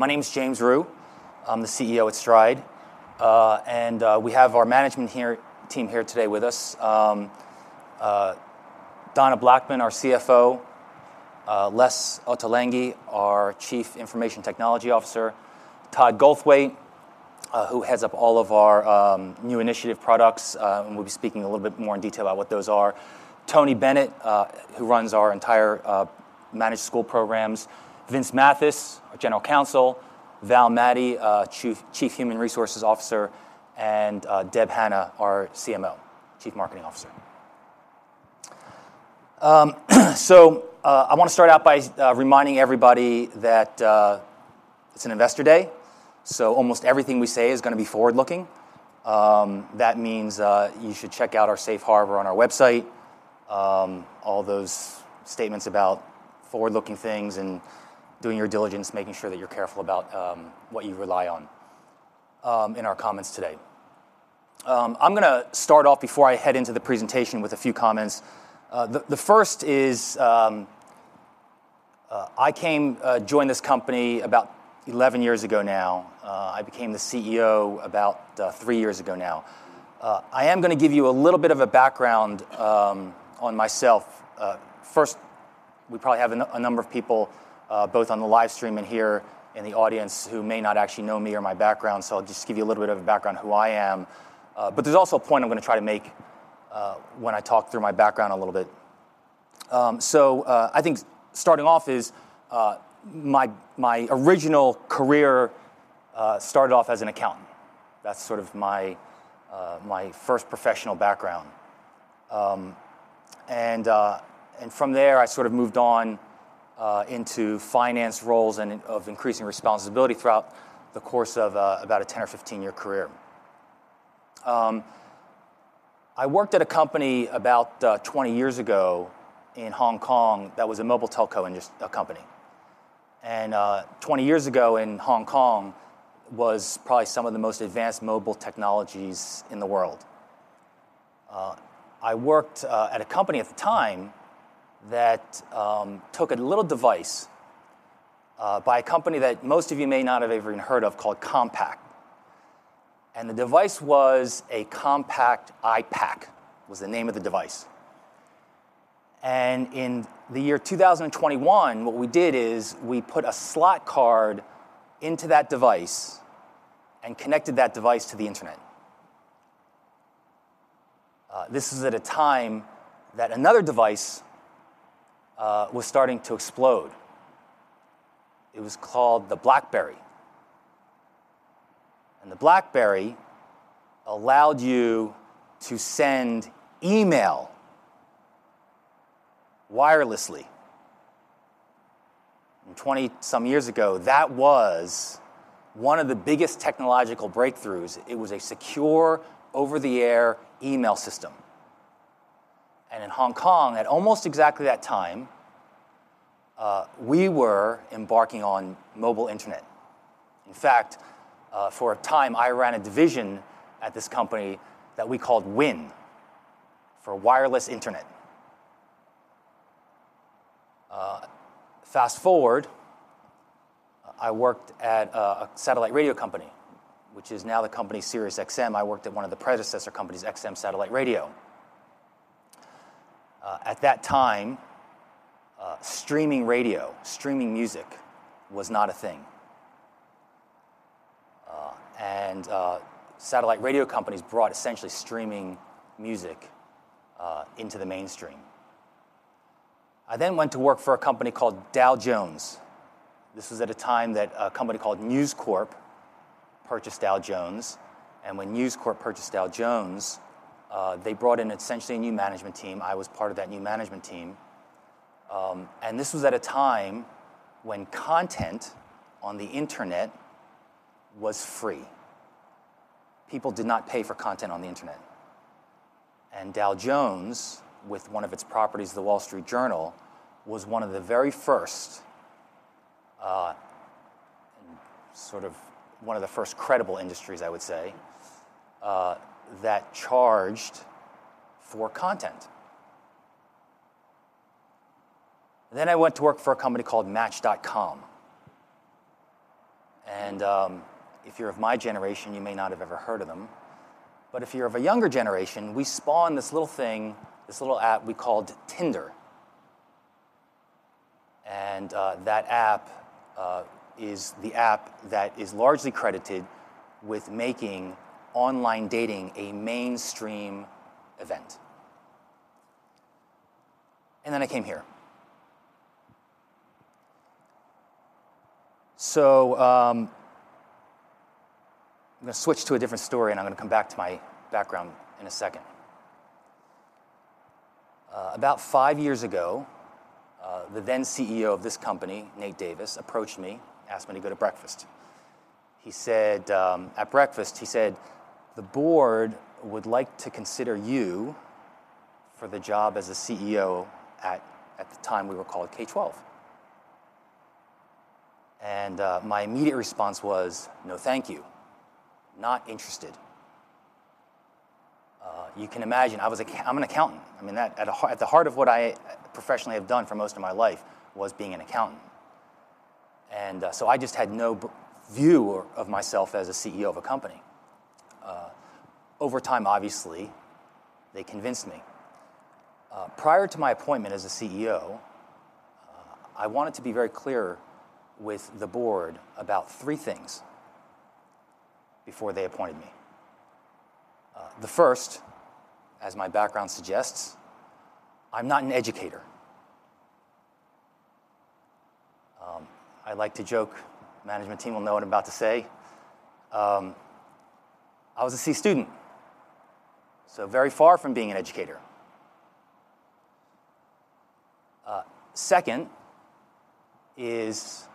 My name is James Rhyu. I'm the CEO at Stride, and we have our management team here today with us. Donna Blackman, our CFO, Les Ottolenghi, our Chief Information Technology Officer, Todd Goldthwaite, who heads up all of our new initiative products, and we'll be speaking a little bit more in detail about what those are. Tony Bennett, who runs our entire managed school programs, Vince Mathis, our General Counsel, Val Maddy, Chief Human Resources Officer, and Deb Hannah, our CMO, Chief Marketing Officer. So, I wanna start out by reminding everybody that it's an investor day, so almost everything we say is gonna be forward-looking. That means you should check out our safe harbor on our website, all those statements about forward-looking things and doing your diligence, making sure that you're careful about what you rely on in our comments today. I'm gonna start off before I head into the presentation with a few comments. The first is, I joined this company about 11 years ago now. I became the CEO about 3 years ago now. I am gonna give you a little bit of a background on myself. First, we probably have a number of people both on the live stream and here in the audience who may not actually know me or my background, so I'll just give you a little bit of a background on who I am. But there's also a point I'm gonna try to make, when I talk through my background a little bit. So, I think starting off is my original career started off as an accountant. That's sort of my first professional background. And from there, I sort of moved on into finance roles of increasing responsibility throughout the course of about a 10- or 15-year career. I worked at a company about 20 years ago in Hong Kong that was a mobile telco company. And 20 years ago in Hong Kong was probably some of the most advanced mobile technologies in the world. I worked at a company at the time that took a little device by a company that most of you may not have even heard of, called Compaq. The device was a Compaq iPAQ, the name of the device. In the year 2021, what we did is, we put a slot card into that device and connected that device to the internet. This was at a time that another device was starting to explode. It was called the BlackBerry. The BlackBerry allowed you to send email wirelessly. And 20-some years ago, that was one of the biggest technological breakthroughs. It was a secure, over-the-air email system. And in Hong Kong, at almost exactly that time, we were embarking on mobile internet. In fact, for a time, I ran a division at this company that we called WIN, for Wireless Internet. Fast-forward, I worked at a satellite radio company, which is now the company Sirius XM. I worked at one of the predecessor companies, XM Satellite Radio. At that time, streaming radio, streaming music, was not a thing. And, satellite radio companies brought essentially streaming music into the mainstream. I then went to work for a company called Dow Jones. This was at a time that a company called News Corp purchased Dow Jones, and when News Corp purchased Dow Jones, they brought in essentially a new management team. I was part of that new management team. And this was at a time when content on the internet was free. People did not pay for content on the internet. And Dow Jones, with one of its properties, The Wall Street Journal, was one of the very first, and sort of one of the first credible industries, I would say, that charged for content. Then I went to work for a company called Match.com. And, if you're of my generation, you may not have ever heard of them, but if you're of a younger generation, we spawned this little thing, this little app we called Tinder. And, that app is the app that is largely credited with making online dating a mainstream event. And then I came here. So, I'm gonna switch to a different story, and I'm gonna come back to my background in a second. About five years ago, the then CEO of this company, Nate Davis, approached me, asked me to go to breakfast. He said... At breakfast, he said, "The board would like to consider you for the job as the CEO." At the time, we were called K12. My immediate response was, "No, thank you. Not interested." You can imagine, I was. I'm an accountant. I mean, that at the heart of what I professionally have done for most of my life was being an accountant. So I just had no but view of myself as a CEO of a company. Over time, obviously, they convinced me. Prior to my appointment as a CEO, I wanted to be very clear with the board about three things before they appointed me. The first, as my background suggests, I'm not an educator. I like to joke, management team will know what I'm about to say. I was a C student, so very far from being an educator. Second is,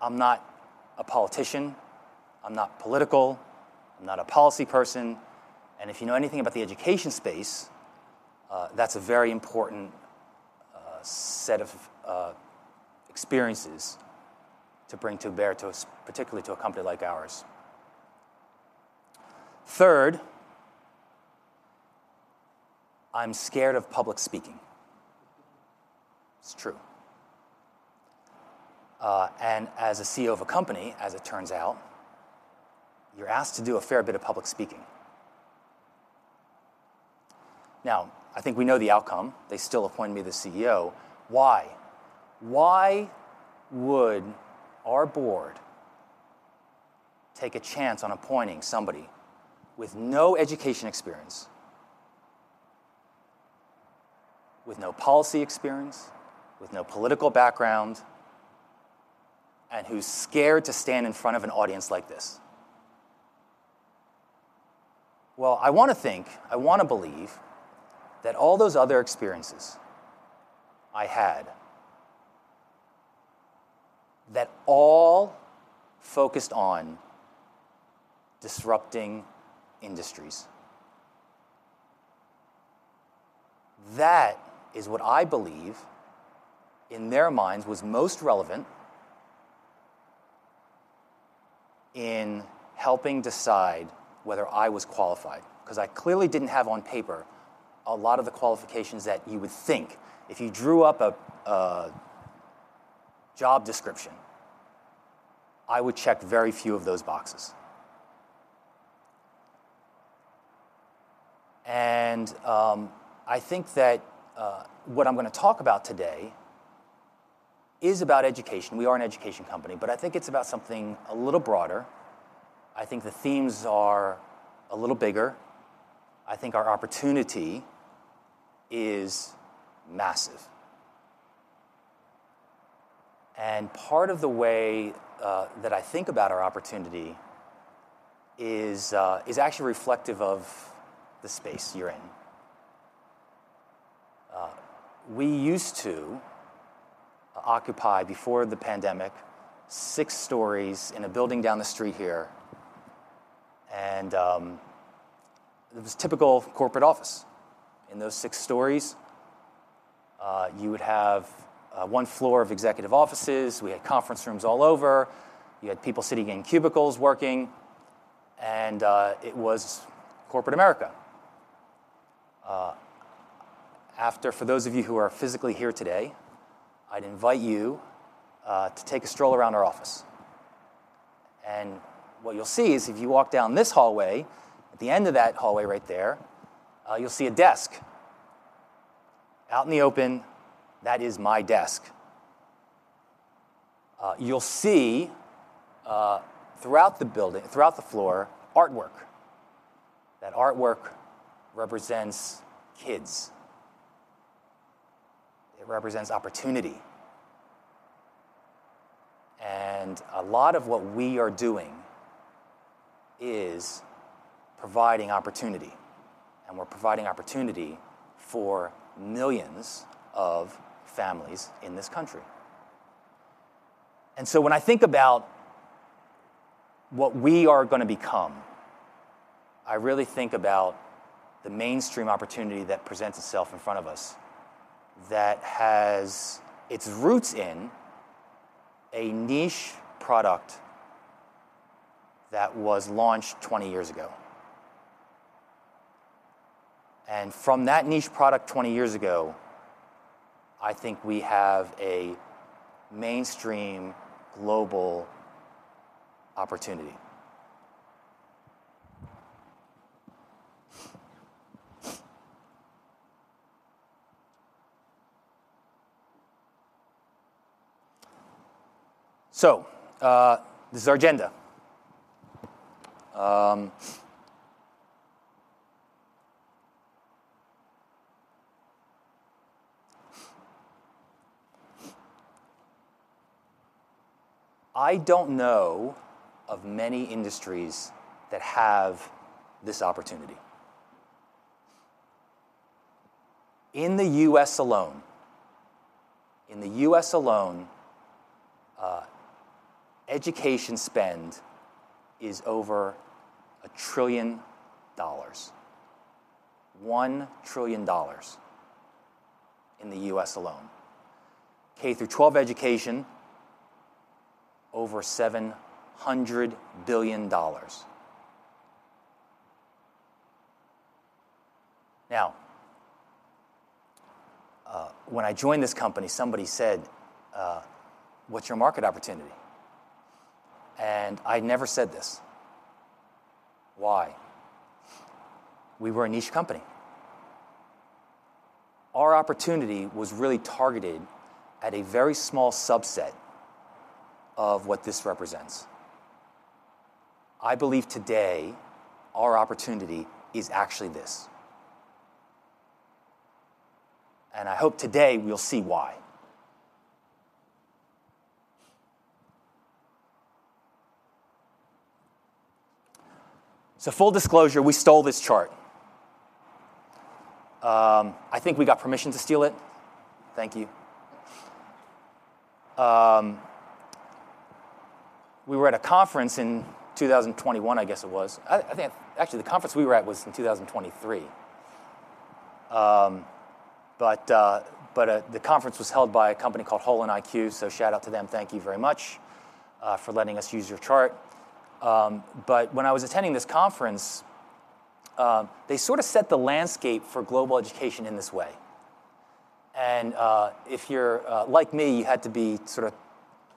I'm not a politician, I'm not political, I'm not a policy person, and if you know anything about the education space, that's a very important set of experiences to bring to bear to a particularly to a company like ours. Third, I'm scared of public speaking. It's true. And as a CEO of a company, as it turns out, you're asked to do a fair bit of public speaking. Now, I think we know the outcome. They still appointed me the CEO. Why? Why would our board take a chance on appointing somebody with no education experience, with no policy experience, with no political background, and who's scared to stand in front of an audience like this? Well, I wanna think, I wanna believe, that all those other experiences I had, that all focused on disrupting industries. That is what I believe, in their minds, was most relevant in helping decide whether I was qualified, 'cause I clearly didn't have on paper a lot of the qualifications that you would think. If you drew up a job description, I would check very few of those boxes. I think that what I'm gonna talk about today is about education. We are an education company, but I think it's about something a little broader. I think the themes are a little bigger. I think our opportunity is massive. Part of the way that I think about our opportunity is actually reflective of the space you're in. We used to occupy, before the pandemic, six stories in a building down the street here, and it was typical corporate office. In those six stories, you would have one floor of executive offices. We had conference rooms all over, you had people sitting in cubicles working, and it was corporate America. For those of you who are physically here today, I'd invite you to take a stroll around our office, and what you'll see is, if you walk down this hallway, at the end of that hallway right there, you'll see a desk out in the open. That is my desk. You'll see throughout the building, throughout the floor, artwork. That artwork represents kids. It represents opportunity. A lot of what we are doing is providing opportunity, and we're providing opportunity for millions of families in this country. So when I think about what we are gonna become, I really think about the mainstream opportunity that presents itself in front of us, that has its roots in a niche product that was launched 20 years ago. From that niche product 20 years ago, I think we have a mainstream, global opportunity. So, this is our agenda. I don't know of many industries that have this opportunity. In the U.S. alone, in the U.S. alone, education spend is over $1 trillion. $1 trillion in the U.S. alone. K-12 education over $700 billion. Now, when I joined this company, somebody said, "What's your market opportunity?" And I'd never said this. Why? We were a niche company. Our opportunity was really targeted at a very small subset of what this represents. I believe today, our opportunity is actually this, and I hope today you'll see why. So full disclosure, we stole this chart. I think we got permission to steal it. Thank you. We were at a conference in 2021, I guess it was. I think actually, the conference we were at was in 2023. But the conference was held by a company called HolonIQ, so shout out to them. Thank you very much for letting us use your chart. But when I was attending this conference, they sort of set the landscape for global education in this way. If you're like me, you had to be sort of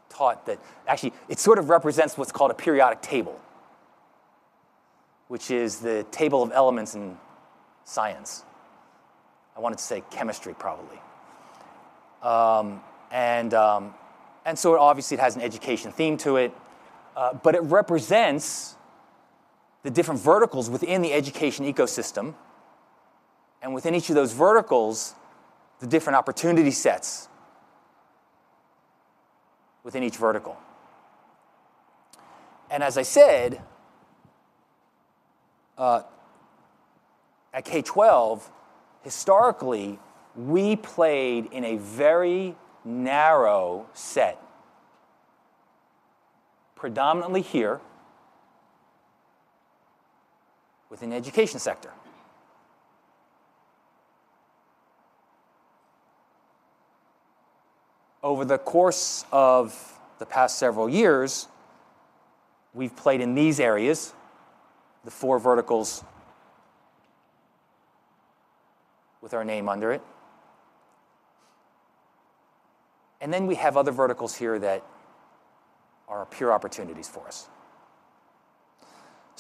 taught that actually, it sort of represents what's called a periodic table, which is the table of elements in science. I wanted to say chemistry, probably. And so it obviously has an education theme to it, but it represents the different verticals within the education ecosystem, and within each of those verticals, the different opportunity sets within each vertical. And as I said, at K12, historically, we played in a very narrow set, predominantly here within the education sector. Over the course of the past several years, we've played in these areas, the four verticals with our name under it, and then we have other verticals here that are pure opportunities for us.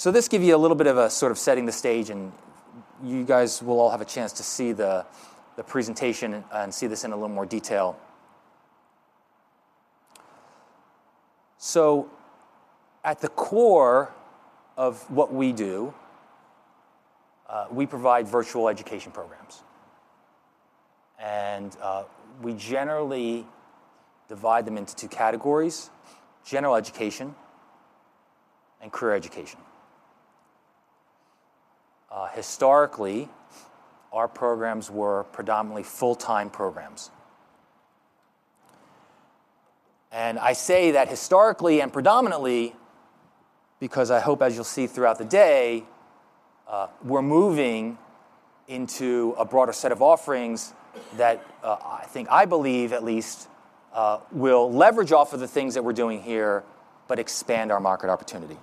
This gives you a little bit of a sort of setting the stage, and you guys will all have a chance to see the presentation and see this in a little more detail. At the core of what we do, we provide virtual education programs, and we generally divide them into two categories: general education and career education. Historically, our programs were predominantly full-time programs. I say that historically and predominantly because I hope, as you'll see throughout the day, we're moving into a broader set of offerings that I think, I believe, at least, will leverage off of the things that we're doing here, but expand our market opportunity.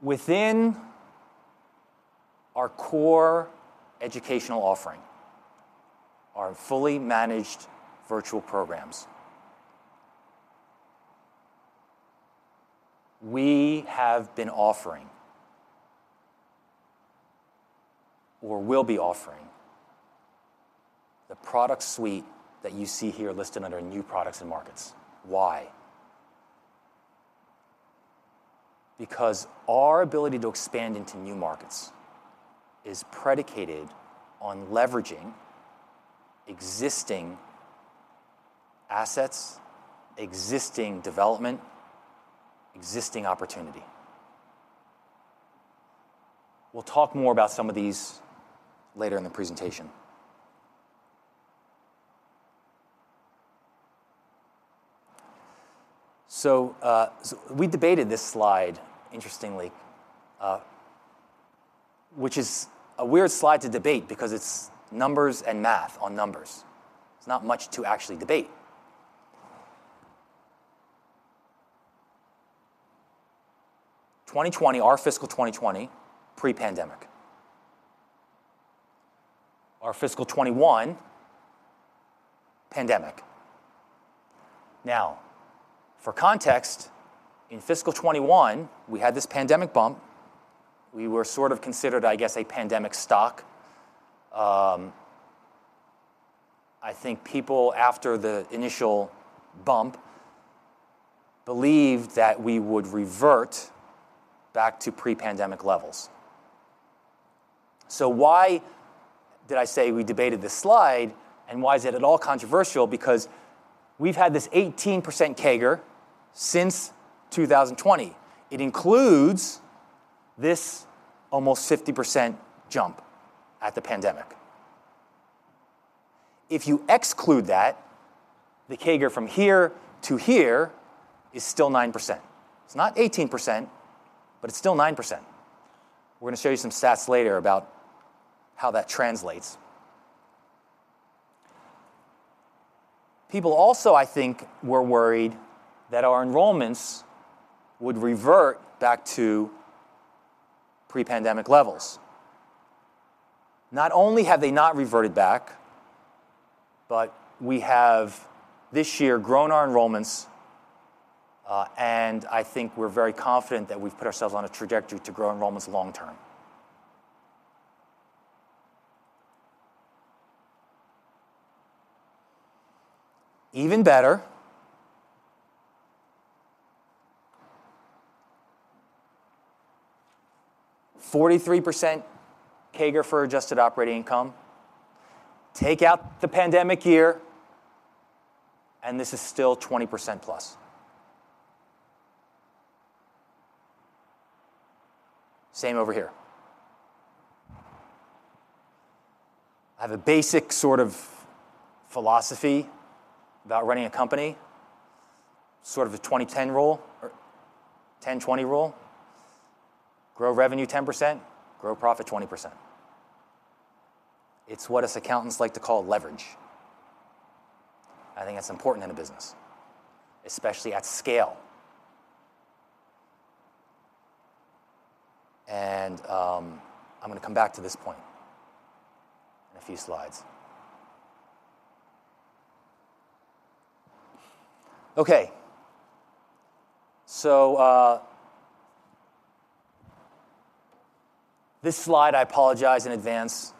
Within our core educational offering, our fully managed virtual programs, we have been offering or will be offering the product suite that you see here listed under new products and markets. Why? Because our ability to expand into new markets is predicated on leveraging existing assets, existing development, existing opportunity. We'll talk more about some of these later in the presentation. So, we debated this slide, interestingly, which is a weird slide to debate because it's numbers and math on numbers. There's not much to actually debate. 2020, our fiscal 2020, pre-pandemic. Our fiscal 2021, pandemic. Now, for context, in fiscal 2021, we had this pandemic bump. We were sort of considered, I guess, a pandemic stock. I think people, after the initial bump, believed that we would revert back to pre-pandemic levels. So why did I say we debated this slide, and why is it at all controversial? Because we've had this 18% CAGR since 2020. It includes this almost 50% jump at the pandemic.... If you exclude that, the CAGR from here to here is still 9%. It's not 18%, but it's still 9%. We're gonna show you some stats later about how that translates. People also, I think, were worried that our enrollments would revert back to pre-pandemic levels. Not only have they not reverted back, but we have this year grown our enrollments, and I think we're very confident that we've put ourselves on a trajectory to grow enrollments long term. Even better, 43% CAGR for Adjusted Operating Income. Take out the pandemic year, and this is still 20% plus. Same over here. I have a basic sort of philosophy about running a company, sort of a 20/10 rule, or 10/20 rule. Grow revenue 10%, grow profit 20%. It's what us accountants like to call leverage. I think that's important in a business, especially at scale. And, I'm gonna come back to this point in a few slides. Okay. So, this slide, I apologize in advance,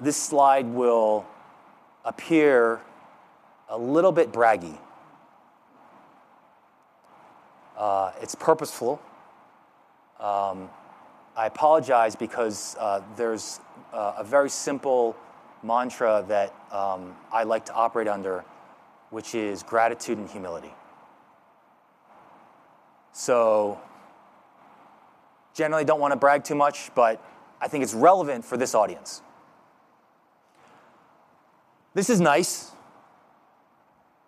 this slide will appear a little bit braggy. It's purposeful. I apologize because, there's a very simple mantra that I like to operate under, which is gratitude and humility. So generally don't wanna brag too much, but I think it's relevant for this audience. This is nice.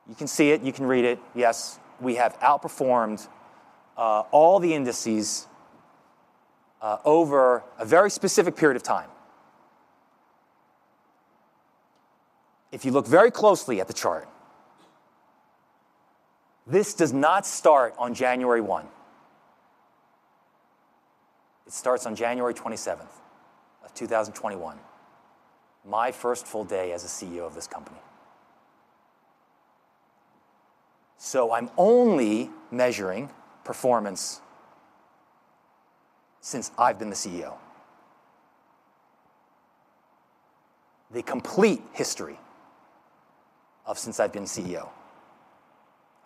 You can see it, you can read it. Yes, we have outperformed, all the indices, over a very specific period of time. If you look very closely at the chart, this does not start on January 1. It starts on January 27th of 2021, my first full day as a CEO of this company. So I'm only measuring performance since I've been the CEO. The complete history of since I've been CEO.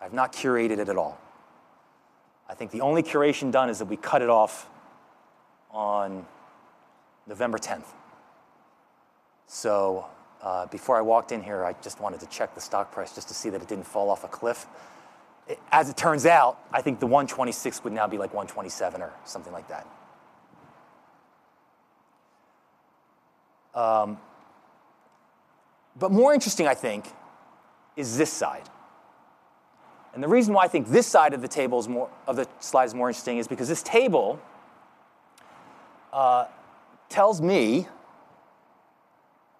I've not curated it at all. I think the only curation done is that we cut it off on November 10. So, before I walked in here, I just wanted to check the stock price just to see that it didn't fall off a cliff. As it turns out, I think the $126 would now be like $127 or something like that. But more interesting, I think, is this side. And the reason why I think this side of the table is more of the slide is more interesting is because this table tells me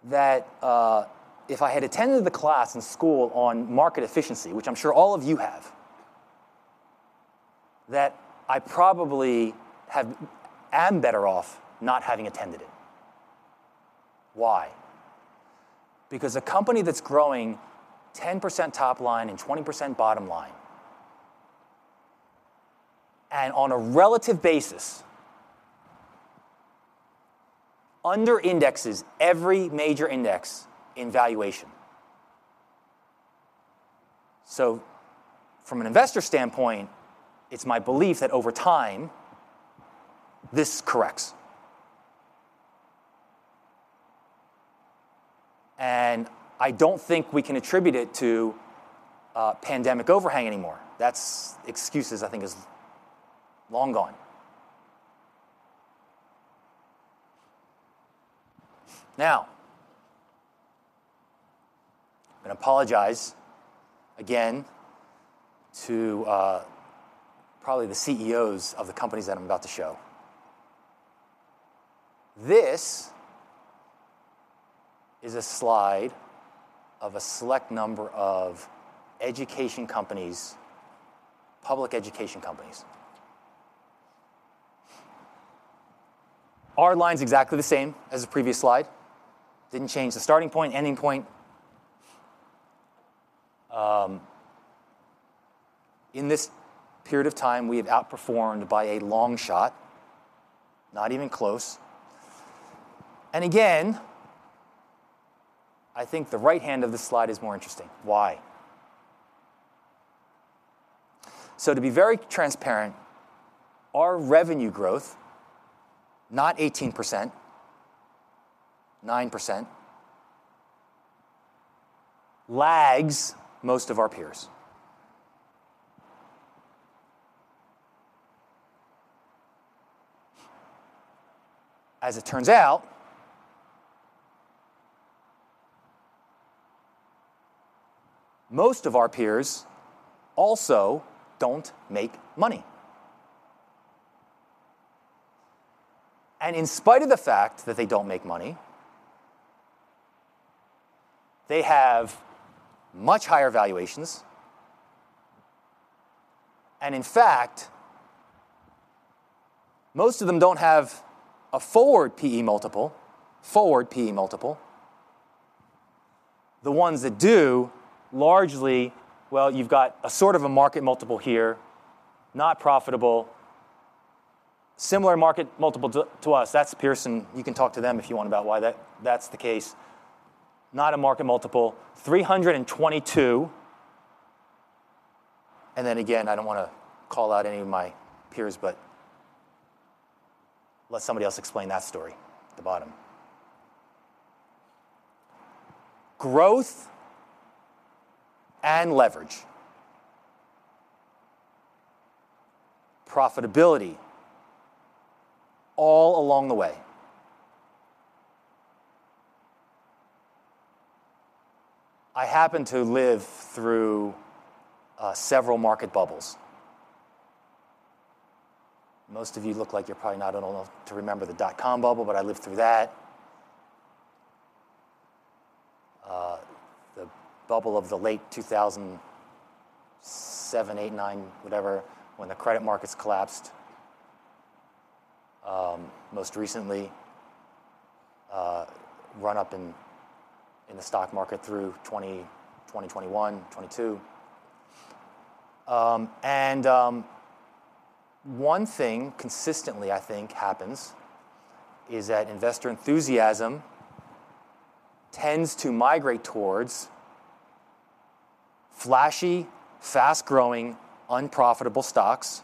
that if I had attended the class in school on market efficiency, which I'm sure all of you have, that I probably am better off not having attended it. Why? Because a company that's growing 10% top line and 20% bottom line, and on a relative basis, underindexes every major index in valuation. So from an investor standpoint, it's my belief that over time, this corrects. And I don't think we can attribute it to a pandemic overhang anymore. That's excuses, I think is long gone. Now, I'm gonna apologize again to probably the CEOs of the companies that I'm about to show. This is a slide of a select number of education companies, public education companies. Our line's exactly the same as the previous slide. Didn't change the starting point, ending point. In this period of time, we have outperformed by a long shot, not even close. And again, I think the right hand of this slide is more interesting. Why? So to be very transparent, our revenue growth, not 18%, 9%, lags most of our peers. As it turns out, most of our peers also don't make money. And in spite of the fact that they don't make money, they have much higher valuations, and in fact, most of them don't have a forward PE multiple, forward PE multiple. The ones that do, largely, well, you've got a sort of a market multiple here, not profitable. Similar market multiple to, to us, that's Pearson. You can talk to them if you want about why that, that's the case. Not a market multiple, 322, and then again, I don't wanna call out any of my peers, but let somebody else explain that story at the bottom. Growth and leverage. Profitability all along the way. I happened to live through several market bubbles. Most of you look like you're probably not old enough to remember the dot-com bubble, but I lived through that. The bubble of the late 2007, 2008, 2009, whatever, when the credit markets collapsed. Most recently, run up in the stock market through 2020, 2021, 2022. And one thing consistently I think happens is that investor enthusiasm tends to migrate towards flashy, fast-growing, unprofitable stocks,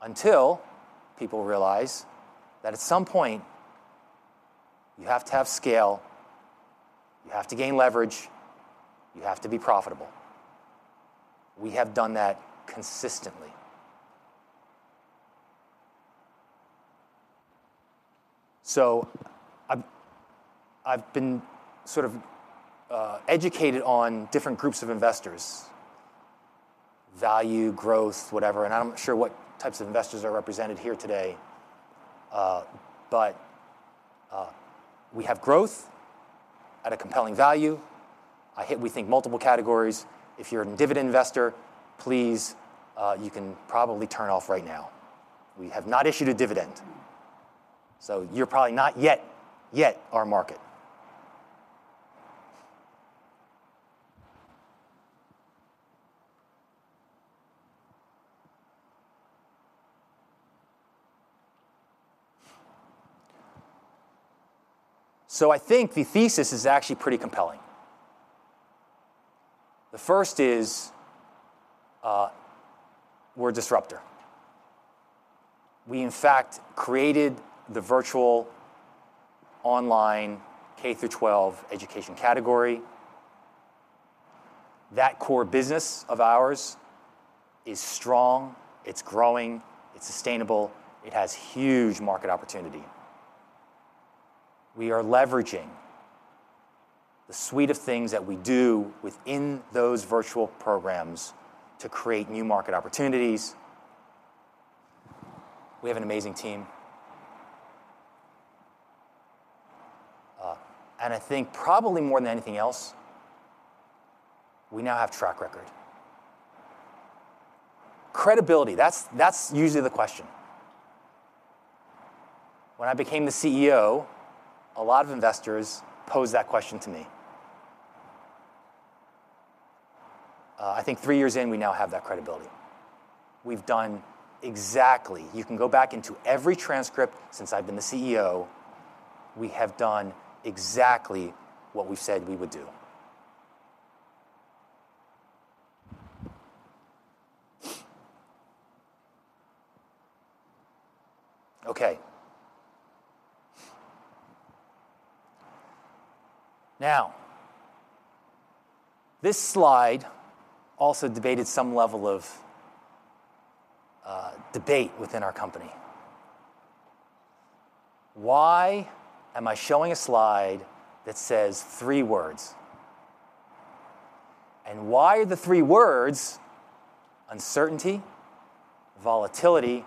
until people realize that at some point, you have to have scale, you have to gain leverage, you have to be profitable. We have done that consistently. So I've been sort of educated on different groups of investors: value, growth, whatever, and I'm not sure what types of investors are represented here today. But we have growth at a compelling value. We think we hit multiple categories. If you're a dividend investor, please, you can probably turn off right now. We have not issued a dividend, so you're probably not our market. So I think the thesis is actually pretty compelling. The first is, we're a disruptor. We, in fact, created the virtual online K-12 education category. That core business of ours is strong, it's growing, it's sustainable, it has huge market opportunity. We are leveraging the suite of things that we do within those virtual programs to create new market opportunities. We have an amazing team. I think probably more than anything else, we now have track record. Credibility, that's, that's usually the question. When I became the CEO, a lot of investors posed that question to me. I think three years in, we now have that credibility. We've done exactly. You can go back into every transcript since I've been the CEO, we have done exactly what we said we would do. Okay. Now, this slide also debated some level of debate within our company. Why am I showing a slide that says three words? And why are the three words uncertainty, volatility,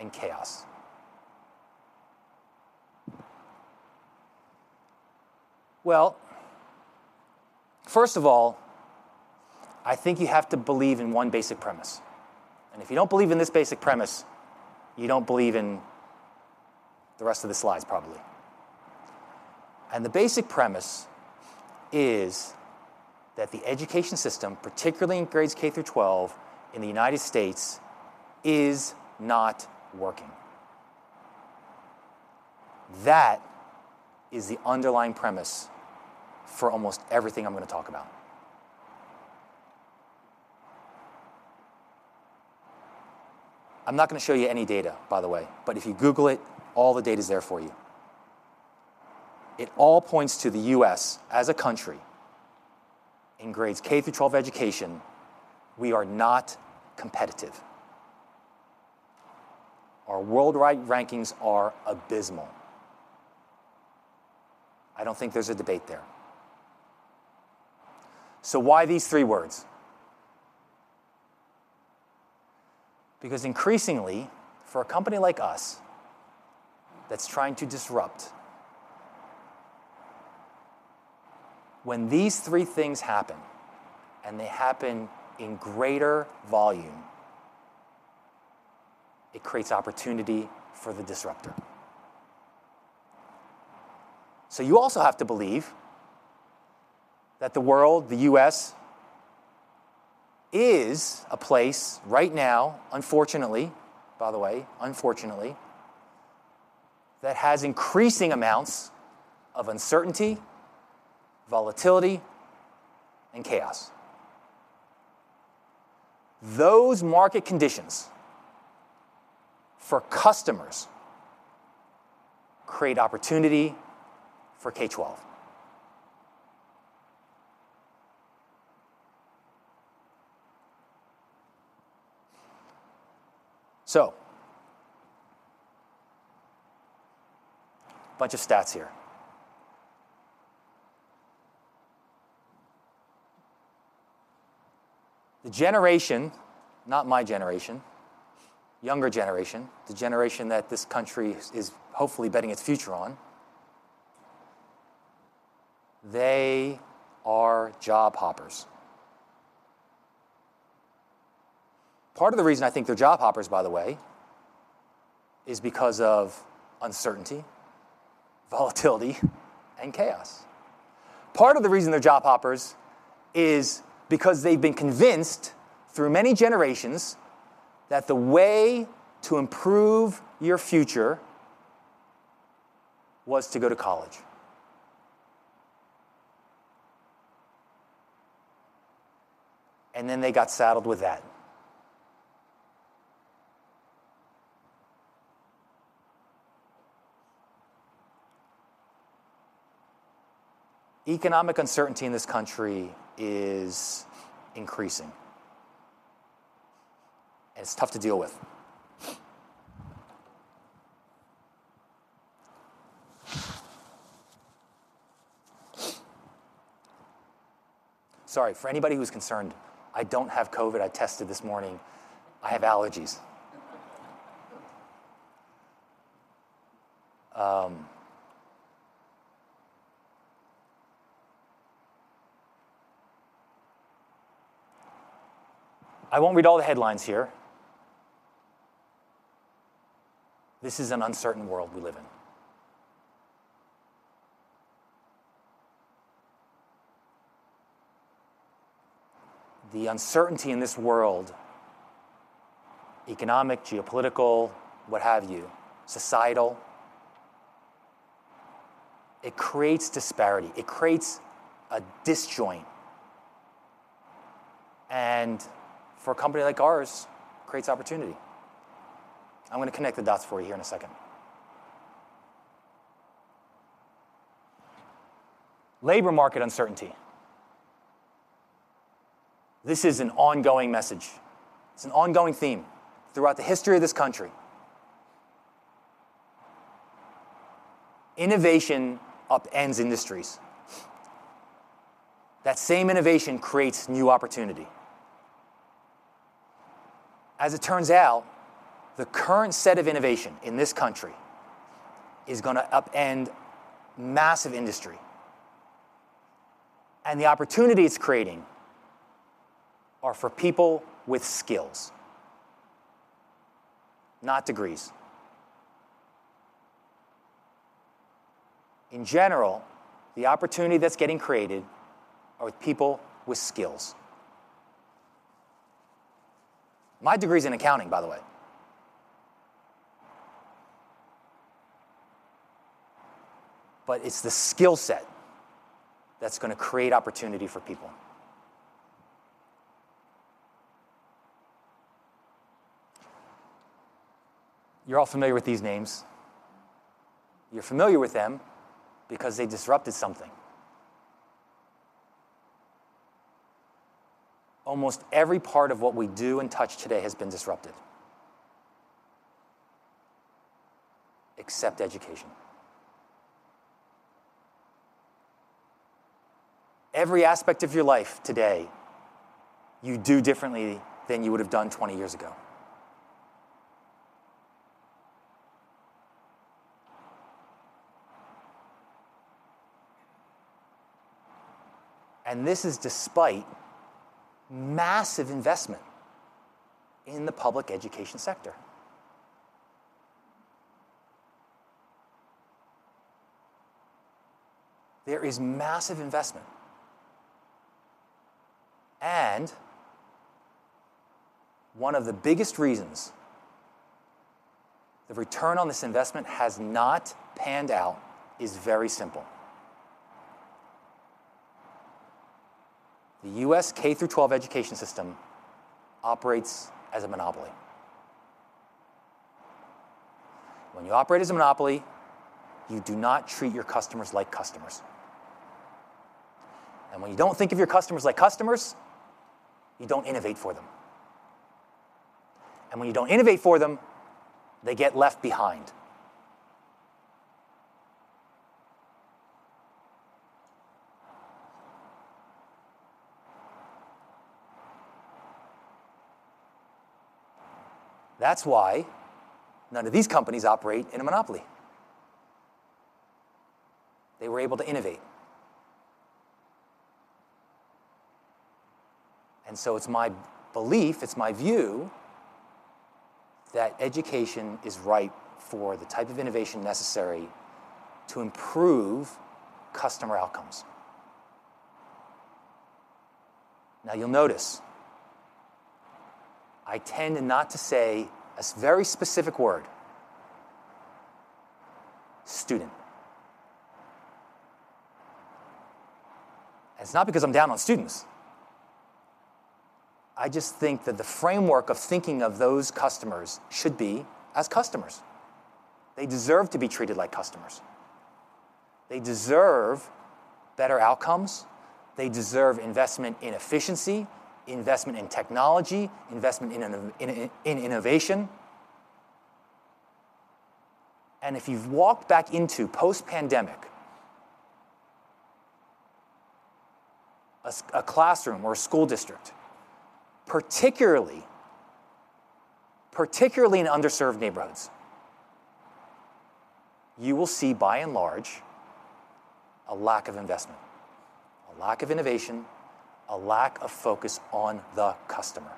and chaos? Well, first of all, I think you have to believe in one basic premise, and if you don't believe in this basic premise, you don't believe in the rest of the slides, probably. The basic premise is that the education system, particularly in grades K-12 in the United States, is not working. That is the underlying premise for almost everything I'm gonna talk about. I'm not gonna show you any data, by the way, but if you Google it, all the data is there for you... It all points to the U.S. as a country, in grades K-12 education, we are not competitive. Our worldwide rankings are abysmal. I don't think there's a debate there. So why these three words? Because increasingly, for a company like us that's trying to disrupt, when these three things happen, and they happen in greater volume, it creates opportunity for the disruptor. So you also have to believe that the world, the U.S., is a place right now, unfortunately, by the way, unfortunately, that has increasing amounts of uncertainty, volatility, and chaos. Those market conditions for customers create opportunity for K12. So, bunch of stats here. The generation, not my generation, younger generation, the generation that this country is hopefully betting its future on, they are job hoppers. Part of the reason I think they're job hoppers, by the way, is because of uncertainty, volatility, and chaos. Part of the reason they're job hoppers is because they've been convinced through many generations that the way to improve your future was to go to college. And then they got saddled with that. Economic uncertainty in this country is increasing, and it's tough to deal with. Sorry, for anybody who's concerned, I don't have COVID. I tested this morning. I have allergies. I won't read all the headlines here. This is an uncertain world we live in. The uncertainty in this world, economic, geopolitical, what have you, societal, it creates disparity. It creates a disjoint, and for a company like ours, creates opportunity. I'm gonna connect the dots for you here in a second. Labor market uncertainty. This is an ongoing message. It's an ongoing theme throughout the history of this country. Innovation upends industries. That same innovation creates new opportunity. As it turns out, the current set of innovation in this country is gonna upend massive industry, and the opportunity it's creating are for people with skills, not degrees. In general, the opportunity that's getting created are with people with skills. My degree is in accounting, by the way. But it's the skill set that's gonna create opportunity for people. You're all familiar with these names. You're familiar with them because they disrupted something. Almost every part of what we do and touch today has been disrupted... except education. Every aspect of your life today, you do differently than you would have done 20 years ago. And this is despite massive investment in the public education sector. There is massive investment, and one of the biggest reasons the return on this investment has not panned out is very simple. The U.S. K-12 education system operates as a monopoly. When you operate as a monopoly, you do not treat your customers like customers. And when you don't think of your customers like customers, you don't innovate for them. And when you don't innovate for them, they get left behind. That's why none of these companies operate in a monopoly. They were able to innovate. And so it's my belief, it's my view, that education is ripe for the type of innovation necessary to improve customer outcomes. Now, you'll notice I tend not to say a very specific word, student. It's not because I'm down on students. I just think that the framework of thinking of those customers should be as customers. They deserve to be treated like customers. They deserve better outcomes. They deserve investment in efficiency, investment in technology, investment in innovation. And if you've walked back into, post-pandemic, a classroom or a school district, particularly in underserved neighborhoods, you will see, by and large, a lack of investment, a lack of innovation, a lack of focus on the customer.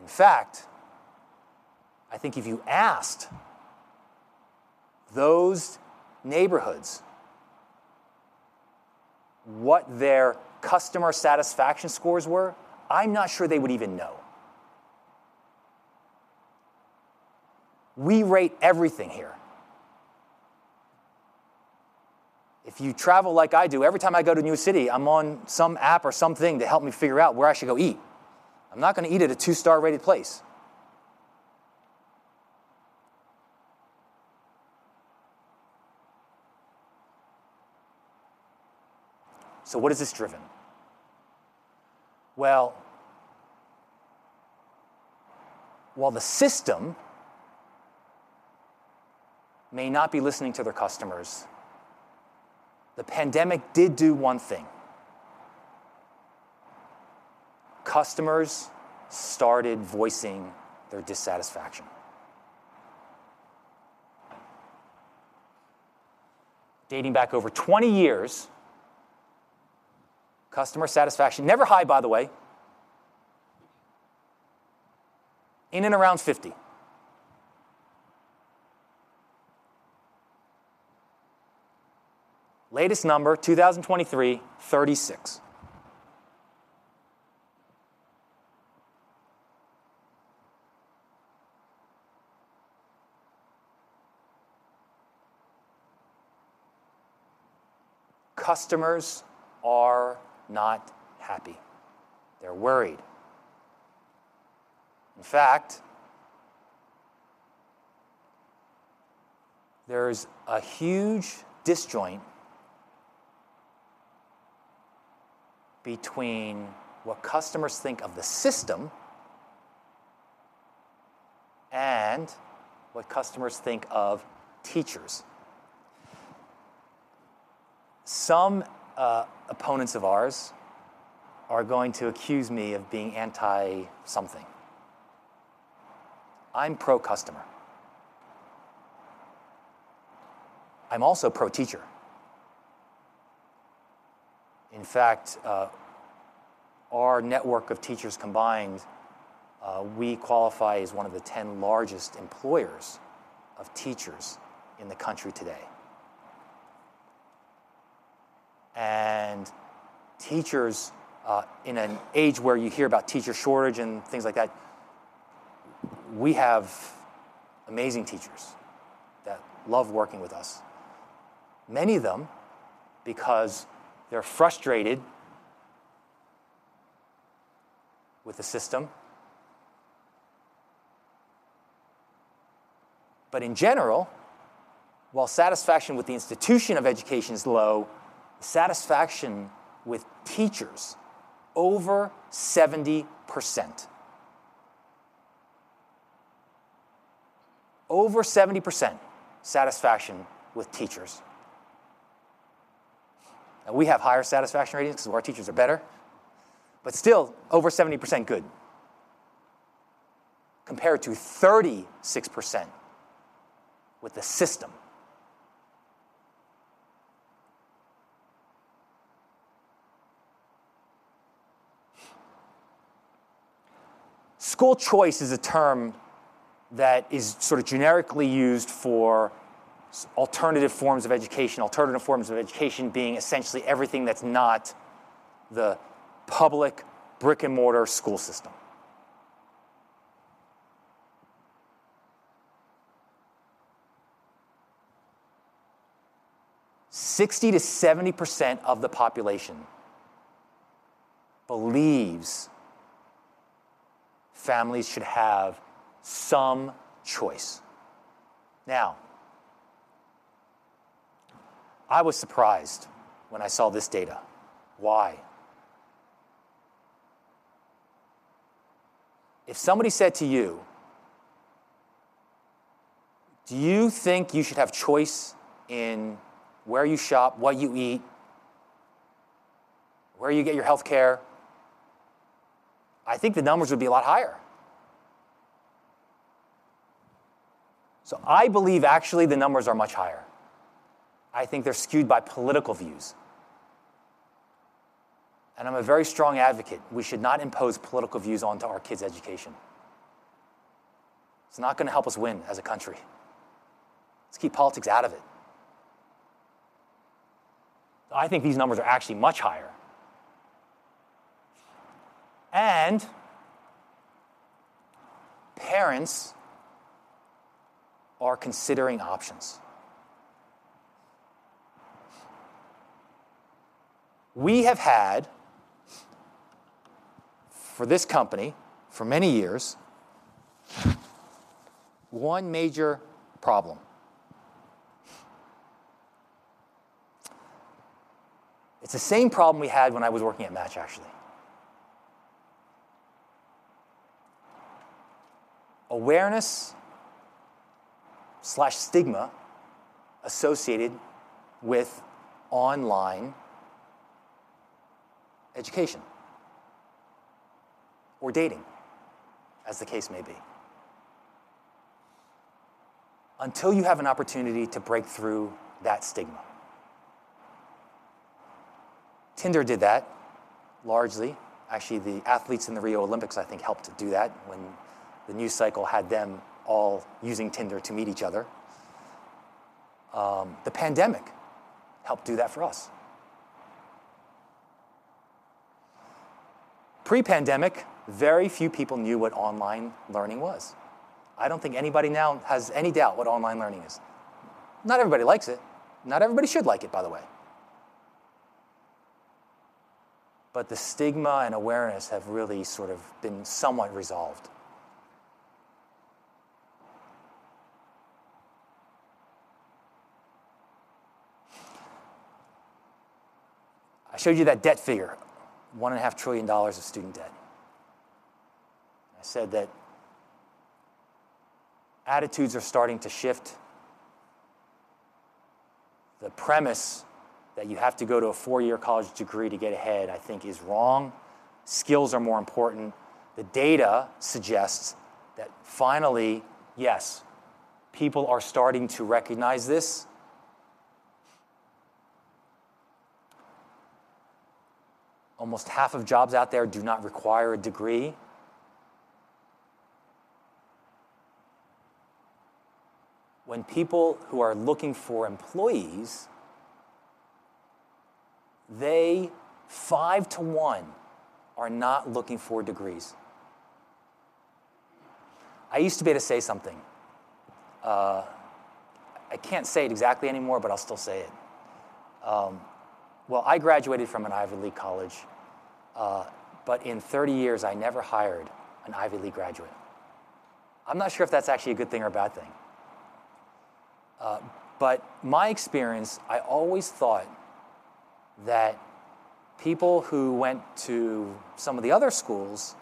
In fact, I think if you asked those neighborhoods what their customer satisfaction scores were, I'm not sure they would even know. We rate everything here. If you travel like I do, every time I go to a new city, I'm on some app or something to help me figure out where I should go eat. I'm not gonna eat at a 2-star rated place. So what has this driven? Well, while the system may not be listening to their customers, the pandemic did do one thing: customers started voicing their dissatisfaction. Dating back over 20 years, customer satisfaction, never high, by the way, in and around 50%. Latest number, 2023, 36%. Customers are not happy. They're worried. In fact, there's a huge disjoint between what customers think of the system and what customers think of teachers. Some opponents of ours are going to accuse me of being anti-something. I'm pro-customer. I'm also pro-teacher. In fact, our network of teachers combined, we qualify as one of the 10 largest employers of teachers in the country today. And teachers, in an age where you hear about teacher shortage and things like that, we have amazing teachers that love working with us, many of them because they're frustrated with the system. But in general, while satisfaction with the institution of education is low, satisfaction with teachers, over 70%. Over 70% satisfaction with teachers. And we have higher satisfaction ratings because our teachers are better, but still, over 70% good, compared to 36% with the system. School choice is a term that is sort of generically used for alternative forms of education, alternative forms of education being essentially everything that's not the public brick-and-mortar school system. 60%-70% of the population believes families should have some choice. Now, I was surprised when I saw this data. Why? If somebody said to you, "Do you think you should have choice in where you shop, what you eat, where you get your healthcare?" I think the numbers would be a lot higher. So I believe actually the numbers are much higher. I think they're skewed by political views, and I'm a very strong advocate. We should not impose political views onto our kids' education. It's not gonna help us win as a country. Let's keep politics out of it. I think these numbers are actually much higher, and parents are considering options. We have had, for this company, for many years, one major problem. It's the same problem we had when I was working at Match, actually. Awareness, stigma associated with online education or dating, as the case may be. Until you have an opportunity to break through that stigma. Tinder did that, largely. Actually, the athletes in the Rio Olympics, I think, helped to do that when the news cycle had them all using Tinder to meet each other. The pandemic helped do that for us. Pre-pandemic, very few people knew what online learning was. I don't think anybody now has any doubt what online learning is. Not everybody likes it. Not everybody should like it, by the way, but the stigma and awareness have really sort of been somewhat resolved. I showed you that debt figure, $1.5 trillion of student debt. I said that attitudes are starting to shift. The premise that you have to go to a four-year college degree to get ahead, I think is wrong. Skills are more important. The data suggests that finally, yes, people are starting to recognize this. Almost half of jobs out there do not require a degree. When people who are looking for employees, they, 5-to-1, are not looking for degrees. I used to be able to say something. I can't say it exactly anymore, but I'll still say it. Well, I graduated from an Ivy League college, but in 30 years, I never hired an Ivy League graduate. I'm not sure if that's actually a good thing or a bad thing. But my experience, I always thought that people who went to some of the other schools,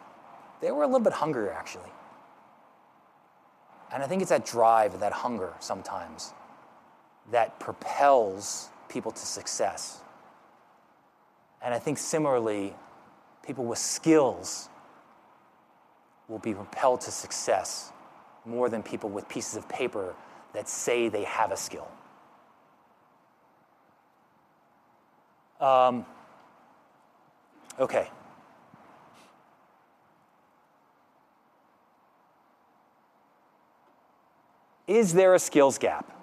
they were a little bit hungrier, actually, and I think it's that drive, that hunger sometimes, that propels people to success. And I think similarly, people with skills will be propelled to success more than people with pieces of paper that say they have a skill. Okay. Is there a skills gap?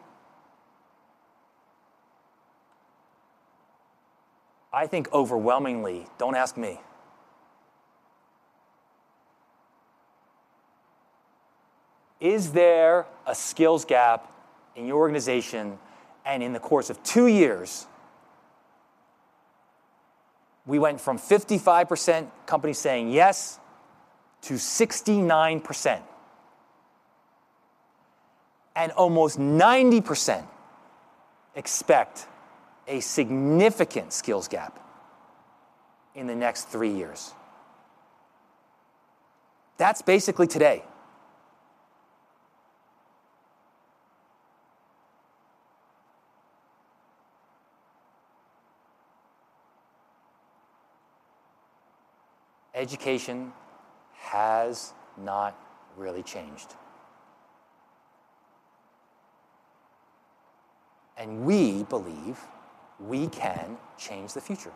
I think overwhelmingly, don't ask me. Is there a skills gap in your organization, and in the course of two years, we went from 55% companies saying yes to 69%, and almost 90% expect a significant skills gap in the next three years. That's basically today. Education has not really changed, and we believe we can change the future.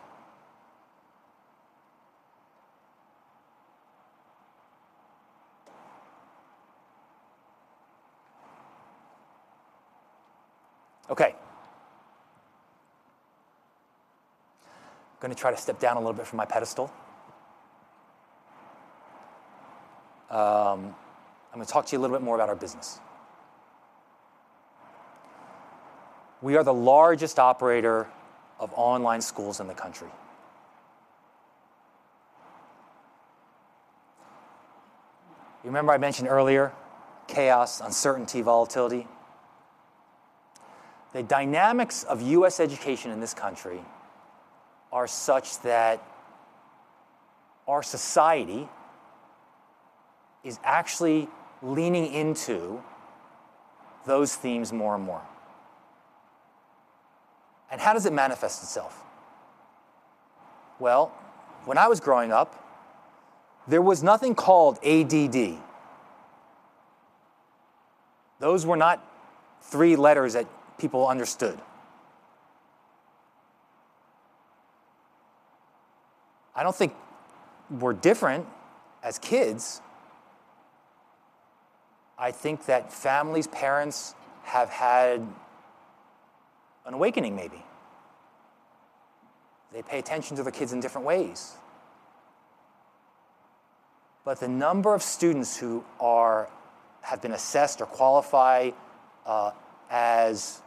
Okay.... I'm gonna try to step down a little bit from my pedestal. I'm gonna talk to you a little bit more about our business. We are the largest operator of online schools in the country. You remember I mentioned earlier, chaos, uncertainty, volatility? The dynamics of U.S. education in this country are such that our society is actually leaning into those themes more and more. How does it manifest itself? Well, when I was growing up, there was nothing called ADD. Those were not three letters that people understood. I don't think we're different as kids. I think that families, parents, have had an awakening maybe. They pay attention to their kids in different ways. But the number of students who have been assessed or qualify as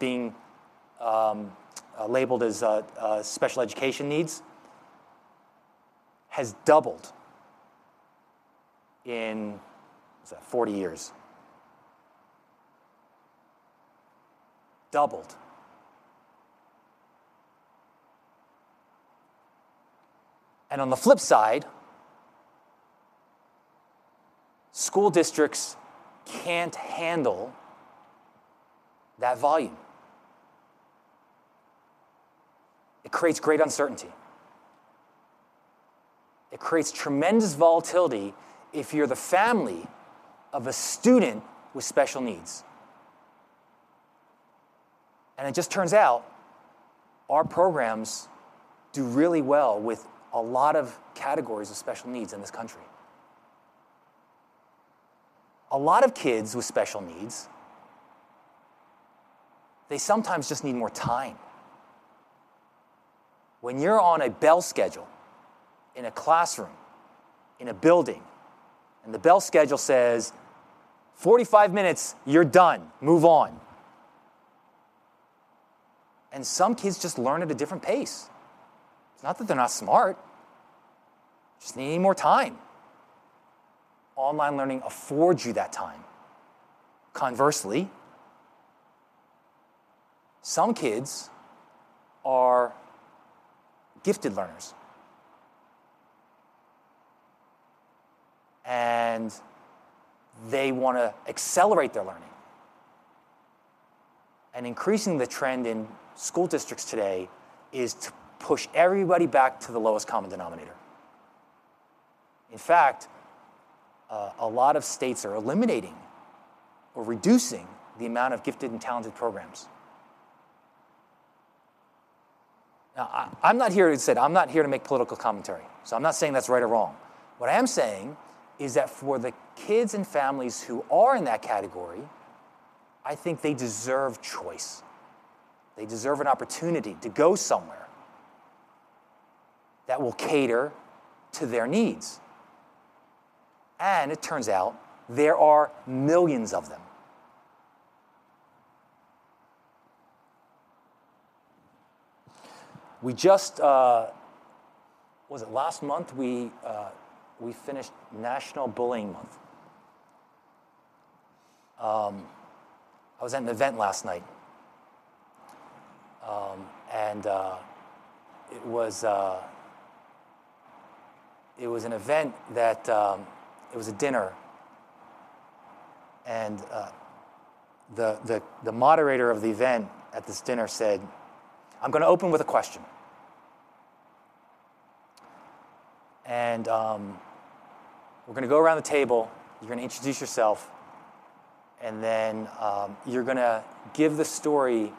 being labeled as special education needs has doubled in, what is that? 40 years. Doubled. And on the flip side, school districts can't handle that volume. It creates great uncertainty. It creates tremendous volatility if you're the family of a student with special needs. And it just turns out, our programs do really well with a lot of categories of special needs in this country. A lot of kids with special needs, they sometimes just need more time. When you're on a bell schedule in a classroom, in a building, and the bell schedule says, "45 minutes, you're done. Move on," and some kids just learn at a different pace. It's not that they're not smart, just needing more time. Online learning affords you that time. Conversely, some kids are gifted learners, and they wanna accelerate their learning. Increasing the trend in school districts today is to push everybody back to the lowest common denominator. In fact, a lot of states are eliminating or reducing the amount of gifted and talented programs. Now, I'm not here to say. I'm not here to make political commentary, so I'm not saying that's right or wrong. What I am saying is that for the kids and families who are in that category, I think they deserve choice. They deserve an opportunity to go somewhere that will cater to their needs, and it turns out there are millions of them. We just... Was it last month? We finished National Bullying Month. I was at an event last night, and it was a dinner, and the moderator of the event at this dinner said, "I'm gonna open with a question. And we're gonna go around the table, you're gonna introduce yourself, and then you're gonna give the story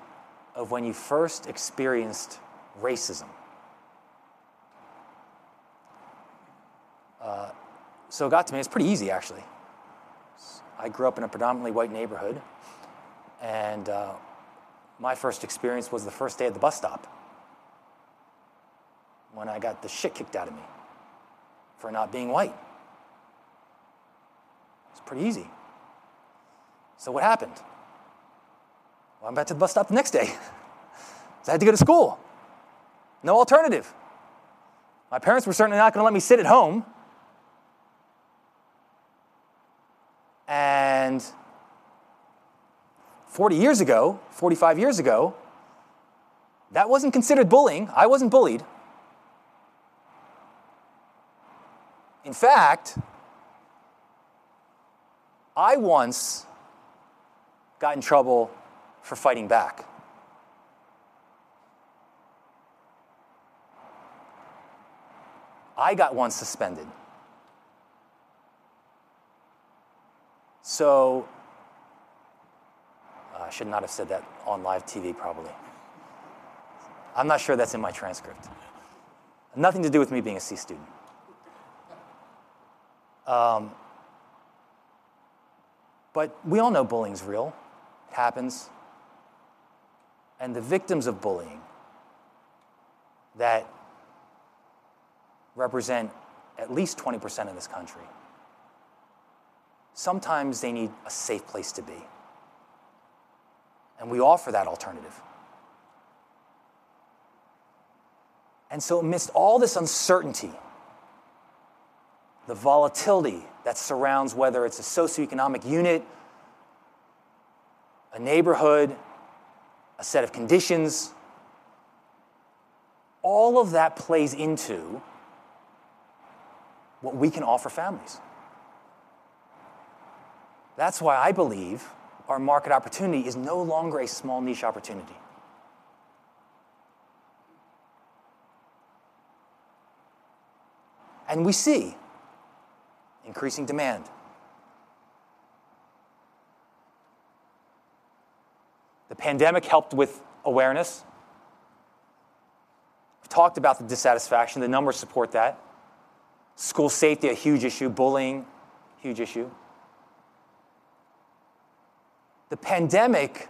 of when you first experienced racism." So it got to me. It's pretty easy, actually. I grew up in a predominantly white neighborhood, and my first experience was the first day at the bus stop, when I got the shit kicked out of me for not being white. It's pretty easy. So what happened? Well, I went back to the bus stop the next day 'cause I had to go to school. No alternative. My parents were certainly not gonna let me sit at home. Forty years ago, 45 years ago, that wasn't considered bullying. I wasn't bullied. In fact, I once got in trouble for fighting back. I got once suspended. So, I should not have said that on live TV, probably. I'm not sure that's in my transcript. Nothing to do with me being a C student. But we all know bullying is real. It happens, and the victims of bullying that represent at least 20% of this country, sometimes they need a safe place to be, and we offer that alternative. And so amidst all this uncertainty, the volatility that surrounds whether it's a socioeconomic unit, a neighborhood, a set of conditions, all of that plays into what we can offer families. That's why I believe our market opportunity is no longer a small niche opportunity. And we see increasing demand. The pandemic helped with awareness. We've talked about the dissatisfaction, the numbers support that. School safety, a huge issue. Bullying, huge issue. The pandemic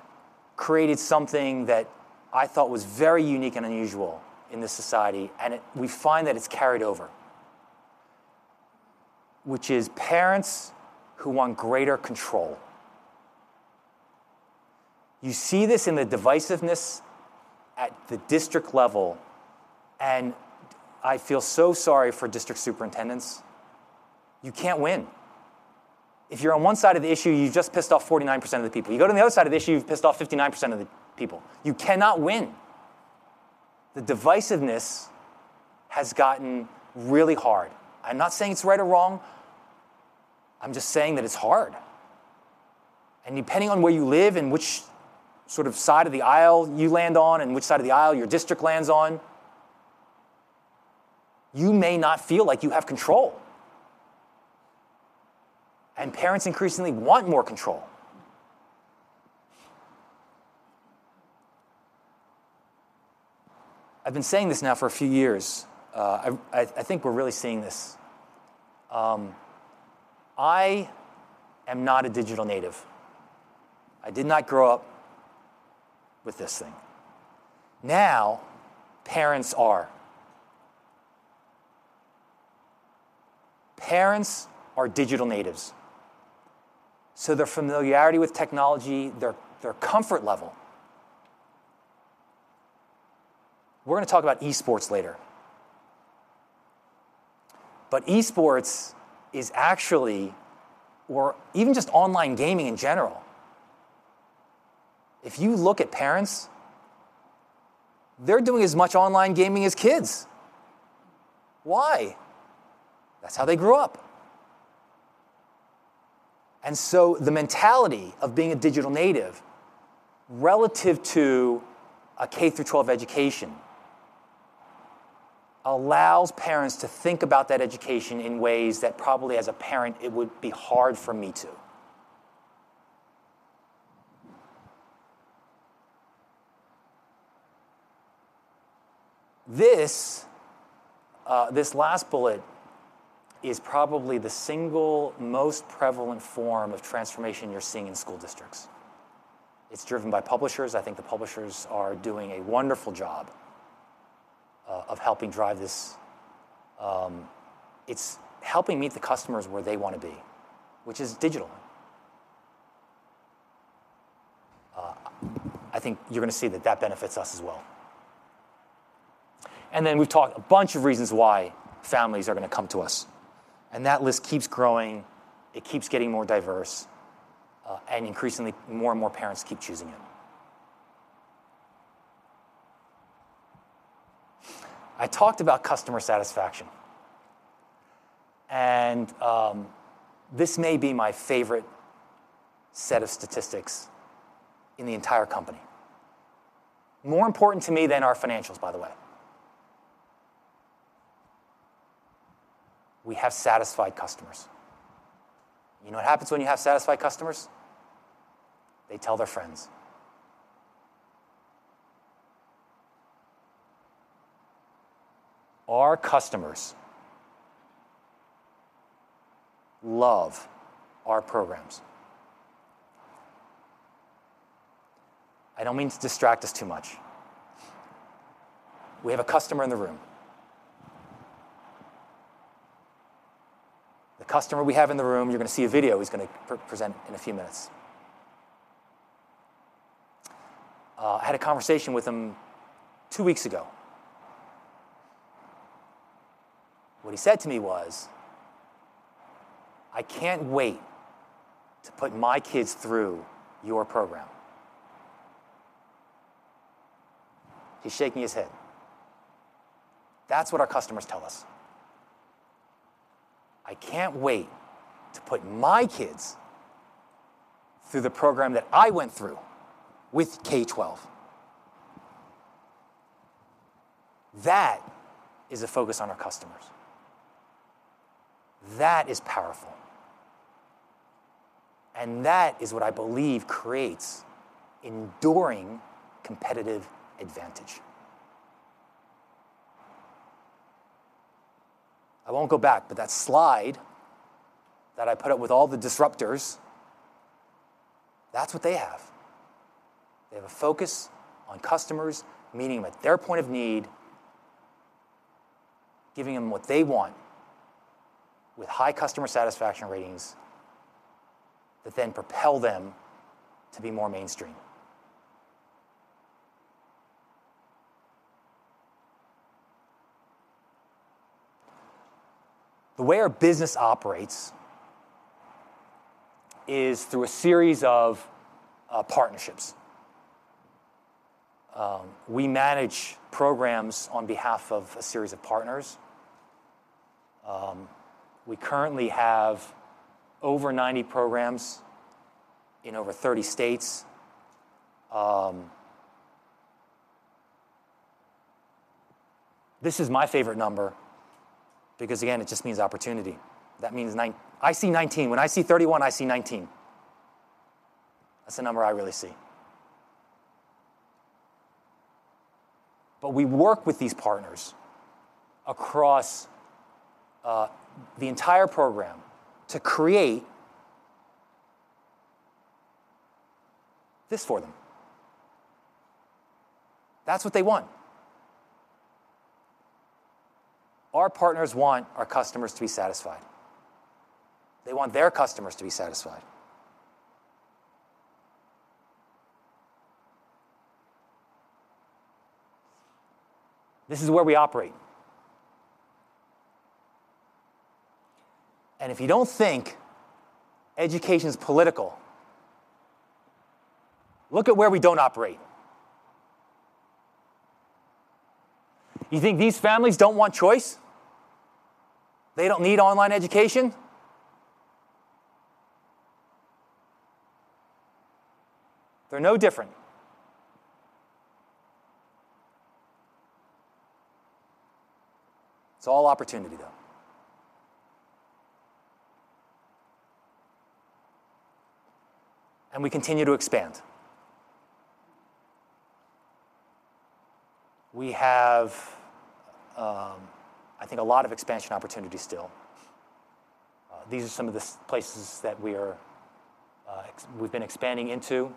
created something that I thought was very unique and unusual in this society, and it, we find that it's carried over, which is parents who want greater control. You see this in the divisiveness at the district level, and I feel so sorry for district superintendents. You can't win. If you're on one side of the issue, you've just pissed off 49% of the people. You go to the other side of the issue, you've pissed off 59% of the people. You cannot win. The divisiveness has gotten really hard. I'm not saying it's right or wrong, I'm just saying that it's hard, and depending on where you live and which sort of side of the aisle you land on and which side of the aisle your district lands on, you may not feel like you have control, and parents increasingly want more control. I've been saying this now for a few years. I think we're really seeing this. I am not a digital native. I did not grow up with this thing. Now, parents are. Parents are digital natives, so their familiarity with technology, their, their comfort level... We're gonna talk about esports later. Esports is actually, or even just online gaming in general, if you look at parents, they're doing as much online gaming as kids. Why? That's how they grew up. And so the mentality of being a digital native relative to a K-12 education allows parents to think about that education in ways that probably, as a parent, it would be hard for me to. This last bullet is probably the single most prevalent form of transformation you're seeing in school districts. It's driven by publishers. I think the publishers are doing a wonderful job of helping drive this. It's helping meet the customers where they wanna be, which is digital. I think you're gonna see that that benefits us as well. Then we've talked a bunch of reasons why families are gonna come to us, and that list keeps growing, it keeps getting more diverse, and increasingly, more and more parents keep choosing it. I talked about customer satisfaction, and this may be my favorite set of statistics in the entire company. More important to me than our financials, by the way. We have satisfied customers. You know what happens when you have satisfied customers? They tell their friends. Our customers love our programs. I don't mean to distract us too much. We have a customer in the room. The customer we have in the room, you're gonna see a video he's gonna present in a few minutes. I had a conversation with him two weeks ago. What he said to me was, "I can't wait to put my kids through your program." He's shaking his head. That's what our customers tell us. "I can't wait to put my kids through the program that I went through with K12." That is a focus on our customers. That is powerful... and that is what I believe creates enduring competitive advantage. I won't go back, but that slide that I put up with all the disruptors, that's what they have. They have a focus on customers, meeting them at their point of need, giving them what they want, with high customer satisfaction ratings that then propel them to be more mainstream. The way our business operates is through a series of partnerships. We manage programs on behalf of a series of partners. We currently have over 90 programs in over 30 states. This is my favorite number, because again, it just means opportunity. That means 90—I see 19. When I see 31, I see 19. That's the number I really see. But we work with these partners across the entire program to create this for them. That's what they want. Our partners want our customers to be satisfied. They want their customers to be satisfied. This is where we operate, and if you don't think education is political, look at where we don't operate. You think these families don't want choice? They don't need online education? They're no different. It's all opportunity, though. And we continue to expand. We have, I think a lot of expansion opportunity still. These are some of the places that we are, we've been expanding into.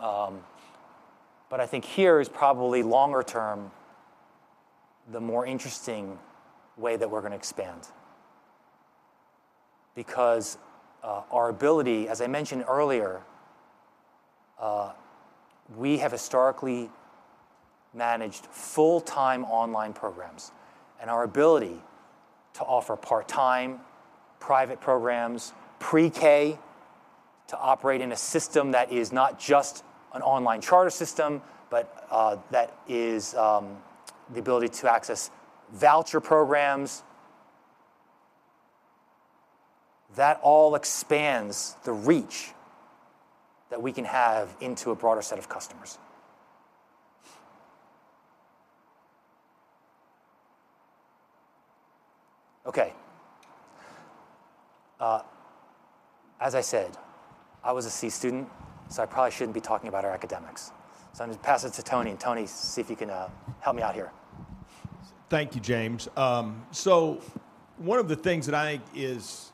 But I think here is probably longer term, the more interesting way that we're gonna expand. Because, our ability, as I mentioned earlier, we have historically managed full-time online programs, and our ability to offer part-time, private programs, pre-K, to operate in a system that is not just an online charter system, but, that is, the ability to access voucher programs, that all expands the reach that we can have into a broader set of customers. Okay. As I said, I was a C student, so I probably shouldn't be talking about our academics. So I'm gonna pass it to Tony, and Tony, see if you can help me out here. Thank you, James. So one of the things that I think is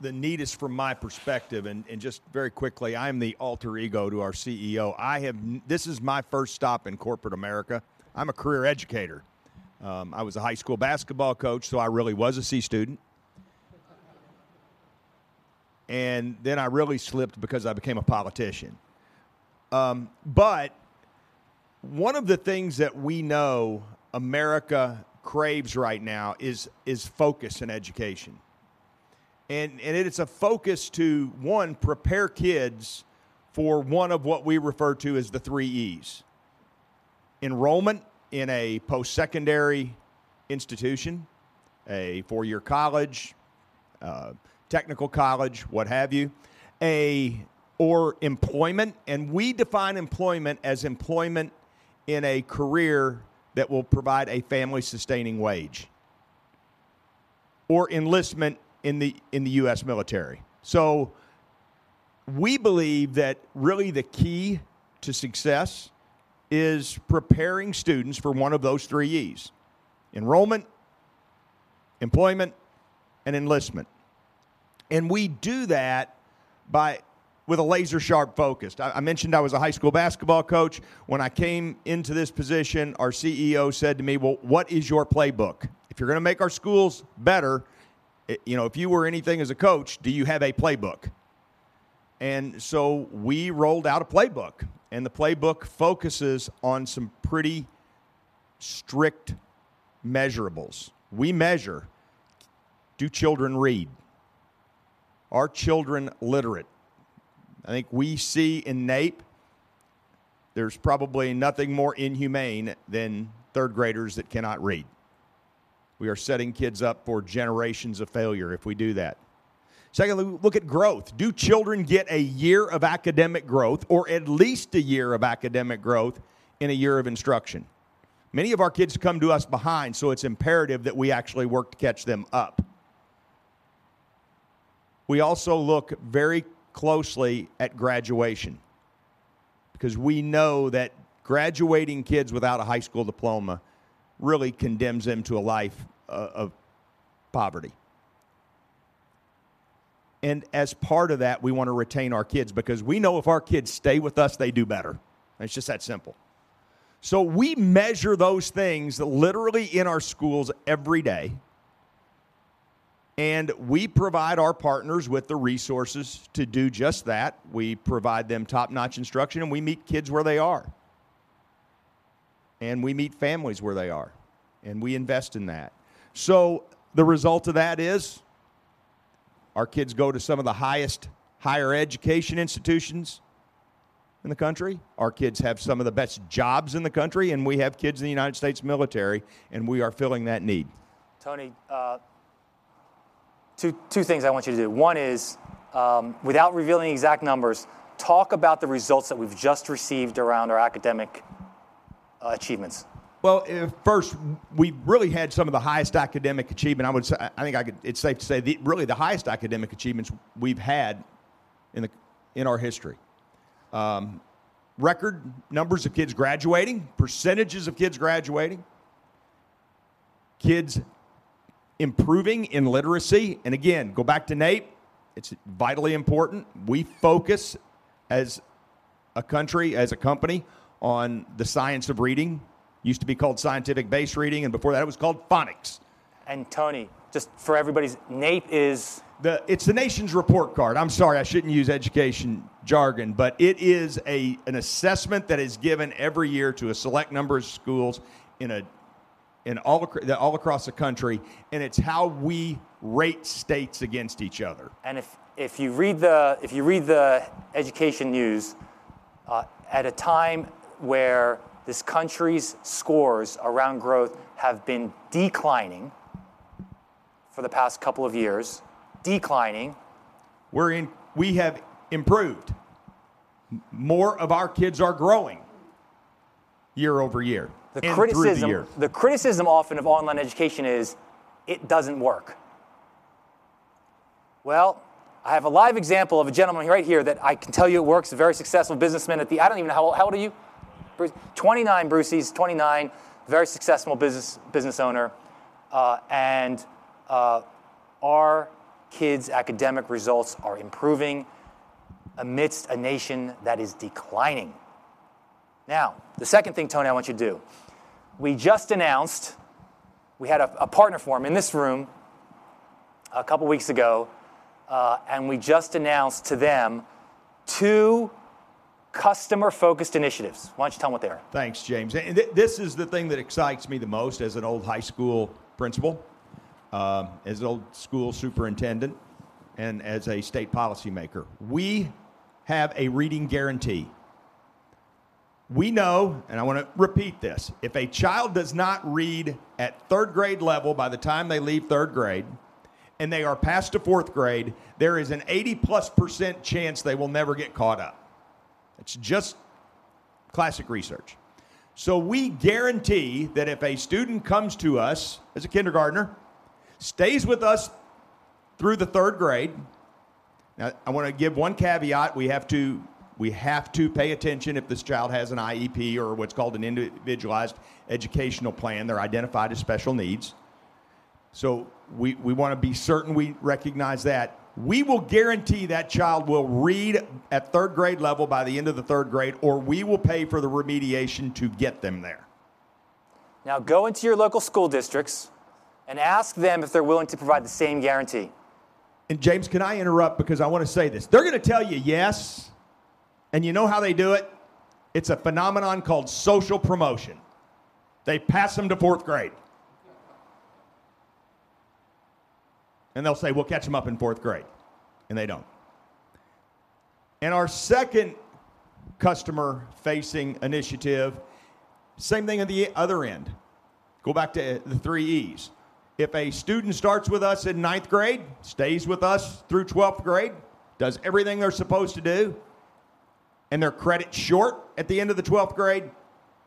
the neatest from my perspective, and just very quickly, I'm the alter ego to our CEO. This is my first stop in corporate America. I'm a career educator. I was a high school basketball coach, so I really was a C student. And then I really slipped because I became a politician. But one of the things that we know America craves right now is focus in education. And it is a focus to one, prepare kids for one of what we refer to as the Three E's: enrollment in a post-secondary institution, a four-year college, technical college, what have you, or employment, and we define employment as employment in a career that will provide a family-sustaining wage, or enlistment in the U.S. military. So we believe that really the key to success is preparing students for one of those Three E's: enrollment, employment, and enlistment. And we do that by, with a laser-sharp focus. I mentioned I was a high school basketball coach. When I came into this position, our CEO said to me, "Well, what is your playbook? If you're gonna make our schools better, you know, if you were anything as a coach, do you have a playbook?" And so we rolled out a playbook, and the playbook focuses on some pretty strict measurables. We measure, do children read? Are children literate? I think we see in NAEP, there's probably nothing more inhumane than third graders that cannot read. We are setting kids up for generations of failure if we do that. Secondly, we look at growth. Do children get a year of academic growth, or at least a year of academic growth in a year of instruction? Many of our kids come to us behind, so it's imperative that we actually work to catch them up. We also look very closely at graduation, because we know that graduating kids without a high school diploma really condemns them to a life of poverty. As part of that, we wanna retain our kids, because we know if our kids stay with us, they do better. It's just that simple. We measure those things literally in our schools every day, and we provide our partners with the resources to do just that. We provide them top-notch instruction, and we meet kids where they are, and we meet families where they are, and we invest in that. So the result of that is, our kids go to some of the highest higher education institutions in the country, our kids have some of the best jobs in the country, and we have kids in the United States military, and we are filling that need. Tony, two things I want you to do. One is, without revealing exact numbers, talk about the results that we've just received around our academic achievements. Well, first, we've really had some of the highest academic achievement. I would say... It's safe to say, really the highest academic achievements we've had in our history. Record numbers of kids graduating, percentages of kids graduating, kids improving in literacy, and again, go back to NAEP, it's vitally important. We focus as a country, as a company, on the science of reading. Used to be called scientific-based reading, and before that, it was called phonics. And Tony, just for everybody's... NAEP is? It's the Nation's Report Card. I'm sorry, I shouldn't use education jargon, but it is an assessment that is given every year to a select number of schools all across the country, and it's how we rate states against each other. If you read the education news at a time where this country's scores around growth have been declining for the past couple of years, declining. We have improved. More of our kids are growing year-over-year- The criticism- Through the year. The criticism often of online education is, it doesn't work. Well, I have a live example of a gentleman right here that I can tell you it works, a very successful businessman at the... I don't even know how old. How old are you, Bruce? 29. Bruce, he's 29, a very successful business, business owner. Our kids' academic results are improving amidst a nation that is declining. Now, the second thing, Tony, I want you to do. We just announced... We had a partner forum in this room a couple weeks ago, and we just announced to them two customer-focused initiatives. Why don't you tell them what they are? Thanks, James. And this is the thing that excites me the most as an old high school principal, as an old school superintendent, and as a state policymaker. We have a reading guarantee. We know, and I wanna repeat this, if a child does not read at third-grade level by the time they leave third grade, and they are passed to fourth grade, there is an 80%+ chance they will never get caught up. It's just classic research. So we guarantee that if a student comes to us as a kindergartner, stays with us through the third grade. Now, I wanna give one caveat. We have to pay attention if this child has an IEP or what's called an Individualized Education Plan. They're identified as special needs. So we wanna be certain we recognize that. We will guarantee that child will read at third-grade level by the end of the third grade, or we will pay for the remediation to get them there. Now, go into your local school districts and ask them if they're willing to provide the same guarantee. And James, can I interrupt? Because I wanna say this. They're gonna tell you yes, and you know how they do it? It's a phenomenon called social promotion. They pass them to fourth grade. And they'll say, "We'll catch them up in fourth grade," and they don't. And our second customer-facing initiative, same thing on the other end. Go back to the Three E's. If a student starts with us in ninth grade, stays with us through twelfth grade, does everything they're supposed to do, and they're credit short at the end of the twelfth grade,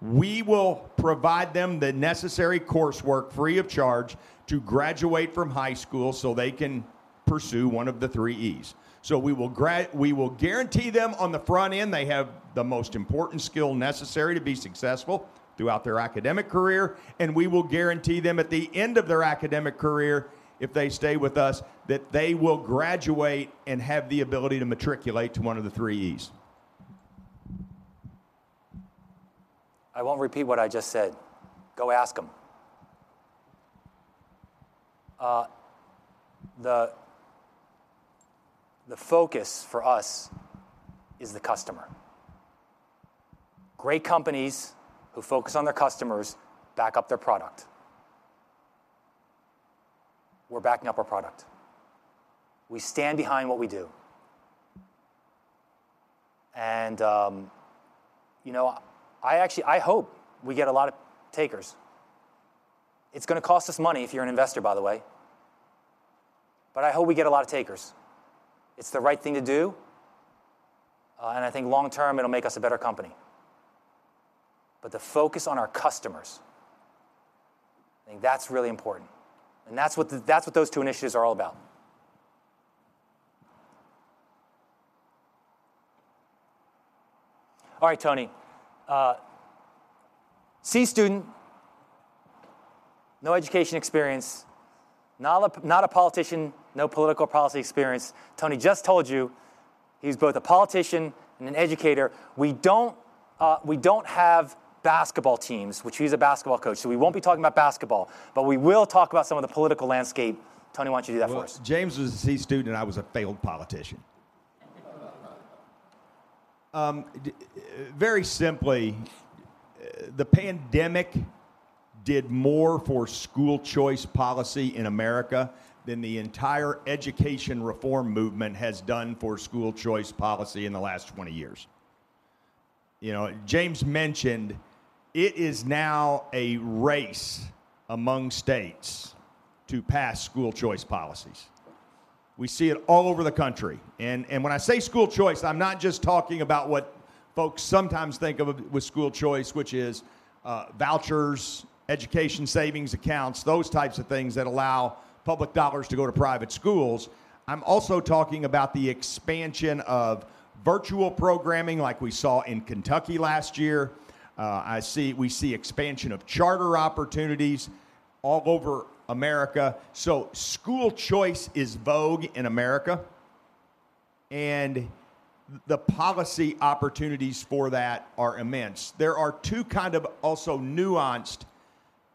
we will provide them the necessary coursework free of charge to graduate from high school, so they can pursue one of the Three E's. We will guarantee them on the front end they have the most important skill necessary to be successful throughout their academic career, and we will guarantee them at the end of their academic career, if they stay with us, that they will graduate and have the ability to matriculate to one of the Three E's. I won't repeat what I just said. Go ask 'em. The focus for us is the customer. Great companies who focus on their customers back up their product. We're backing up our product. We stand behind what we do. And, you know, I actually hope we get a lot of takers. It's gonna cost us money if you're an investor, by the way... but I hope we get a lot of takers. It's the right thing to do, and I think long term it'll make us a better company. But the focus on our customers, I think that's really important, and that's what those two initiatives are all about. All right, Tony. C student, no education experience, not a politician, no political policy experience. Tony just told you he's both a politician and an educator. We don't, we don't have basketball teams, which he's a basketball coach, so we won't be talking about basketball, but we will talk about some of the political landscape. Tony, why don't you do that for us? Well, James was a C student, and I was a failed politician. Very simply, the pandemic did more for school choice policy in America than the entire education reform movement has done for school choice policy in the last 20 years. You know, James mentioned it is now a race among states to pass school choice policies. We see it all over the country, and when I say school choice, I'm not just talking about what folks sometimes think of with school choice, which is vouchers, education savings accounts, those types of things that allow public dollars to go to private schools. I'm also talking about the expansion of virtual programming like we saw in Kentucky last year. We see expansion of charter opportunities all over America. So school choice is vogue in America, and the policy opportunities for that are immense. There are two kind of also nuanced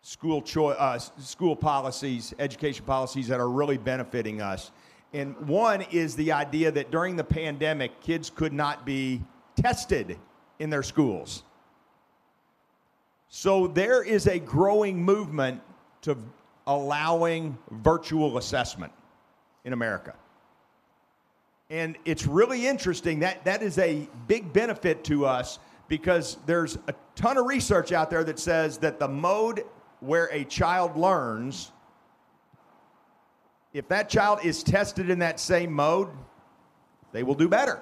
school choice, school policies, education policies that are really benefiting us, and one is the idea that during the pandemic, kids could not be tested in their schools. So there is a growing movement to allowing virtual assessment in America, and it's really interesting. That is a big benefit to us because there's a ton of research out there that says that the mode where a child learns, if that child is tested in that same mode, they will do better.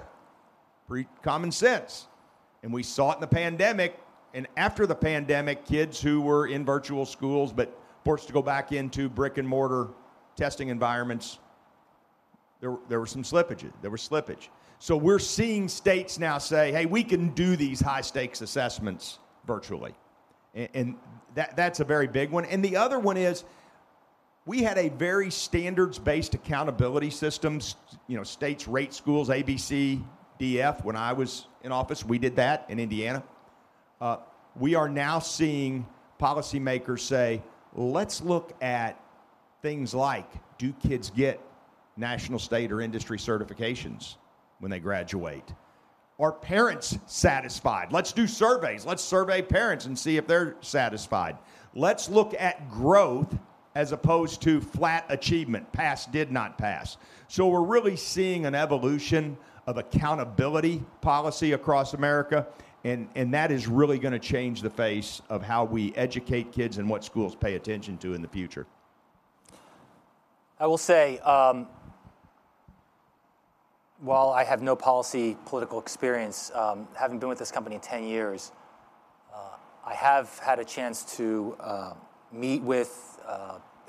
Pretty common sense, and we saw it in the pandemic, and after the pandemic, kids who were in virtual schools but forced to go back into brick-and-mortar testing environments, there were some slippages. There was slippage. So we're seeing states now say, "Hey, we can do these high-stakes assessments virtually," and that's a very big one. The other one is, we had a very standards-based accountability systems. You know, states rate schools A, B, C, D, F. When I was in office, we did that in Indiana. We are now seeing policymakers say, "Let's look at things like, do kids get national, state, or industry certifications when they graduate? Are parents satisfied? Let's do surveys. Let's survey parents and see if they're satisfied. Let's look at growth as opposed to flat achievement, pass, did not pass." So we're really seeing an evolution of accountability policy across America, and that is really gonna change the face of how we educate kids and what schools pay attention to in the future. I will say, while I have no policy or political experience, having been with this company 10 years, I have had a chance to meet with,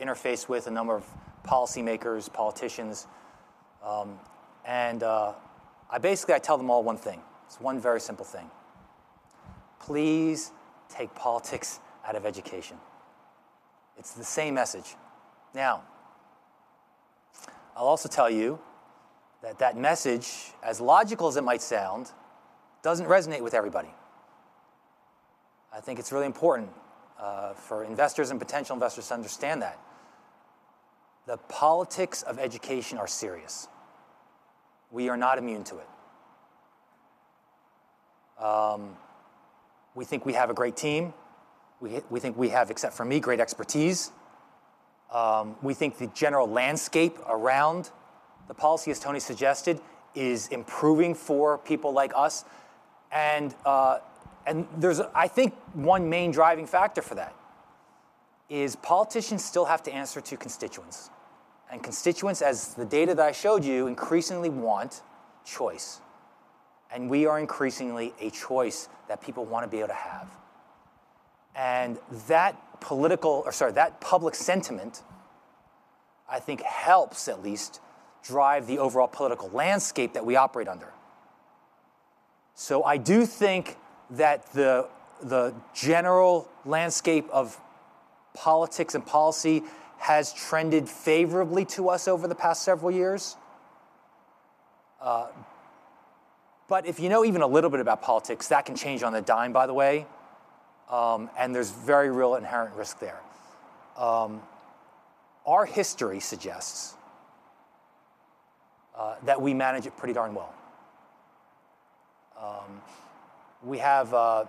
interface with a number of policymakers, politicians. I basically tell them all one thing. It's one very simple thing: Please take politics out of education. It's the same message. Now, I'll also tell you that that message, as logical as it might sound, doesn't resonate with everybody. I think it's really important for investors and potential investors to understand that. The politics of education are serious. We are not immune to it. We think we have a great team. We think we have, except for me, great expertise. We think the general landscape around the policy, as Tony suggested, is improving for people like us, and, and there's I think one main driving factor for that is politicians still have to answer to constituents, and constituents, as the data that I showed you, increasingly want choice, and we are increasingly a choice that people want to be able to have. And that political, or sorry, that public sentiment, I think, helps at least drive the overall political landscape that we operate under. So I do think that the general landscape of politics and policy has trended favorably to us over the past several years. But if you know even a little bit about politics, that can change on a dime, by the way, and there's very real inherent risk there. Our history suggests that we manage it pretty darn well. We have a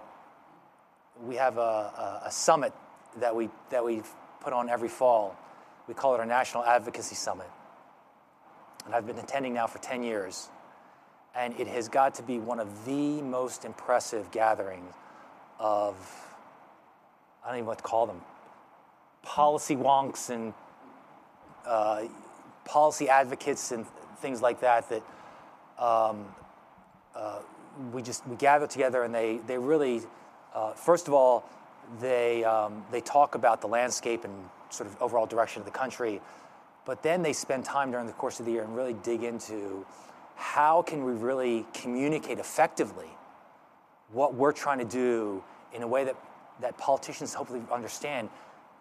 summit that we've put on every fall. We call it our National Advocacy Summit, and I've been attending now for 10 years, and it has got to be one of the most impressive gatherings of... I don't even know what to call them, policy wonks and policy advocates and things like that, that we just gather together, and they really... First of all, they talk about the landscape and sort of overall direction of the country, but then they spend time during the course of the year and really dig into how can we really communicate effectively what we're trying to do in a way that politicians hopefully understand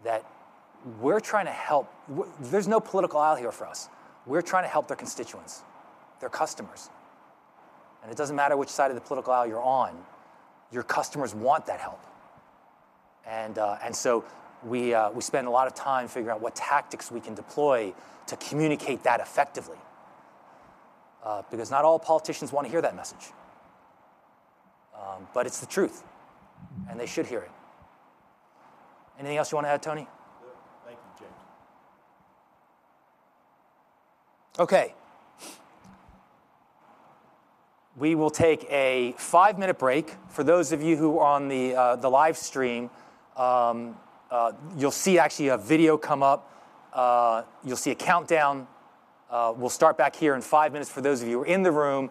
that we're trying to help. Well, there's no political aisle here for us. We're trying to help their constituents, their customers, and it doesn't matter which side of the political aisle you're on, your customers want that help. And so we spend a lot of time figuring out what tactics we can deploy to communicate that effectively, because not all politicians wanna hear that message. But it's the truth, and they should hear it. Anything else you wanna add, Tony? No. Thank you, James. Okay. We will take a five-minute break. For those of you who are on the live stream, you'll see actually a video come up. You'll see a countdown. We'll start back here in five minutes. For those of you who are in the room,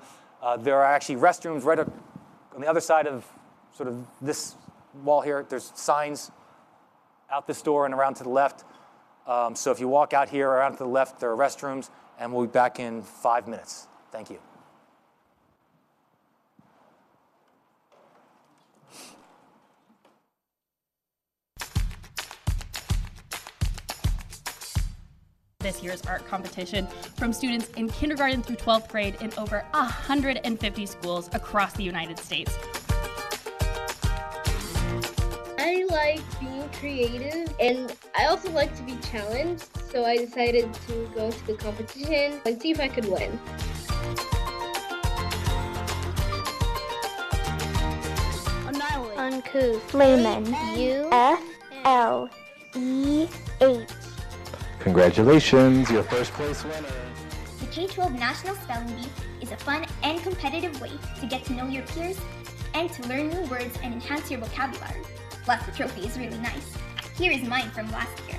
there are actually restrooms right up on the other side of sort of this wall here. There's signs out this door and around to the left. So if you walk out here, around to the left, there are restrooms, and we'll be back in five minutes. Thank you. This year's art competition from students in kindergarten through twelfth grade in over 150 schools across the United States. I like being creative, and I also like to be challenged, so I decided to go to the competition and see if I could win. Anayeli. Ankou. flehmen. U- F-L-E-H. Congratulations, your first place winner. The K12 National Spelling Bee is a fun and competitive way to get to know your peers and to learn new words and enhance your vocabulary. Plus, the trophy is really nice. Here is mine from last year.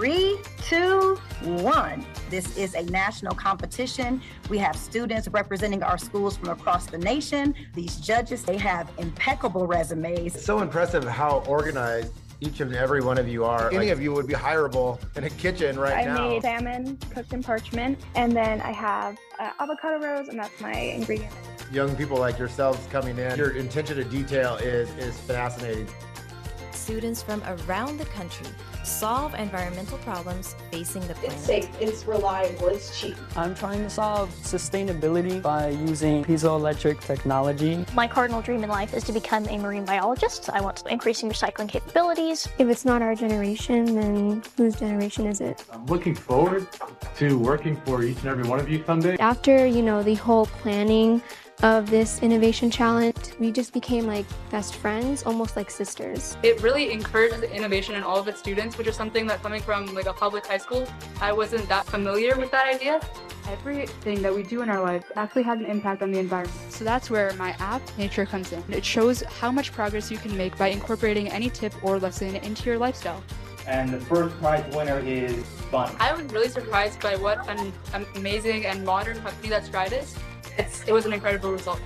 3, 2, 1. This is a national competition. We have students representing our schools from across the nation. These judges, they have impeccable resumes. So impressive how organized each and every one of you are. Any of you would be hireable in a kitchen right now. I made salmon cooked in parchment, and then I have avocado rose, and that's my ingredient. Young people like yourselves coming in, your attention to detail is fascinating. Students from around the country solve environmental problems facing the planet. It's safe, it's reliable, it's cheap. I'm trying to solve sustainability by using piezoelectric technology. My cardinal dream in life is to become a marine biologist. I want to increase recycling capabilities. If it's not our generation, then whose generation is it? I'm looking forward to working for each and every one of you someday. After, you know, the whole planning of this Innovation Challenge, we just became like best friends, almost like sisters. It really encouraged innovation in all of the students, which is something that coming from, like, a public high school, I wasn't that familiar with that idea. Everything that we do in our lives actually has an impact on the environment. So that's where my app, Nature, comes in. It shows how much progress you can make by incorporating any tip or lesson into your lifestyle. The first prize winner is Bun. I was really surprised by what an amazing and modern company that Stride is. It was an incredible result.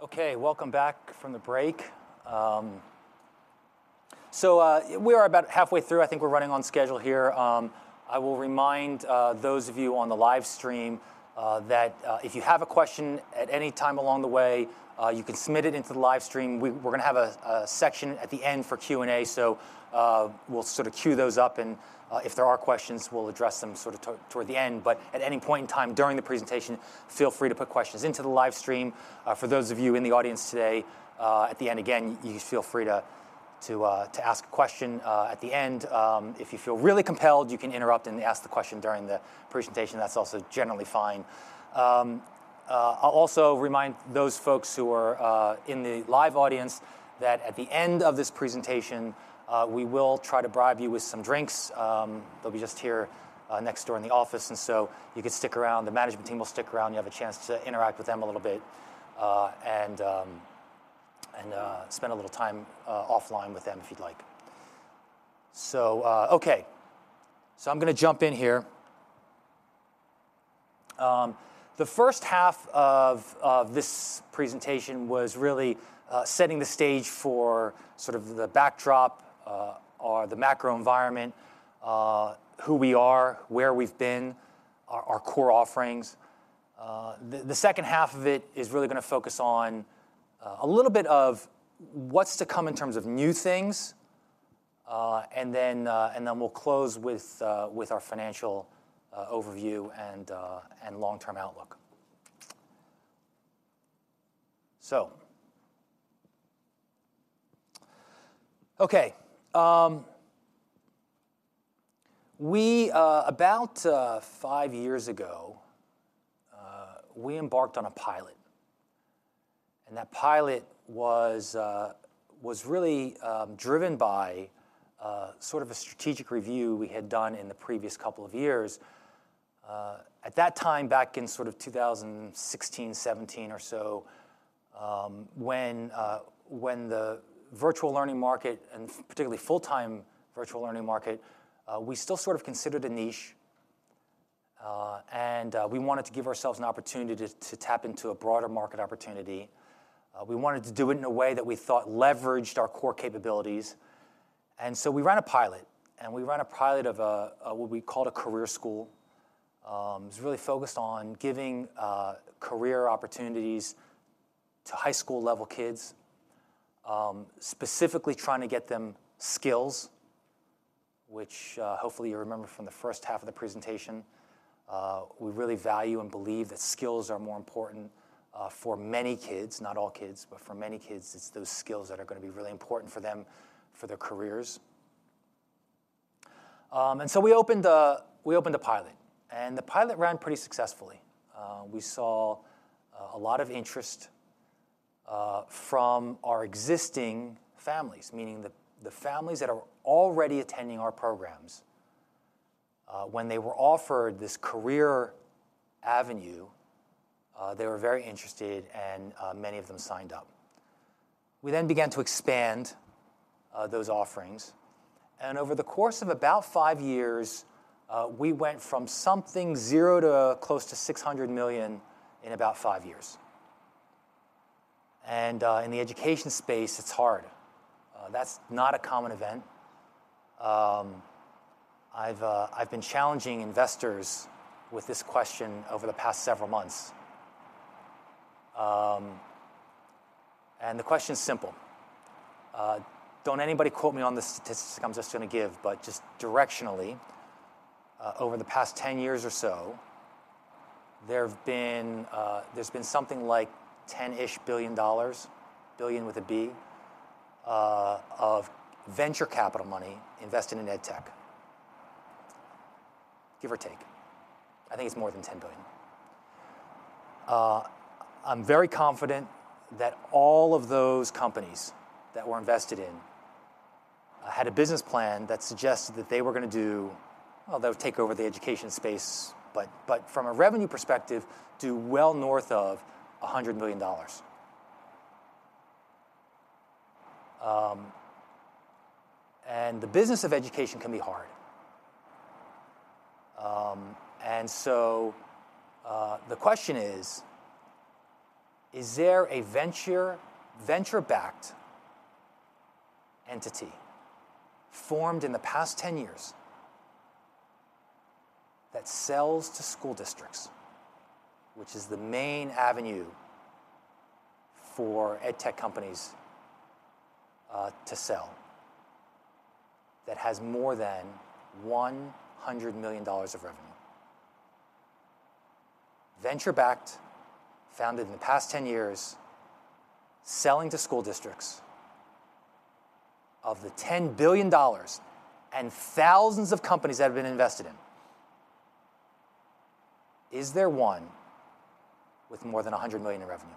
Okay, welcome back from the break. We are about halfway through. I think we're running on schedule here. I will remind those of you on the live stream that if you have a question at any time along the way, you can submit it into the live stream. We're gonna have a section at the end for Q&A, so we'll sort of queue those up, and if there are questions, we'll address them sort of toward the end. But at any point in time during the presentation, feel free to put questions into the live stream. For those of you in the audience today, at the end, again, you feel free to ask a question at the end. If you feel really compelled, you can interrupt and ask the question during the presentation, that's also generally fine. I'll also remind those folks who are in the live audience that at the end of this presentation, we will try to bribe you with some drinks. They'll be just here next door in the office, and so you can stick around. The management team will stick around. You'll have a chance to interact with them a little bit, and spend a little time offline with them if you'd like. So, okay. So I'm gonna jump in here. The first half of this presentation was really setting the stage for sort of the backdrop or the macro environment, who we are, where we've been, our core offerings. The second half of it is really gonna focus on a little bit of what's to come in terms of new things, and then we'll close with our financial overview and long-term outlook. Okay, about 5 years ago, we embarked on a pilot, and that pilot was really driven by sort of a strategic review we had done in the previous couple of years. At that time, back in sort of 2016, 2017 or so, when the virtual learning market, and particularly full-time virtual learning market, we still sort of considered a niche, and we wanted to give ourselves an opportunity to tap into a broader market opportunity. We wanted to do it in a way that we thought leveraged our core capabilities, and so we ran a pilot, and we ran a pilot of a, what we called a career school. It was really focused on giving, career opportunities to high school-level kids, specifically trying to get them skills, which, hopefully you remember from the first half of the presentation, we really value and believe that skills are more important, for many kids, not all kids, but for many kids, it's those skills that are gonna be really important for them for their careers. And so we opened a, we opened a pilot, and the pilot ran pretty successfully. We saw, a lot of interest, from our existing families, meaning the, the families that are already attending our programs. When they were offered this career avenue, they were very interested, and many of them signed up. We then began to expand those offerings, and over the course of about 5 years, we went from something zero to close to $600 million in about 5 years. In the education space, it's hard. That's not a common event. I've been challenging investors with this question over the past several months. The question is simple. Don't anybody quote me on the statistics I'm just gonna give, but just directionally, over the past 10 years or so, there've been, there's been something like $10-ish billion, billion with a B, of venture capital money invested in edtech, give or take. I think it's more than $10 billion. I'm very confident that all of those companies that were invested in had a business plan that suggested that they were gonna do … well, they would take over the education space, but, but from a revenue perspective, do well north of $100 million. The business of education can be hard. So, the question is: Is there a venture-backed entity formed in the past 10 years that sells to school districts, which is the main avenue for edtech companies to sell, that has more than $100 million of revenue? Venture-backed, founded in the past 10 years, selling to school districts. Of the $10 billion and thousands of companies that have been invested in, is there one with more than $100 million in revenue?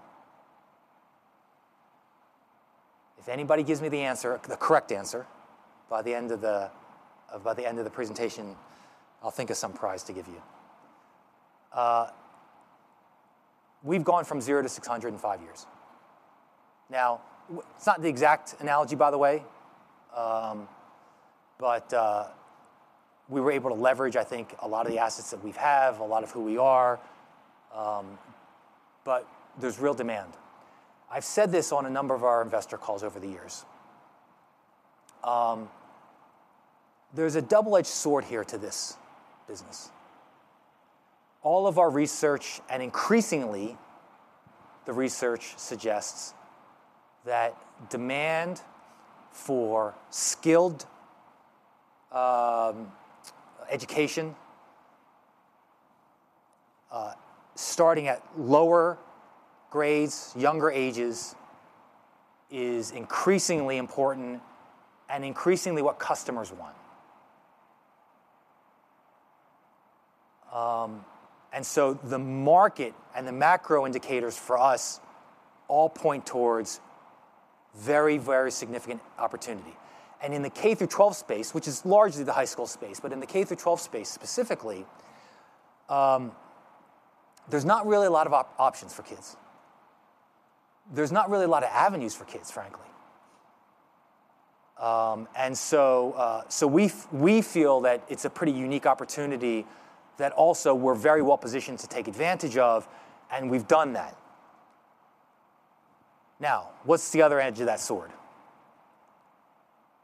If anybody gives me the answer, the correct answer, by the end of the presentation, I'll think of some prize to give you. We've gone from 0 to 600 in 5 years. Now, it's not the exact analogy, by the way, but we were able to leverage, I think, a lot of the assets that we have, a lot of who we are, but there's real demand. I've said this on a number of our investor calls over the years. There's a double-edged sword here to this business. All of our research, and increasingly, the research suggests that demand for skilled education starting at lower grades, younger ages, is increasingly important and increasingly what customers want. And so the market and the macro indicators for us all point towards very, very significant opportunity. In the K through twelve space, which is largely the high school space, but in the K through twelve space, specifically, there's not really a lot of options for kids. There's not really a lot of avenues for kids, frankly. And so, we feel that it's a pretty unique opportunity that also we're very well positioned to take advantage of, and we've done that. Now, what's the other edge of that sword?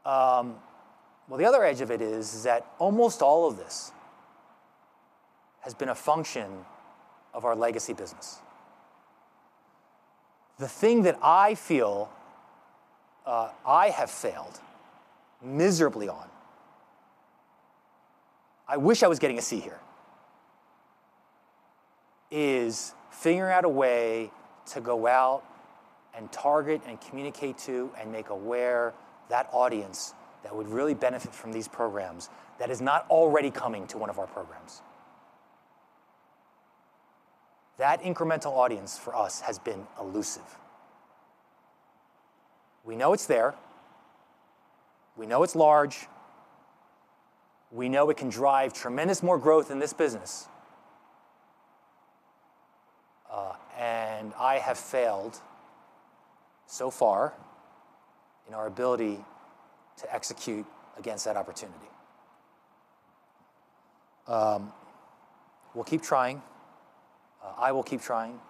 Well, the other edge of it is that almost all of this has been a function of our legacy business. The thing that I feel, I have failed miserably on, I wish I was getting a C here, is figuring out a way to go out and target and communicate to, and make aware that audience that would really benefit from these programs that is not already coming to one of our programs. That incremental audience for us has been elusive. We know it's there. We know it's large. We know it can drive tremendous more growth in this business, and I have failed so far in our ability to execute against that opportunity. We'll keep trying. I will keep trying.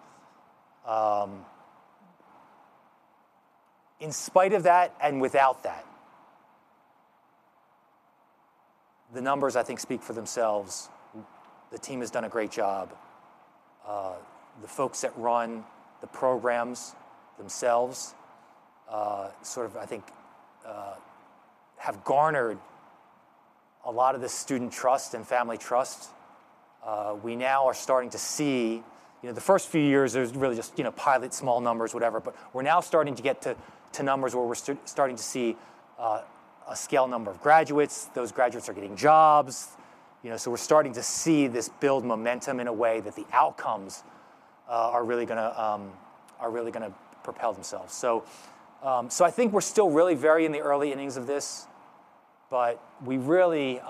In spite of that, and without that, the numbers, I think, speak for themselves. The team has done a great job. The folks that run the programs themselves, sort of, I think, have garnered a lot of the student trust and family trust. We now are starting to see. You know, the first few years, there's really just, you know, pilot, small numbers, whatever, but we're now starting to get to numbers where we're starting to see a scale number of graduates. Those graduates are getting jobs. You know, so we're starting to see this build momentum in a way that the outcomes are really gonna propel themselves. So, I think we're still really very in the early innings of this, but we really,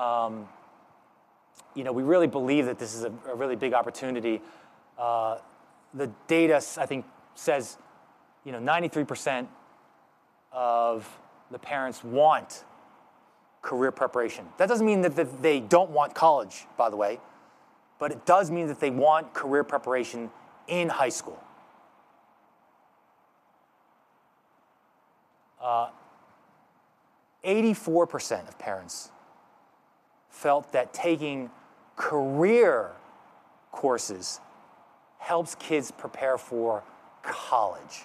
you know, we really believe that this is a really big opportunity. The data I think says, you know, 93% of the parents want career preparation. That doesn't mean that, that they don't want college, by the way, but it does mean that they want career preparation in high school. 84% of parents felt that taking career courses helps kids prepare for college.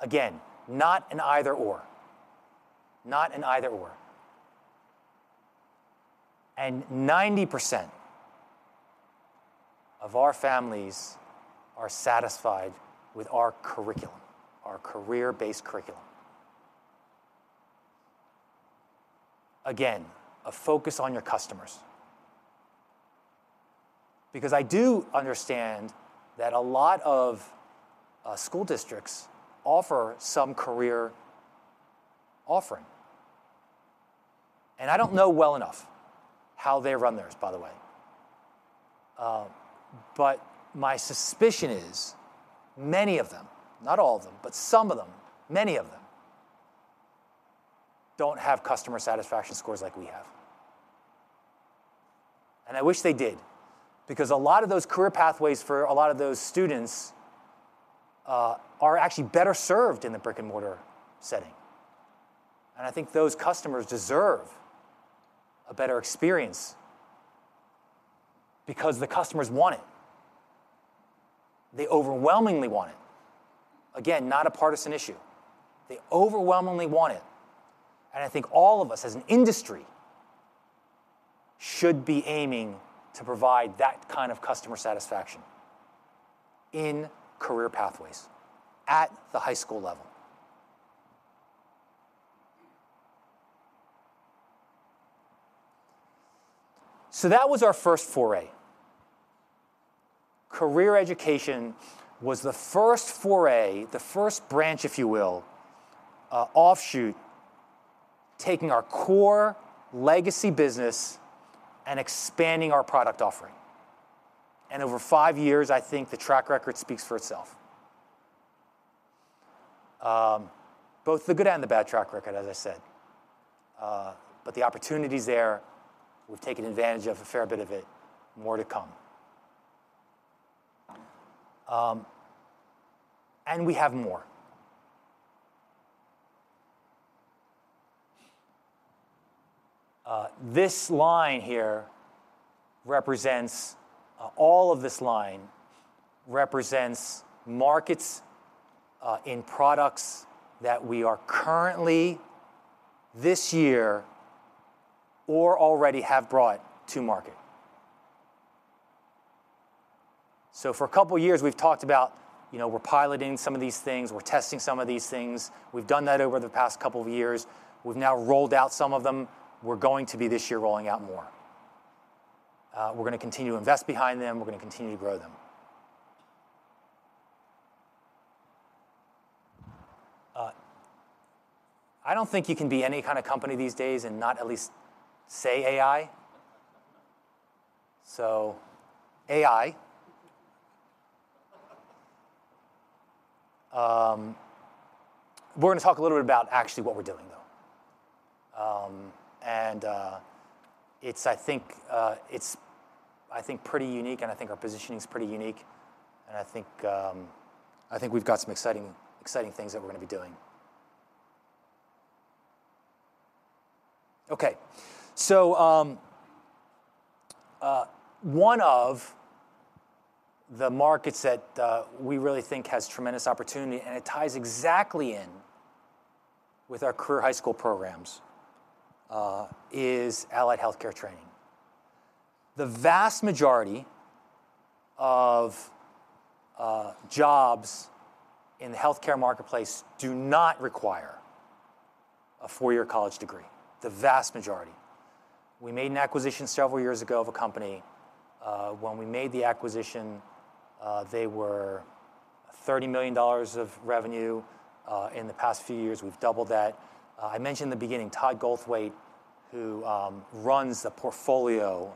Again, not an either/or. Not an either/or. And 90% of our families are satisfied with our curriculum, our career-based curriculum. Again, a focus on your customers. Because I do understand that a lot of school districts offer some career offering, and I don't know well enough how they run theirs, by the way. But my suspicion is many of them, not all of them, but some of them, many of them, don't have customer satisfaction scores like we have. I wish they did, because a lot of those career pathways for a lot of those students are actually better served in the brick-and-mortar setting, and I think those customers deserve a better experience because the customers want it. They overwhelmingly want it. Again, not a partisan issue. They overwhelmingly want it, and I think all of us, as an industry, should be aiming to provide that kind of customer satisfaction in career pathways at the high school level. So that was our first foray. Career education was the first foray, the first branch, if you will, offshoot, taking our core legacy business and expanding our product offering. And over five years, I think the track record speaks for itself. Both the good and the bad track record, as I said. But the opportunity's there. We've taken advantage of a fair bit of it. More to come. We have more. This line here represents all of this line represents markets in products that we are currently this year or already have brought to market. For a couple of years, we've talked about, you know, we're piloting some of these things, we're testing some of these things. We've done that over the past couple of years. We've now rolled out some of them. We're going to be, this year, rolling out more. We're gonna continue to invest behind them, we're gonna continue to grow them. I don't think you can be any kind of company these days and not at least say AI. So AI. We're gonna talk a little bit about actually what we're doing, though. And, it's, I think, pretty unique, and I think we've got some exciting, exciting things that we're gonna be doing. Okay, so, one of the markets that we really think has tremendous opportunity, and it ties exactly in with our career high school programs, is allied healthcare training. The vast majority of jobs in the healthcare marketplace do not require a four-year college degree, the vast majority. We made an acquisition several years ago of a company. When we made the acquisition, they were $30 million of revenue. In the past few years, we've doubled that. I mentioned in the beginning, Todd Goldthwaite, who runs the portfolio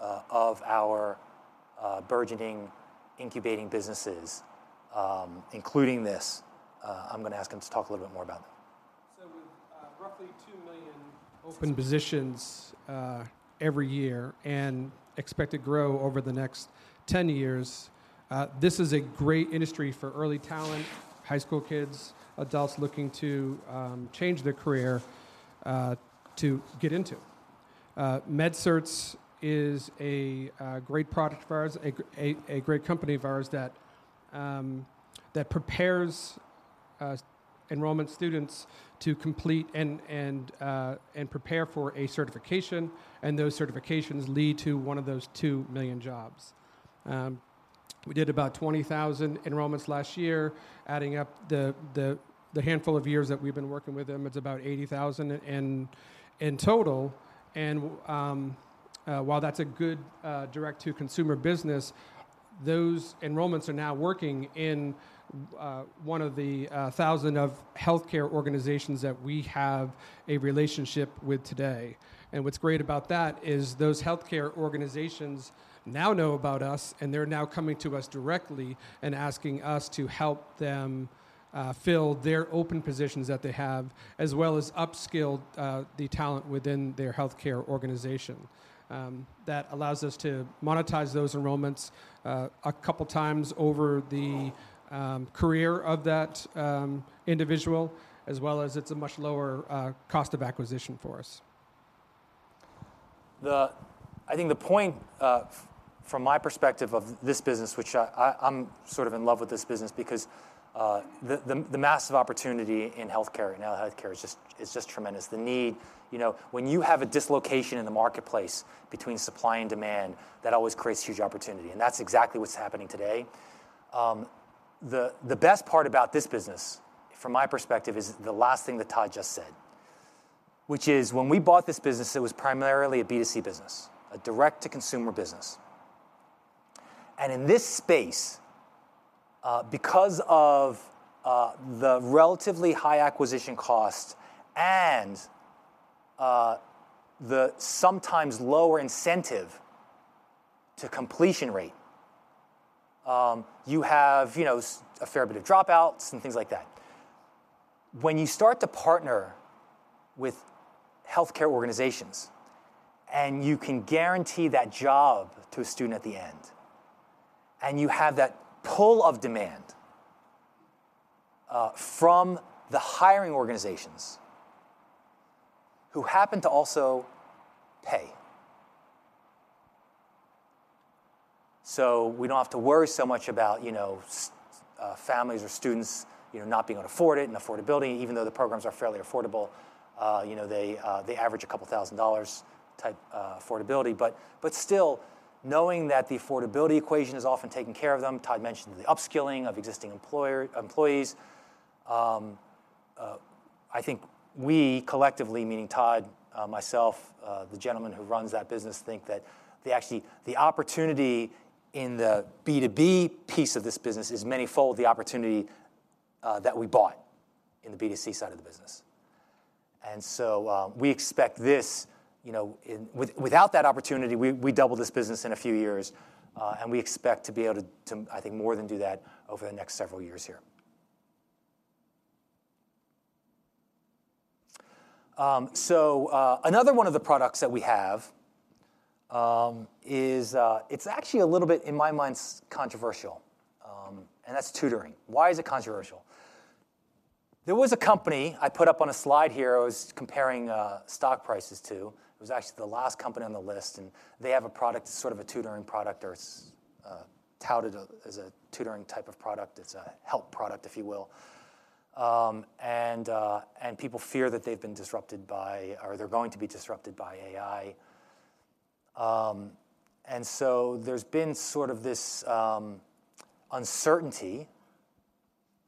of our burgeoning incubating businesses, including this. I'm gonna ask him to talk a little bit more about that. So with roughly 2,000,000 open positions every year and expect to grow over the next 10 years, this is a great industry for early talent, high school kids, adults looking to change their career to get into. MedCerts is a great product of ours, a great company of ours that prepares enrollment students to complete and prepare for a certification, and those certifications lead to one of those 2,000,000 jobs. We did about 20,000 enrollments last year. Adding up the handful of years that we've been working with them, it's about 80,000 in total, and while that's a good direct-to-consumer business, those enrollments are now working in one of the 1,000 of healthcare organizations that we have a relationship with today. What's great about that is those healthcare organizations now know about us, and they're now coming to us directly and asking us to help them fill their open positions that they have, as well as upskill the talent within their healthcare organization. That allows us to monetize those enrollments a couple times over the career of that individual, as well as it's a much lower cost of acquisition for us. I think the point from my perspective of this business, which I'm sort of in love with this business because the massive opportunity in healthcare now, healthcare is just. It's just tremendous. The need... You know, when you have a dislocation in the marketplace between supply and demand, that always creates huge opportunity, and that's exactly what's happening today. The best part about this business, from my perspective, is the last thing that Todd just said, which is, when we bought this business, it was primarily a B2C business, a direct-to-consumer business. And in this space, because of the relatively high acquisition cost and the sometimes lower incentive to completion rate, you have, you know, a fair bit of dropouts and things like that. When you start to partner with healthcare organizations, and you can guarantee that job to a student at the end, and you have that pull of demand, from the hiring organizations, who happen to also pay. So we don't have to worry so much about, you know, families or students, you know, not being able to afford it and affordability, even though the programs are fairly affordable. You know, they, they average a couple thousand dollars type, affordability. But, but still, knowing that the affordability equation is often taking care of them, Todd mentioned the upskilling of existing employer-employees. I think we collectively, meaning Todd, myself, the gentleman who runs that business, think that the actual opportunity in the B2B piece of this business is manifold the opportunity that we bought in the B2C side of the business. And so, we expect this, you know, without that opportunity, we double this business in a few years, and we expect to be able to, I think, more than do that over the next several years here. So, another one of the products that we have is. It's actually a little bit, in my mind, controversial, and that's tutoring. Why is it controversial? There was a company I put up on a slide here I was comparing, stock prices to, it was actually the last company on the list, and they have a product, sort of a tutoring product, or it's, touted as a tutoring type of product. It's a help product, if you will. And people fear that they've been disrupted by or they're going to be disrupted by AI. And so there's been sort of this, uncertainty,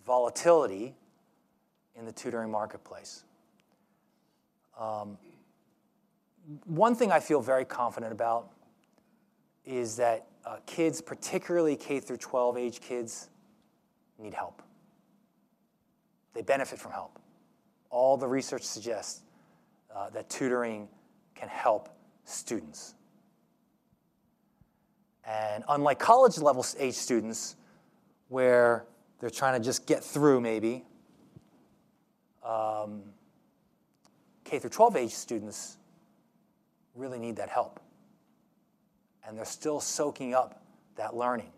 volatility in the tutoring marketplace. One thing I feel very confident about is that, kids, particularly K-12 age kids, need help. They benefit from help. All the research suggests, that tutoring can help students. And unlike college-level age students, where they're trying to just get through, maybe, K-12 age students really need that help, and they're still soaking up that learning.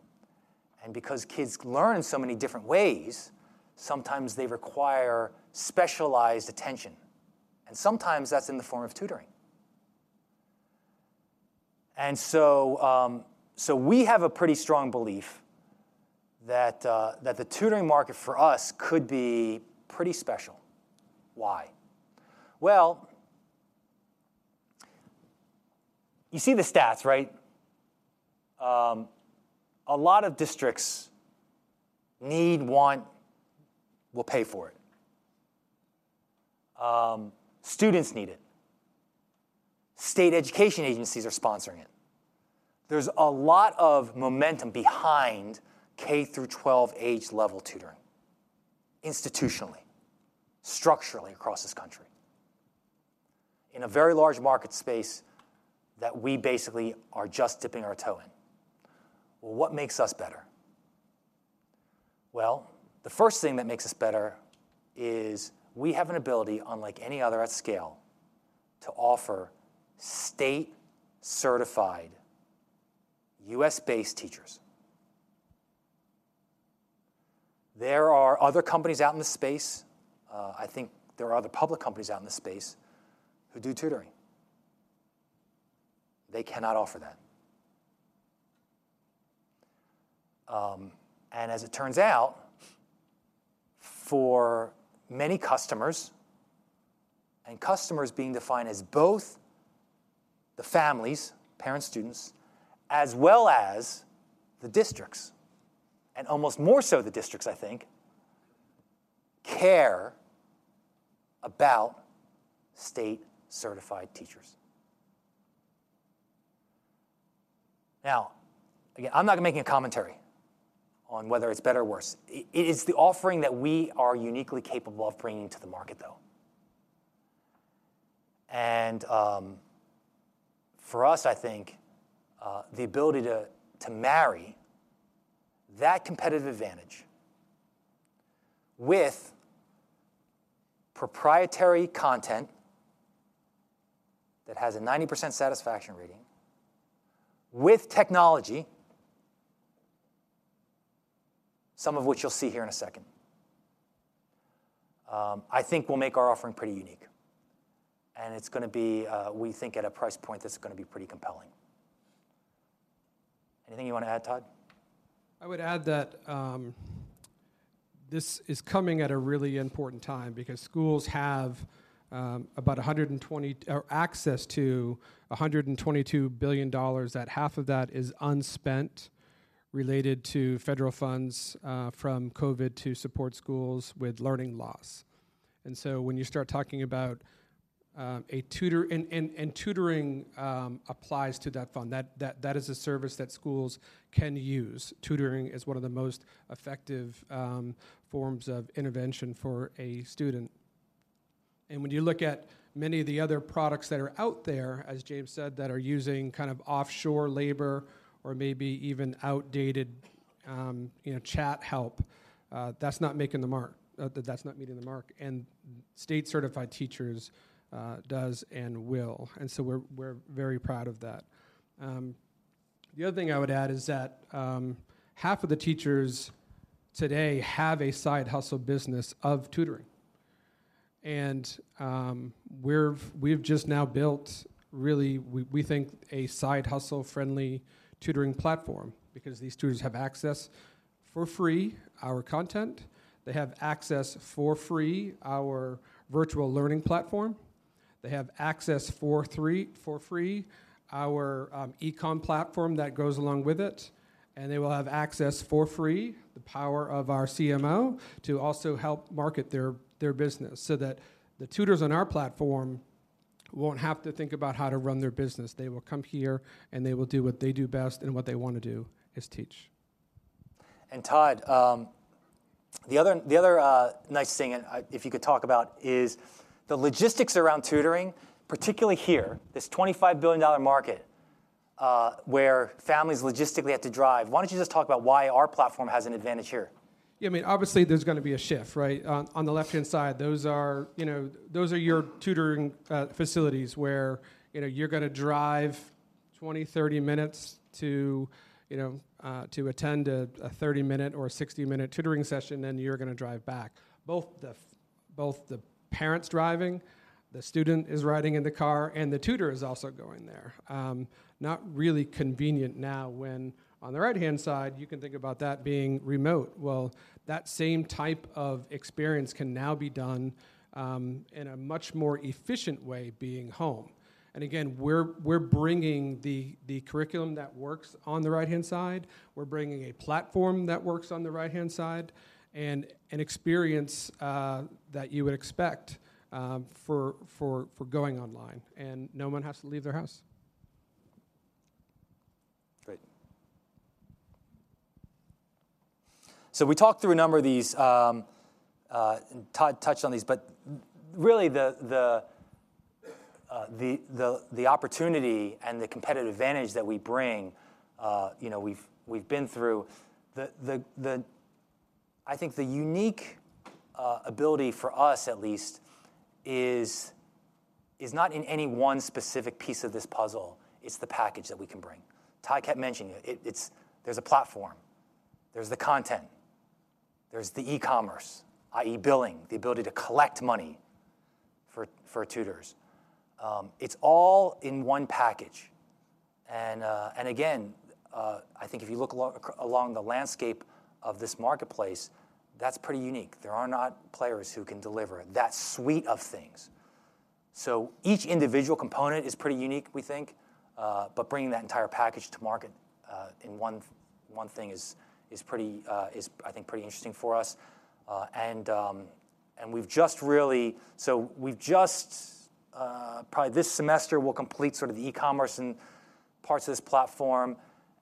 And because kids learn in so many different ways, sometimes they require specialized attention, and sometimes that's in the form of tutoring. And so, so we have a pretty strong belief that that the tutoring market for us could be pretty special. Why? Well, you see the stats, right? A lot of districts need, want, will pay for it. Students need it. State education agencies are sponsoring it. There's a lot of momentum behind K-12 age level tutoring, institutionally, structurally across this country, in a very large market space that we basically are just dipping our toe in. Well, what makes us better? Well, the first thing that makes us better is we have an ability, unlike any other at scale, to offer state-certified U.S.-based teachers. There are other companies out in the space. I think there are other public companies out in the space who do tutoring. They cannot offer that. As it turns out, for many customers, and customers being defined as both the families, parents, students, as well as the districts, and almost more so the districts, I think care about state-certified teachers. Now, again, I'm not gonna making a commentary on whether it's better or worse. It is the offering that we are uniquely capable of bringing to the market, though. For us, I think, the ability to marry that competitive advantage with proprietary content that has a 90% satisfaction rating, with technology, some of which you'll see here in a second, I think will make our offering pretty unique. It's gonna be, we think, at a price point that's gonna be pretty compelling. Anything you wanna add, Todd? I would add that this is coming at a really important time because schools have access to about $122 billion, half of that is unspent, related to federal funds from COVID to support schools with learning loss. And so when you start talking about a tutor and tutoring applies to that fund, that is a service that schools can use. Tutoring is one of the most effective forms of intervention for a student. When you look at many of the other products that are out there, as James said, that are using kind of offshore labor or maybe even outdated, you know, chat help, that's not making the mark, that's not meeting the mark, and state-certified teachers does and will, and so we're very proud of that. The other thing I would add is that half of the teachers today have a side hustle business of tutoring. We've just now built, really, we think, a side hustle-friendly tutoring platform because these tutors have access, for free, our content. They have access, for free, our virtual learning platform. They have access, for free, our e-com platform that goes along with it, and they will have access, for free, the power of our CMO to also help market their business so that the tutors on our platform won't have to think about how to run their business. They will come here, and they will do what they do best, and what they wanna do, is teach. And Todd, the other nice thing, and if you could talk about is the logistics around tutoring, particularly here, this $25 billion market, where families logistically have to drive. Why don't you just talk about why our platform has an advantage here? Yeah, I mean, obviously, there's gonna be a shift, right? On the left-hand side, those are, you know, those are your tutoring facilities, where, you know, you're gonna drive 20, 30 minutes to, you know, to attend a 30-minute or a 60-minute tutoring session, and you're gonna drive back. Both the parent's driving, the student is riding in the car, and the tutor is also going there. Not really convenient now, when on the right-hand side, you can think about that being remote. Well, that same type of experience can now be done in a much more efficient way, being home. And again, we're bringing the curriculum that works on the right-hand side, we're bringing a platform that works on the right-hand side, and an experience that you would expect for going online, and no one has to leave their house. Great. So we talked through a number of these, and Todd touched on these, but really, the opportunity and the competitive advantage that we bring, you know, we've been through the. I think the unique ability for us at least is not in any one specific piece of this puzzle, it's the package that we can bring. Todd kept mentioning it, it's, there's a platform, there's the content, there's the e-commerce, i.e., billing, the ability to collect money for tutors. It's all in one package, and again, I think if you look along the landscape of this marketplace, that's pretty unique. There are not players who can deliver that suite of things. So each individual component is pretty unique, we think, but bringing that entire package to market in one thing is, I think, pretty interesting for us. So we've just probably this semester will complete sort of the e-commerce and parts of this platform,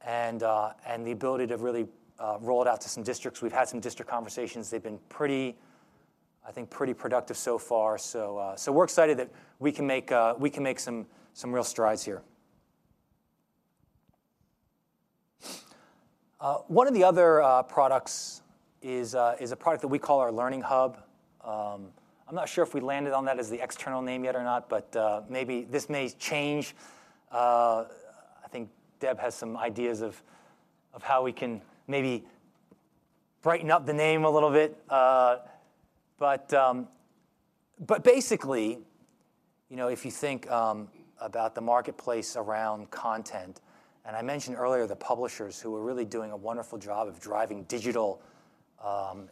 and the ability to really roll it out to some districts. We've had some district conversations. They've been pretty, I think, pretty productive so far. So we're excited that we can make some real strides here. One of the other products is a product that we call our Learning Hub. I'm not sure if we landed on that as the external name yet or not, but maybe this may change. I think Deb has some ideas of how we can maybe brighten up the name a little bit. But basically, you know, if you think about the marketplace around content, and I mentioned earlier, the publishers who are really doing a wonderful job of driving digital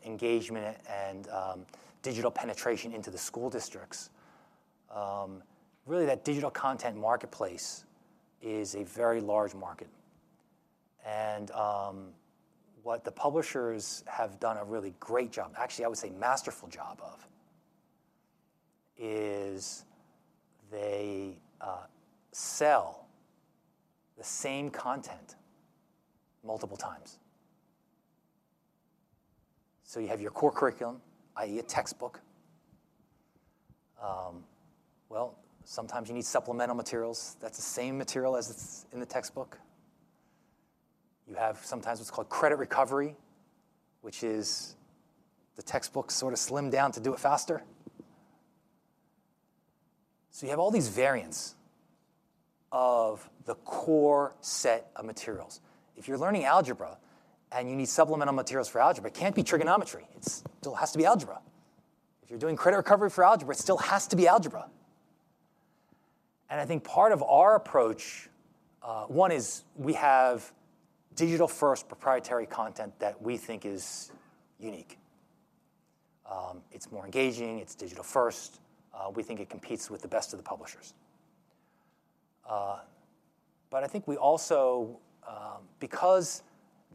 engagement and digital penetration into the school districts, really, that digital content marketplace is a very large market.... And what the publishers have done a really great job, actually, I would say masterful job of, is they sell the same content multiple times. So you have your core curriculum, i.e., a textbook. Well, sometimes you need supplemental materials, that's the same material as it's in the textbook. You have sometimes what's called Credit Recovery, which is the textbook sorta slimmed down to do it faster. So you have all these variants of the core set of materials. If you're learning algebra, and you need supplemental materials for algebra, it can't be trigonometry. It still has to be algebra. If you're doing credit recovery for algebra, it still has to be algebra. And I think part of our approach, one is we have digital-first proprietary content that we think is unique. It's more engaging, it's digital first, we think it competes with the best of the publishers. But I think we also... Because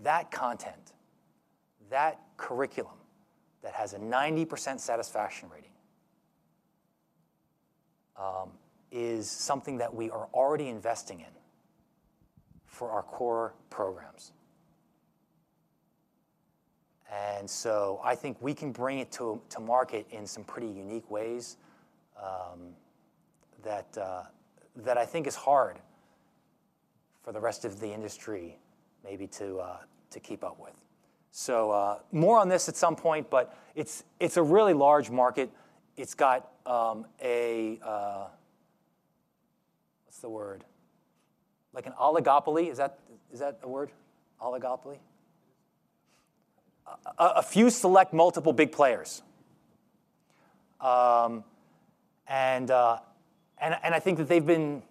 that content, that curriculum, that has a 90% satisfaction rating, is something that we are already investing in for our core programs. So I think we can bring it to market in some pretty unique ways, that I think is hard for the rest of the industry maybe to keep up with. So, more on this at some point, but it's a really large market. It's got... What's the word? Like an oligopoly. Is that a word, oligopoly? A few select multiple big players. And I think that they've been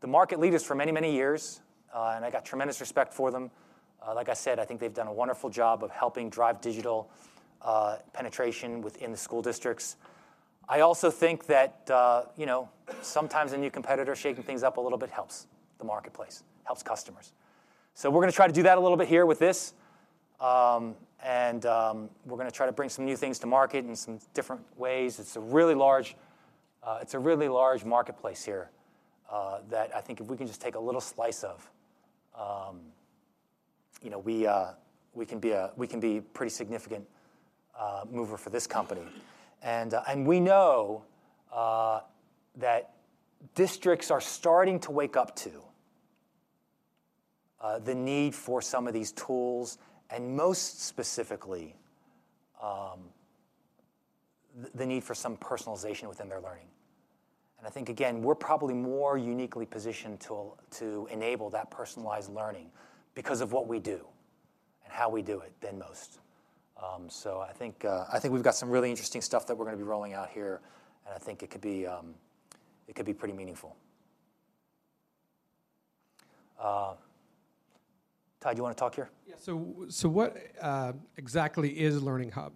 the market leaders for many, many years, and I got tremendous respect for them. Like I said, I think they've done a wonderful job of helping drive digital penetration within the school districts. I also think that, you know, sometimes a new competitor shaking things up a little bit helps the marketplace, helps customers. So we're gonna try to do that a little bit here with this. We're gonna try to bring some new things to market in some different ways. It's a really large marketplace here that I think if we can just take a little slice of, you know, we can be a pretty significant mover for this company. We know that districts are starting to wake up to the need for some of these tools, and most specifically, the need for some personalization within their learning. I think, again, we're probably more uniquely positioned to enable that personalized learning because of what we do and how we do it than most. So I think we've got some really interesting stuff that we're gonna be rolling out here, and I think it could be pretty meaningful. Todd, you wanna talk here? Yeah. So, what exactly is Learning Hub?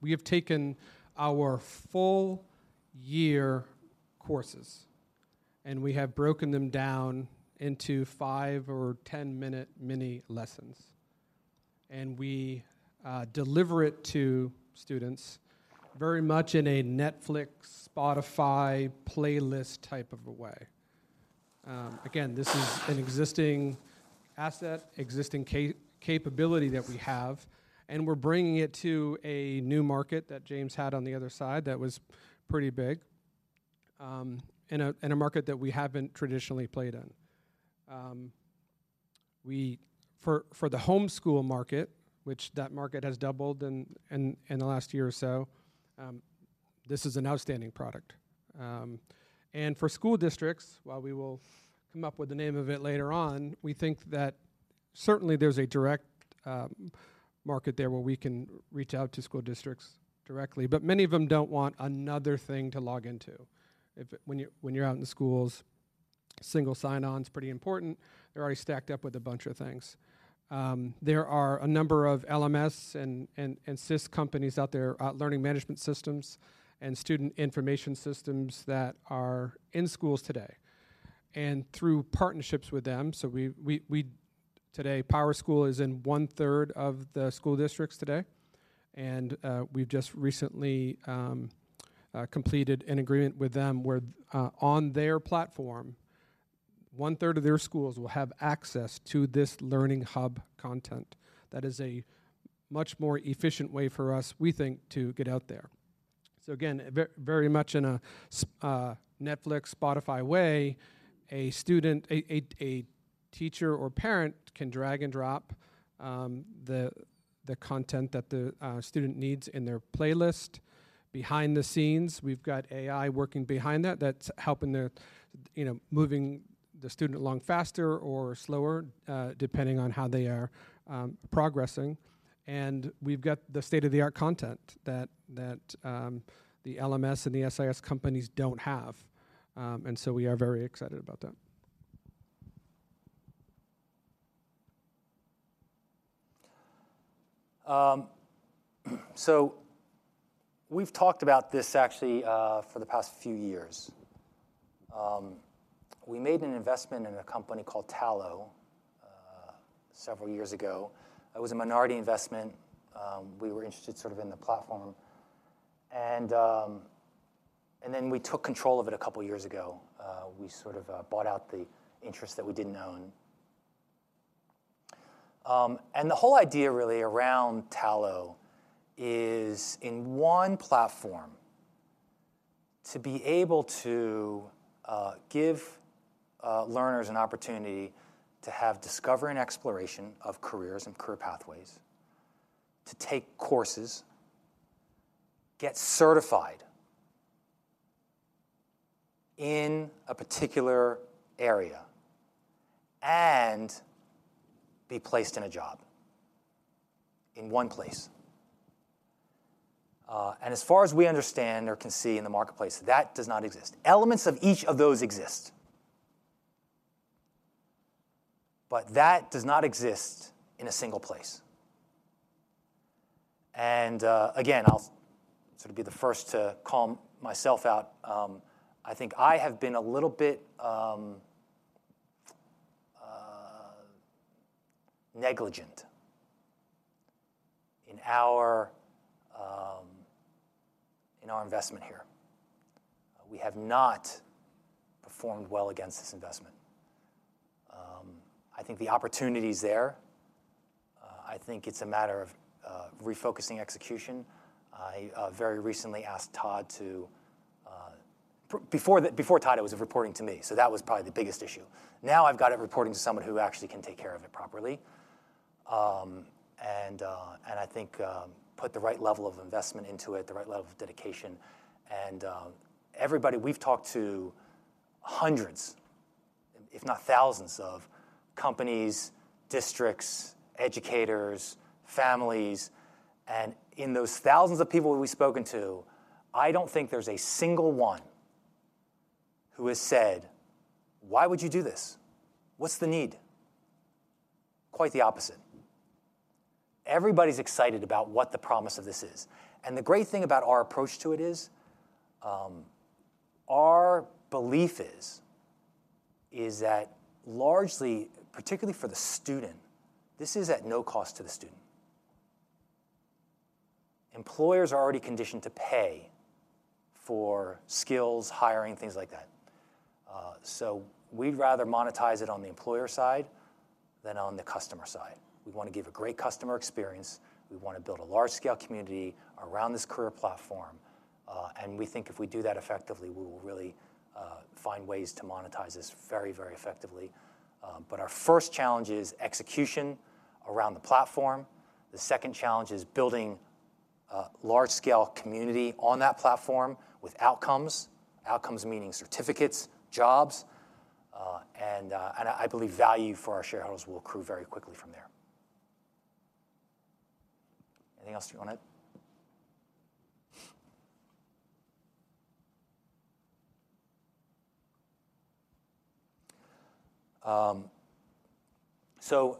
We have taken our full-year courses, and we have broken them down into 5 or 10-minute mini lessons. We deliver it to students very much in a Netflix, Spotify playlist type of a way. Again, this is an existing asset, existing capability that we have, and we're bringing it to a new market that James had on the other side that was pretty big, in a market that we haven't traditionally played in. For the homeschool market, which that market has doubled in the last year or so, this is an outstanding product. And for school districts, while we will come up with the name of it later on, we think that certainly there's a direct market there where we can reach out to school districts directly, but many of them don't want another thing to log into. If when you're out in the schools, single sign-on's pretty important. They're already stacked up with a bunch of things. There are a number of LMS and SIS companies out there, Learning Management Systems and Student Information Systems, that are in schools today. And through partnerships with them, so we today, PowerSchool is in one-third of the school districts today, and we've just recently completed an agreement with them, where on their platform, one-third of their schools will have access to this Learning Hub content. That is a much more efficient way for us, we think, to get out there. So again, very much in a Netflix, Spotify way, a student, a teacher or parent can drag and drop the content that the student needs in their playlist. Behind the scenes, we've got AI working behind that, that's helping, you know, moving the student along faster or slower depending on how they are progressing. And we've got the state-of-the-art content that the LMS and the SIS companies don't have. And so we are very excited about that. So we've talked about this actually for the past few years. We made an investment in a company called Tallo several years ago. It was a minority investment. We were interested sort of in the platform, and then we took control of it a couple of years ago. We sort of bought out the interest that we didn't own. And the whole idea really around Tallo is, in one platform, to be able to give learners an opportunity to have discovery and exploration of careers and career pathways, to take courses, get certified in a particular area, and be placed in a job, in one place. And as far as we understand or can see in the marketplace, that does not exist. Elements of each of those exist, but that does not exist in a single place. Again, I'll sort of be the first to call myself out. I think I have been a little bit negligent in our investment here. We have not performed well against this investment. I think the opportunity's there. I think it's a matter of refocusing execution. I very recently asked Todd to... before Todd, it was reporting to me, so that was probably the biggest issue. Now, I've got it reporting to someone who actually can take care of it properly, and, and I think put the right level of investment into it, the right level of dedication. And, everybody... We've talked to hundreds, if not thousands, of companies, districts, educators, families, and in those thousands of people who we've spoken to, I don't think there's a single one who has said: "Why would you do this? What's the need?" Quite the opposite. Everybody's excited about what the promise of this is. And the great thing about our approach to it is, our belief is, is that largely, particularly for the student, this is at no cost to the student. Employers are already conditioned to pay for skills, hiring, things like that. So we'd rather monetize it on the employer side than on the customer side. We wanna give a great customer experience, we wanna build a large-scale community around this career platform, and we think if we do that effectively, we will really find ways to monetize this very, very effectively. But our first challenge is execution around the platform. The second challenge is building a large-scale community on that platform with outcomes, outcomes meaning certificates, jobs, and I believe value for our shareholders will accrue very quickly from there. Anything else you wanna...? So,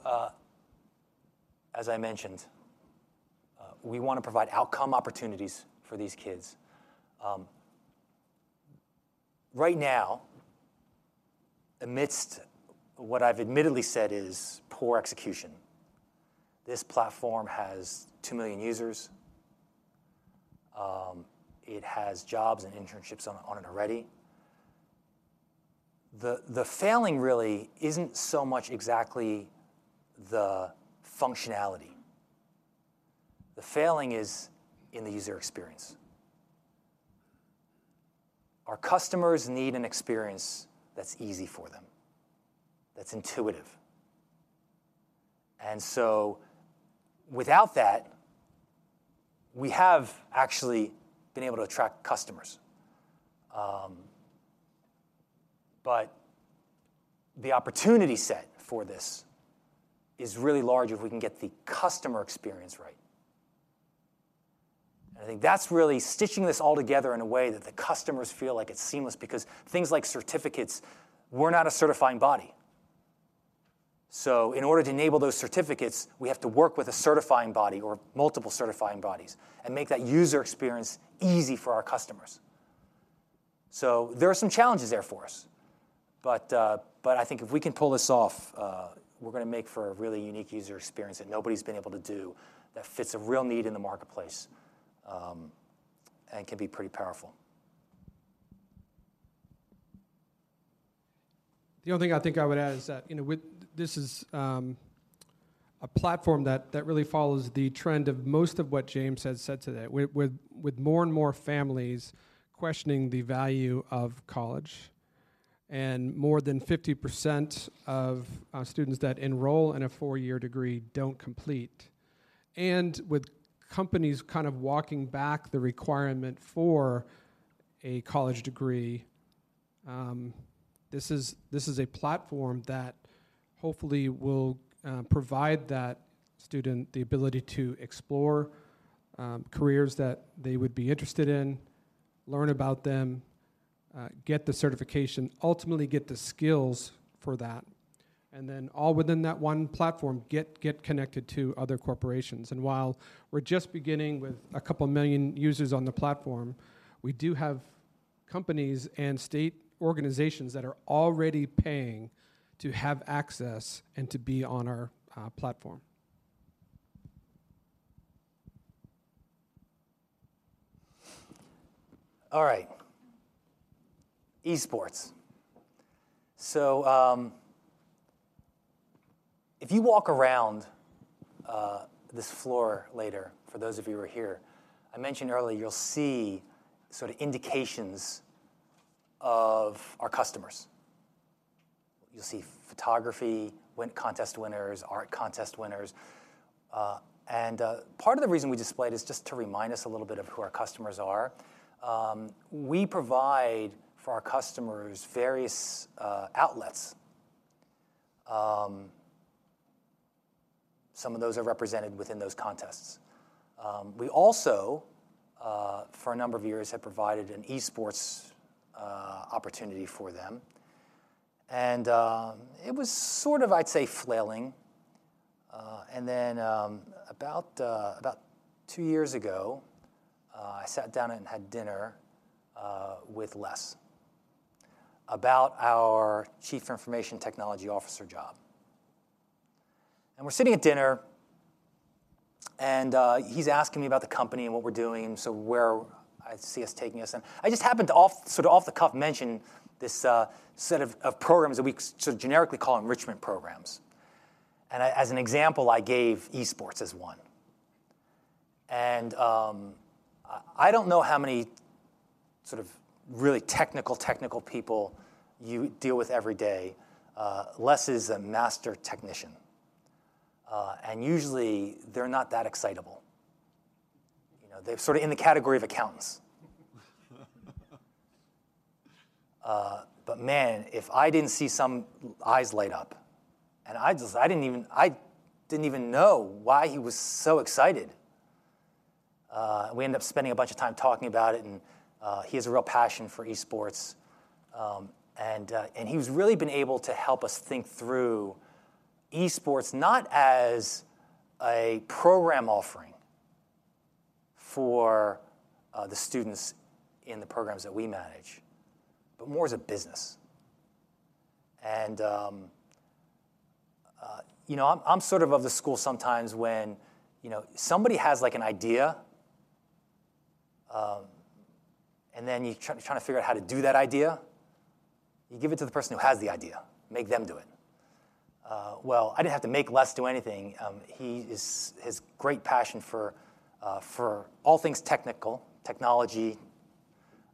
as I mentioned, we wanna provide outcome opportunities for these kids. Right now, amidst what I've admittedly said is poor execution, this platform has 2 million users. It has jobs and internships on it already. The failing really isn't so much exactly the functionality. The failing is in the user experience. Our customers need an experience that's easy for them, that's intuitive. And so without that, we have actually been able to attract customers. But the opportunity set for this is really large if we can get the customer experience right. I think that's really stitching this all together in a way that the customers feel like it's seamless, because things like certificates, we're not a certifying body. So in order to enable those certificates, we have to work with a certifying body or multiple certifying bodies and make that user experience easy for our customers. So there are some challenges there for us, but I think if we can pull this off, we're gonna make for a really unique user experience that nobody's been able to do, that fits a real need in the marketplace, and can be pretty powerful. The only thing I think I would add is that, you know, with This is a platform that really follows the trend of most of what James has said today. With more and more families questioning the value of college, and more than 50% of students that enroll in a four-year degree don't complete, and with companies kind of walking back the requirement for a college degree, this is a platform that hopefully will provide that student the ability to explore careers that they would be interested in, learn about them-get the certification, ultimately get the skills for that, and then all within that one platform, get connected to other corporations. And while we're just beginning with 2 million users on the platform, we do have companies and state organizations that are already paying to have access and to be on our platform. All right. Esports. So, if you walk around this floor later, for those of you who are here, I mentioned earlier, you'll see sort of indications of our customers. You'll see photography, winning contest winners, art contest winners. And part of the reason we display it is just to remind us a little bit of who our customers are. We provide for our customers various outlets. Some of those are represented within those contests. We also, for a number of years, have provided an esports opportunity for them, and it was sort of, I'd say, flailing. And then, about two years ago, I sat down and had dinner with Les about our Chief Information Technology Officer job. And we're sitting at dinner, and he's asking me about the company and what we're doing, so where I see us taking us, and I just happened to off-the-cuff mention this set of programs that we sort of generically call enrichment programs. And as an example, I gave esports as one. And I don't know how many sort of really technical people you deal with every day. Les is a master technician, and usually, they're not that excitable. You know, they're sort of in the category of accountants. But man, if I didn't see some eyes light up, and I just... I didn't even know why he was so excited. We ended up spending a bunch of time talking about it, and he has a real passion for esports. He's really been able to help us think through esports, not as a program offering for the students in the programs that we manage, but more as a business. You know, I'm sort of the school sometimes when, you know, somebody has, like, an idea, and then you're trying to figure out how to do that idea, you give it to the person who has the idea, make them do it. Well, I didn't have to make Les do anything. He has great passion for all things technical, technology,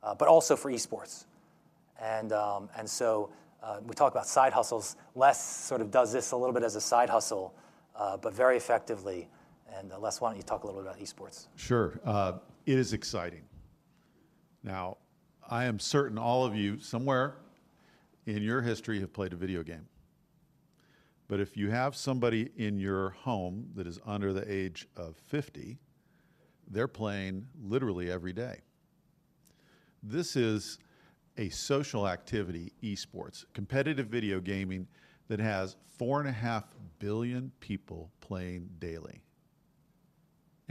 but also for esports. We talk about side hustles. Les sort of does this a little bit as a side hustle, but very effectively. Les, why don't you talk a little bit about esports? Sure. It is exciting. Now, I am certain all of you, somewhere in your history, have played a video game. But if you have somebody in your home that is under the age of 50, they're playing literally every day. This is a social activity, esports, competitive video gaming, that has 4.5 billion people playing daily.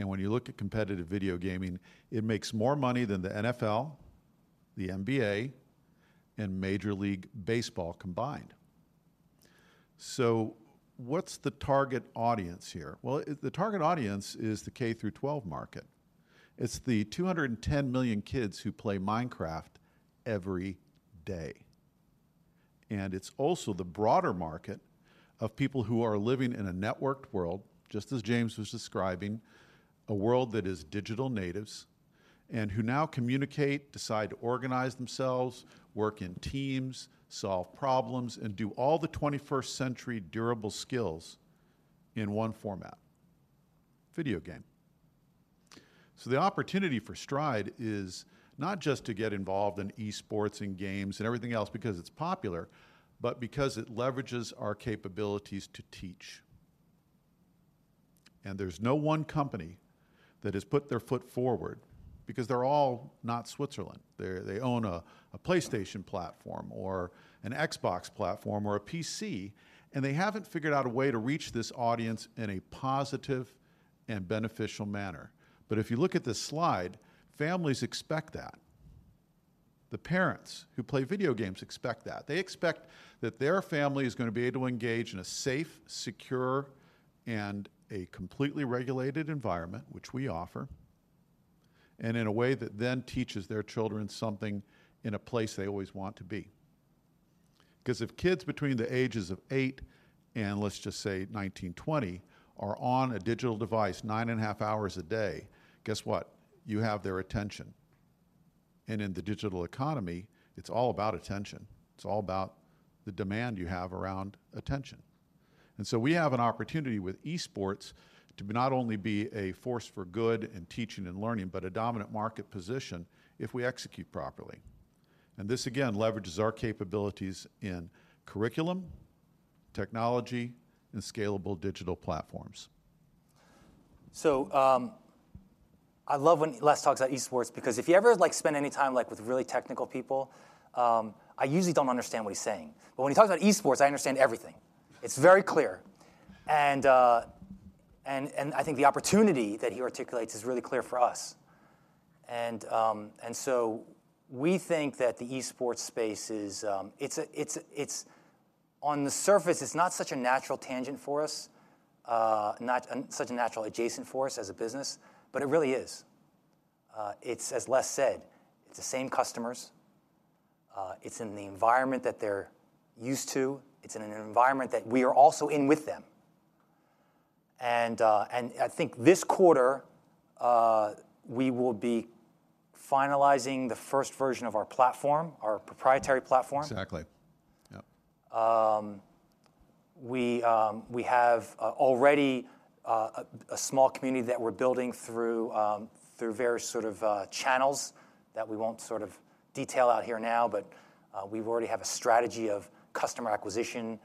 And when you look at competitive video gaming, it makes more money than the NFL, the NBA, and Major League Baseball combined. So what's the target audience here? Well, the target audience is the K12 market. It's the 210 million kids who play Minecraft every day, and it's also the broader market of people who are living in a networked world, just as James was describing, a world that is digital natives, and who now communicate, decide to organize themselves, work in teams, solve problems, and do all the twenty-first century durable skills in one format: video game. So the opportunity for Stride is not just to get involved in esports and games and everything else because it's popular, but because it leverages our capabilities to teach. And there's no one company that has put their foot forward, because they're all not Switzerland. They're they own a PlayStation platform or an Xbox platform or a PC, and they haven't figured out a way to reach this audience in a positive and beneficial manner. But if you look at this slide, families expect that. The parents who play video games expect that. They expect that their family is gonna be able to engage in a safe, secure, and a completely regulated environment, which we offer, and in a way that then teaches their children something in a place they always want to be. Because if kids between the ages of eight and, let's just say 19, 20, are on a digital device 9.5 hours a day, guess what? You have their attention. And in the digital economy, it's all about attention. It's all about the demand you have around attention. And so we have an opportunity with esports to not only be a force for good in teaching and learning, but a dominant market position if we execute properly. This, again, leverages our capabilities in curriculum, technology, and scalable digital platforms. So, I love when Les talks about esports, because if you ever, like, spend any time, like, with really technical people, I usually don't understand what he's saying. But when he talks about esports, I understand everything. It's very clear. And, and I think the opportunity that he articulates is really clear for us. And, so we think that the esports space is... it's a, it's, it's on the surface, it's not such a natural tangent for us, not, such a natural adjacent for us as a business, but it really is. It's, as Les said, it's the same customers, it's in the environment that they're used to, it's in an environment that we are also in with them. I think this quarter, we will be finalizing the first version of our platform, our proprietary platform. Exactly. Yep. We have already a small community that we're building through various sort of channels that we won't sort of detail out here now, but we've already have a strategy of customer acquisition.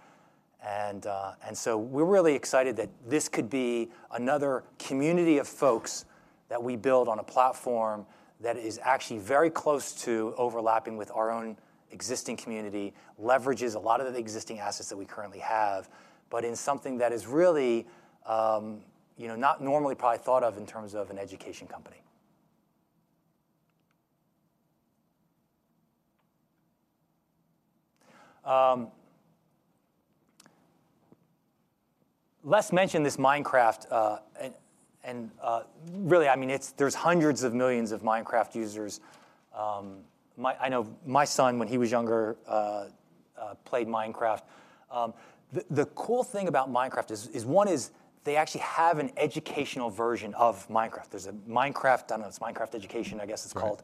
So we're really excited that this could be another community of folks that we build on a platform that is actually very close to overlapping with our own existing community, leverages a lot of the existing assets that we currently have, but in something that is really, you know, not normally probably thought of in terms of an education company. Les mentioned this Minecraft, and really, I mean, it's. There's hundreds of millions of Minecraft users. I know my son, when he was younger, played Minecraft. The cool thing about Minecraft is they actually have an educational version of Minecraft. There's a Minecraft, I don't know, it's Minecraft Education, I guess it's called.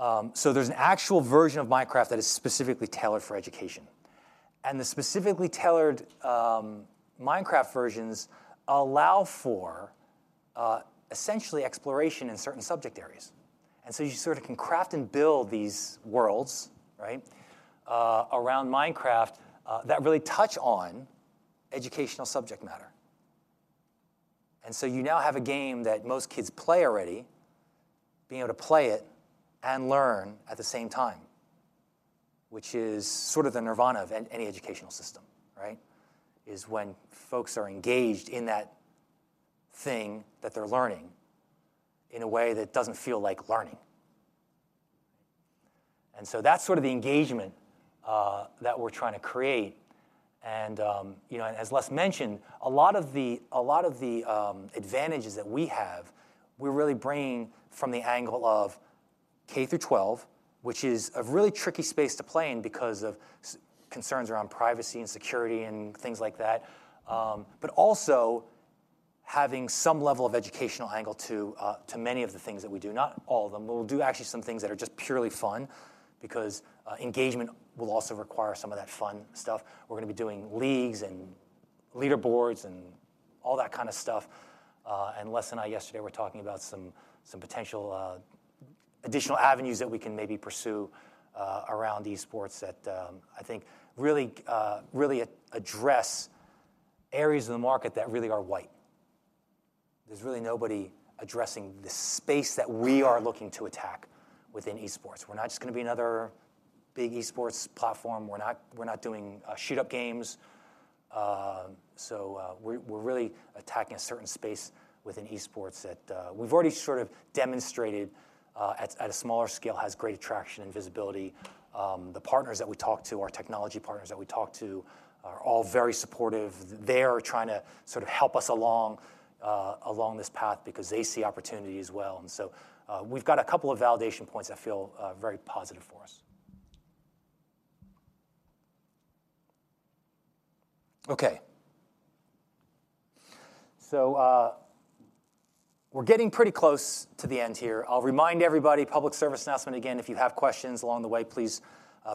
Right. So there's an actual version of Minecraft that is specifically tailored for education. And the specifically tailored Minecraft versions allow for essentially exploration in certain subject areas. And so you sort of can craft and build these worlds, right, around Minecraft, that really touch on educational subject matter. And so you now have a game that most kids play already, being able to play it and learn at the same time, which is sort of the nirvana of any educational system, right? [The nirvana] is when folks are engaged in that thing that they're learning in a way that doesn't feel like learning. And so that's sort of the engagement that we're trying to create. You know, as Les mentioned, a lot of the advantages that we have, we're really bringing from the angle of K-12, which is a really tricky space to play in because of concerns around privacy and security and things like that. But also having some level of educational angle to many of the things that we do. Not all of them, but we'll do actually some things that are just purely fun, because engagement will also require some of that fun stuff. We're gonna be doing leagues and leaderboards and all that kind of stuff. And Les and I yesterday were talking about some potential additional avenues that we can maybe pursue around esports that I think really address areas of the market that really are white. There's really nobody addressing the space that we are looking to attack within esports. We're not just gonna be another big esports platform. We're not, we're not doing shoot-up games. So, we're really attacking a certain space within esports that we've already sort of demonstrated at a smaller scale has great traction and visibility. The partners that we talk to, our technology partners that we talk to, are all very supportive. They are trying to sort of help us along along this path because they see opportunity as well, and so, we've got a couple of validation points that feel very positive for us. Okay. So, we're getting pretty close to the end here. I'll remind everybody, public service announcement again, if you have questions along the way, please,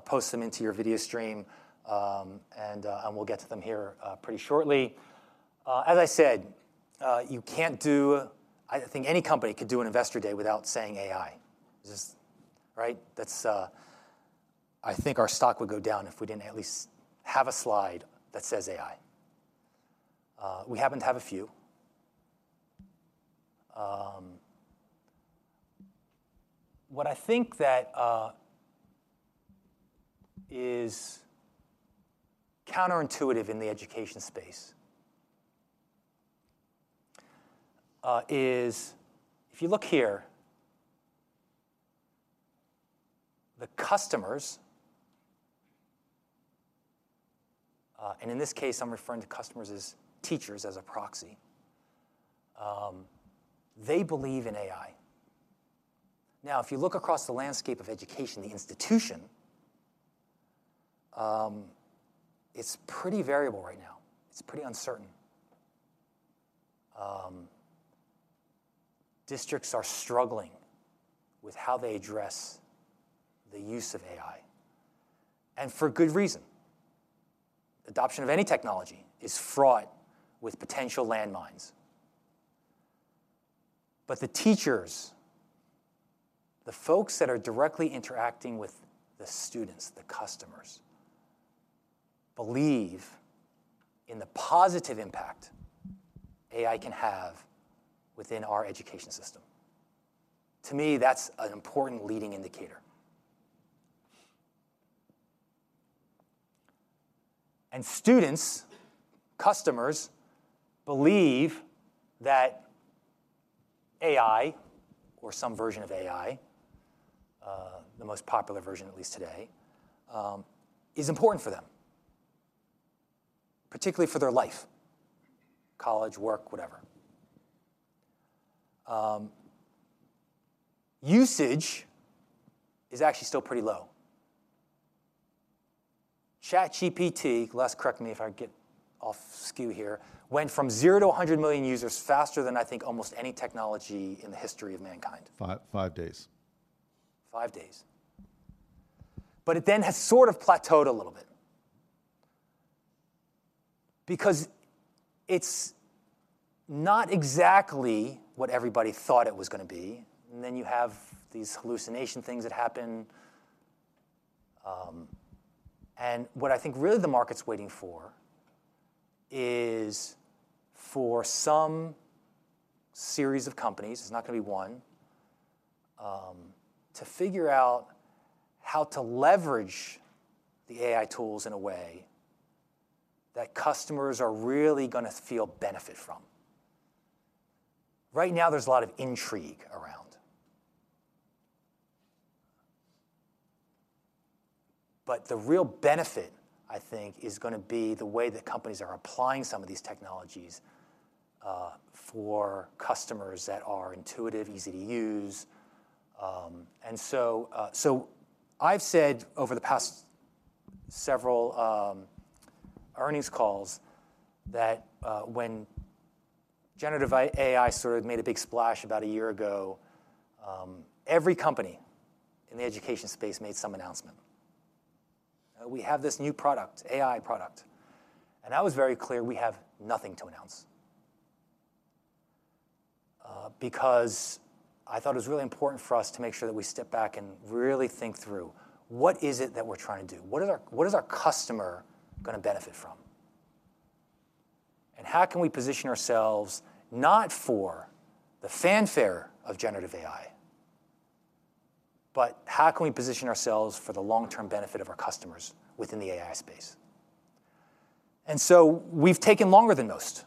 post them into your video stream, and we'll get to them here, pretty shortly. As I said, you can't do... I don't think any company could do an investor day without saying AI. Just, right? That's, I think our stock would go down if we didn't at least have a slide that says AI. We happen to have a few. What I think that is counterintuitive in the education space is if you look here, the customers, and in this case, I'm referring to customers as teachers, as a proxy, they believe in AI. Now, if you look across the landscape of education, the institution, it's pretty variable right now. It's pretty uncertain. Districts are struggling with how they address the use of AI, and for good reason. Adoption of any technology is fraught with potential landmines. But the teachers, the folks that are directly interacting with the students, the customers believe in the positive impact AI can have within our education system. To me, that's an important leading indicator. And students, customers, believe that AI, or some version of AI, the most popular version at least today, is important for them, particularly for their life, college, work, whatever. Usage is actually still pretty low. ChatGPT, Les, correct me if I get askew here, went from zero to 100 million users faster than I think almost any technology in the history of mankind. 5, 5 days. Five days. But it then has sort of plateaued a little bit, because it's not exactly what everybody thought it was gonna be, and then you have these hallucination things that happen. And what I think really the market's waiting for is for some series of companies, it's not gonna be one, to figure out how to leverage the AI tools in a way that customers are really gonna feel benefit from. Right now, there's a lot of intrigue around. But the real benefit, I think, is gonna be the way that companies are applying some of these technologies, for customers that are intuitive, easy to use. And so, so I've said over the past several earnings calls that, when generative AI sort of made a big splash about a year ago, every company in the education space made some announcement. We have this new product, AI product," and I was very clear we have nothing to announce. Because I thought it was really important for us to make sure that we step back and really think through, what is it that we're trying to do? What are our- what is our customer gonna benefit from? And how can we position ourselves not for the fanfare of generative AI, but how can we position ourselves for the long-term benefit of our customers within the AI space? And so we've taken longer than most,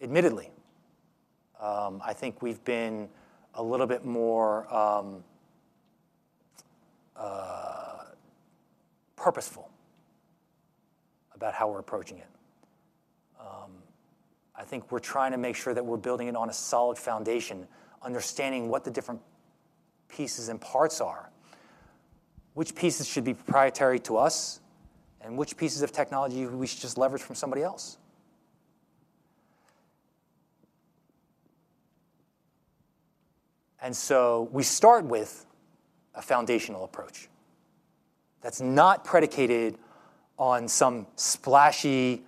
admittedly. I think we've been a little bit more purposeful about how we're approaching it. I think we're trying to make sure that we're building it on a solid foundation, understanding what the different pieces and parts are, which pieces should be proprietary to us, and which pieces of technology we should just leverage from somebody else. We start with a foundational approach that's not predicated on some splashy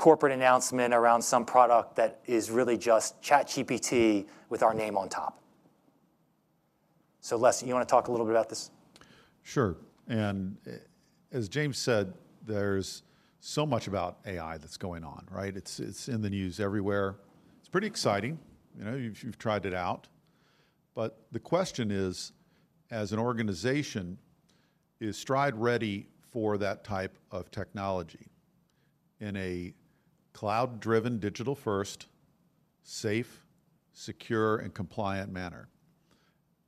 corporate announcement around some product that is really just ChatGPT with our name on top. So, Les, you wanna talk a little bit about this? Sure. And, as James said, there's so much about AI that's going on, right? It's, it's in the news everywhere. It's pretty exciting, you know, you've, you've tried it out. But the question is, as an organization, is Stride ready for that type of technology in a cloud-driven, digital-first, safe, secure, and compliant manner?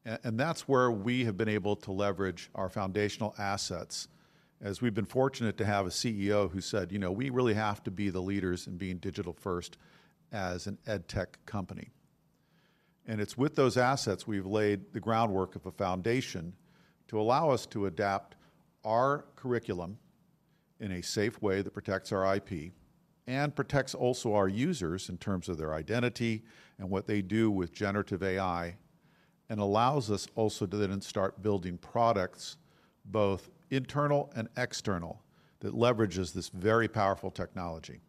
And that's where we have been able to leverage our foundational assets, as we've been fortunate to have a CEO who said, "You know, we really have to be the leaders in being digital-first as an edtech company." And it's with those assets we've laid the groundwork of a foundation to allow us to adapt our curriculum in a safe way that protects our IP, and protects also our users in terms of their identity and what they do with generative AI, and allows us also to then start building products, both internal and external, that leverages this very powerful technology.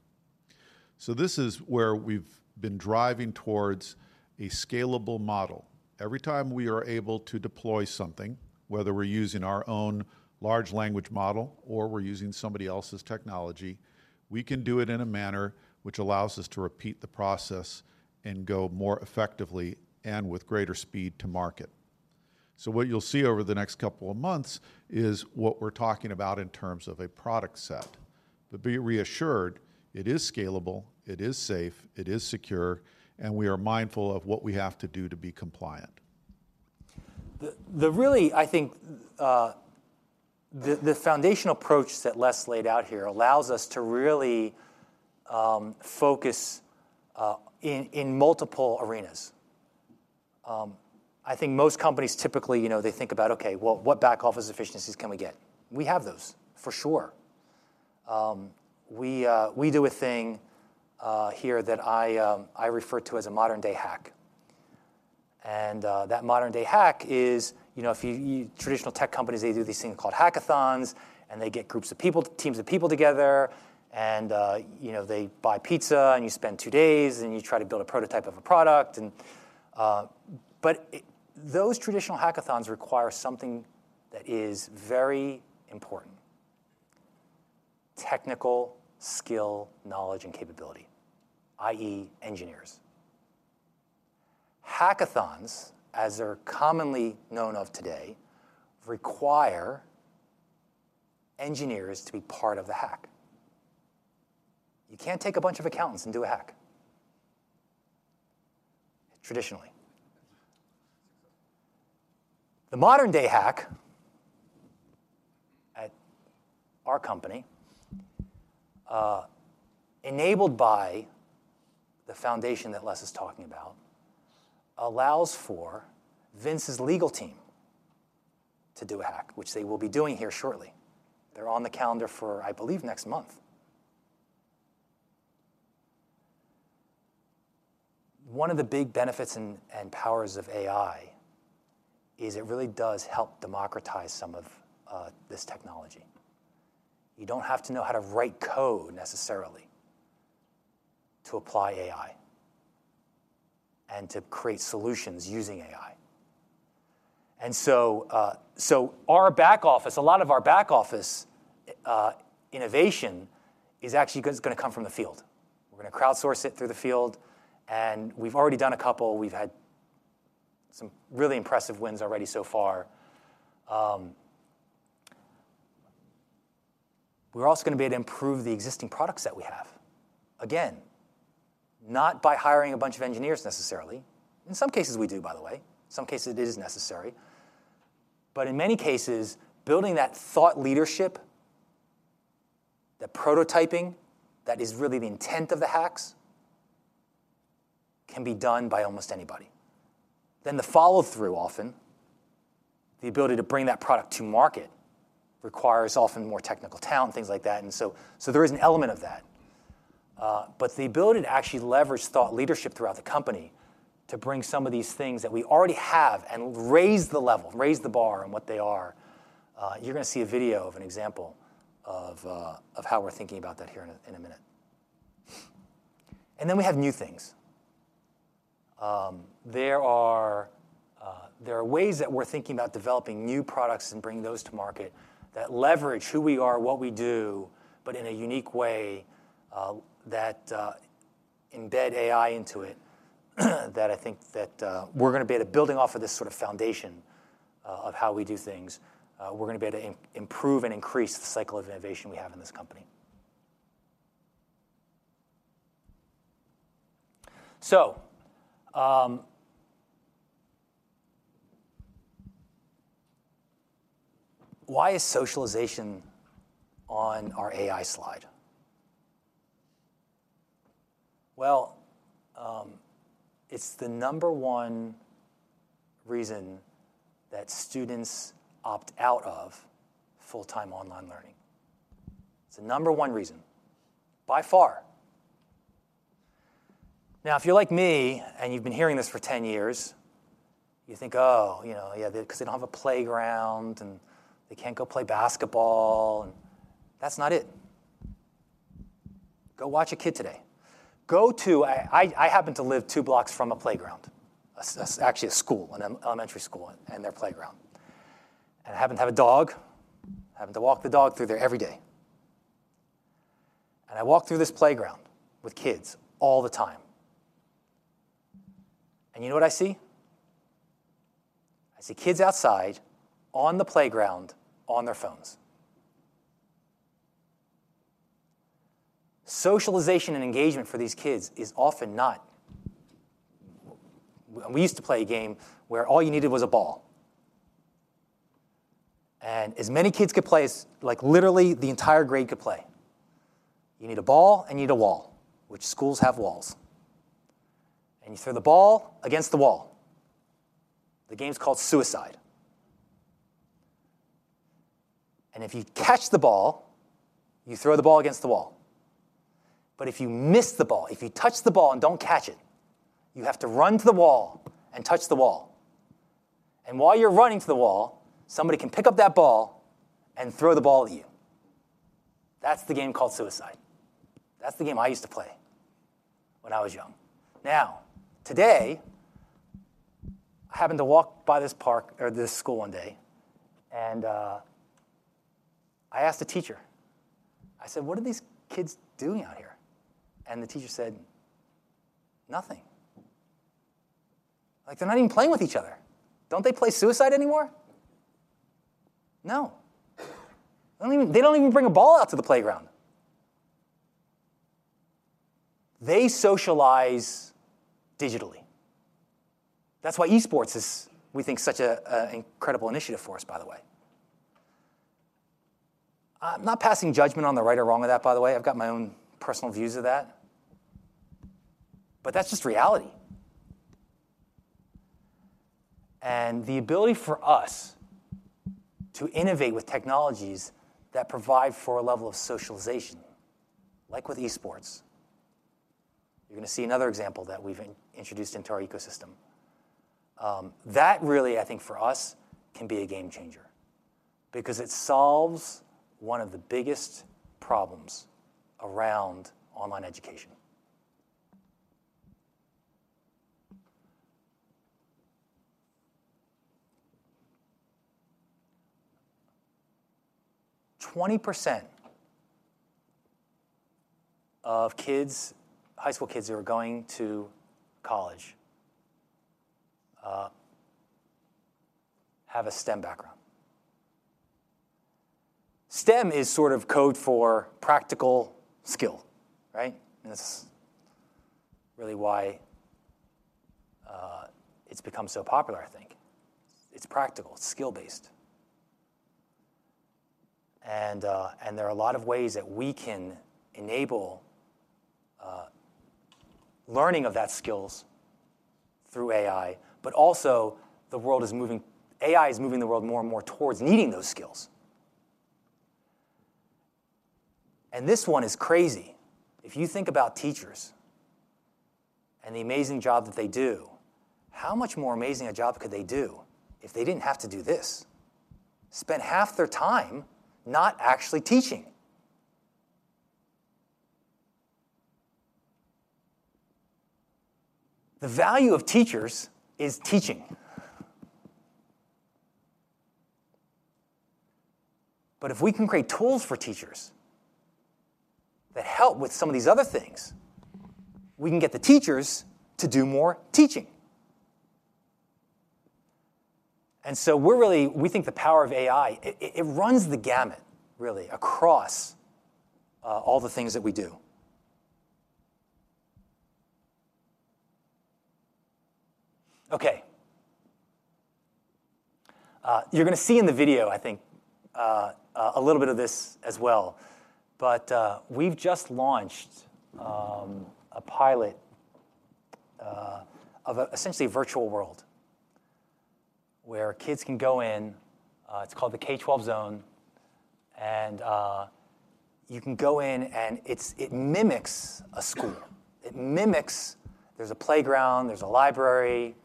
So this is where we've been driving towards a scalable model. Every time we are able to deploy something, whether we're using our own large language model or we're using somebody else's technology, we can do it in a manner which allows us to repeat the process and go more effectively and with greater speed to market. So what you'll see over the next couple of months is what we're talking about in terms of a product set. But be reassured, it is scalable, it is safe, it is secure, and we are mindful of what we have to do to be compliant. The really, I think, the foundational approach that Les laid out here allows us to really focus in multiple arenas. I think most companies typically, you know, they think about, "Okay, well, what back office efficiencies can we get?" We have those, for sure. We do a thing here that I refer to as a modern-day hack. And that modern-day hack is, you know, if you Traditional tech companies, they do these things called hackathons, and they get groups of people, teams of people together and you know, they buy pizza, and you spend two days, and you try to build a prototype of a product. And those traditional hackathons require something that is very important: technical skill, knowledge, and capability, i.e., engineers. Hackathons, as they're commonly known of today, require engineers to be part of the hack. You can't take a bunch of accountants and do a hack, traditionally. The modern-day hack at our company, enabled by the foundation that Les is talking about, allows for Vince's legal team to do a hack, which they will be doing here shortly. They're on the calendar for, I believe, next month. One of the big benefits and, and powers of AI is it really does help democratize some of, this technology. You don't have to know how to write code necessarily to apply AI and to create solutions using AI. And so, so our back office, a lot of our back office, innovation is actually gonna come from the field. We're gonna crowdsource it through the field, and we've already done a couple. We've had some really impressive wins already so far. We're also gonna be able to improve the existing products that we have. Again, not by hiring a bunch of engineers necessarily. In some cases, we do, by the way, some cases it is necessary. But in many cases, building that thought leadership, the prototyping, that is really the intent of the hacks, can be done by almost anybody. Then the follow-through often, the ability to bring that product to market, requires often more technical talent, things like that, and so, so there is an element of that. But the ability to actually leverage thought leadership throughout the company to bring some of these things that we already have and raise the level, raise the bar on what they are, you're gonna see a video of an example of how we're thinking about that here in a minute. And then we have new things. There are ways that we're thinking about developing new products and bringing those to market that leverage who we are, what we do, but in a unique way that embed AI into it, that I think that we're gonna be able to building off of this sort of foundation of how we do things. We're gonna be able to improve and increase the cycle of innovation we have in this company. So, why is socialization on our AI slide? Well, it's the number one reason that students opt out of full-time online learning. It's the number one reason, by far. Now, if you're like me, and you've been hearing this for 10 years, you think, "Oh, you know, yeah, because they don't have a playground, and they can't go play basketball," and that's not it. Go watch a kid today. Go to. I happen to live two blocks from a playground. Actually a school, an elementary school and their playground. And I happen to have a dog. I happen to walk the dog through there every day. And I walk through this playground with kids all the time. And you know what I see? I see kids outside on the playground, on their phones. Socialization and engagement for these kids is often not... We used to play a game where all you needed was a ball. And as many kids could play as, like, literally, the entire grade could play. You need a ball, and you need a wall, which schools have walls. And you throw the ball against the wall. The game's called Suicide. And if you catch the ball, you throw the ball against the wall. But if you miss the ball, if you touch the ball and don't catch it, you have to run to the wall and touch the wall. And while you're running to the wall, somebody can pick up that ball and throw the ball at you. That's the game called Suicide. That's the game I used to play when I was young. Now, today, I happened to walk by this park or this school one day, and I asked the teacher, I said: "What are these kids doing out here?" And the teacher said, "Nothing." Like, they're not even playing with each other. Don't they play Suicide anymore? "No. They don't even, they don't even bring a ball out to the playground." They socialize digitally. That's why esports is, we think, such a incredible initiative for us, by the way. I'm not passing judgment on the right or wrong of that, by the way. I've got my own personal views of that, but that's just reality. And the ability for us to innovate with technologies that provide for a level of socialization, like with esports... You're gonna see another example that we've introduced into our ecosystem. That really, I think, for us, can be a game changer, because it solves one of the biggest problems around online education. 20% of kids, high school kids who are going to college, have a STEM background. STEM is sort of code for practical skill, right? And that's really why it's become so popular, I think. It's practical, it's skill-based. And, and there are a lot of ways that we can enable learning of that skills through AI, but also the world is moving... AI is moving the world more and more towards needing those skills. And this one is crazy. If you think about teachers and the amazing job that they do, how much more amazing a job could they do if they didn't have to do this? Spend half their time not actually teaching. The value of teachers is teaching. But if we can create tools for teachers that help with some of these other things, we can get the teachers to do more teaching. And so we're really, we think the power of AI, it runs the gamut, really, across all the things that we do. Okay. You're gonna see in the video, I think, a little bit of this as well, but we've just launched a pilot of essentially a virtual world, where kids can go in, it's called the K12 Zone, and you can go in, and it's, it mimics a school. It mimics... There's a playground, there's a library,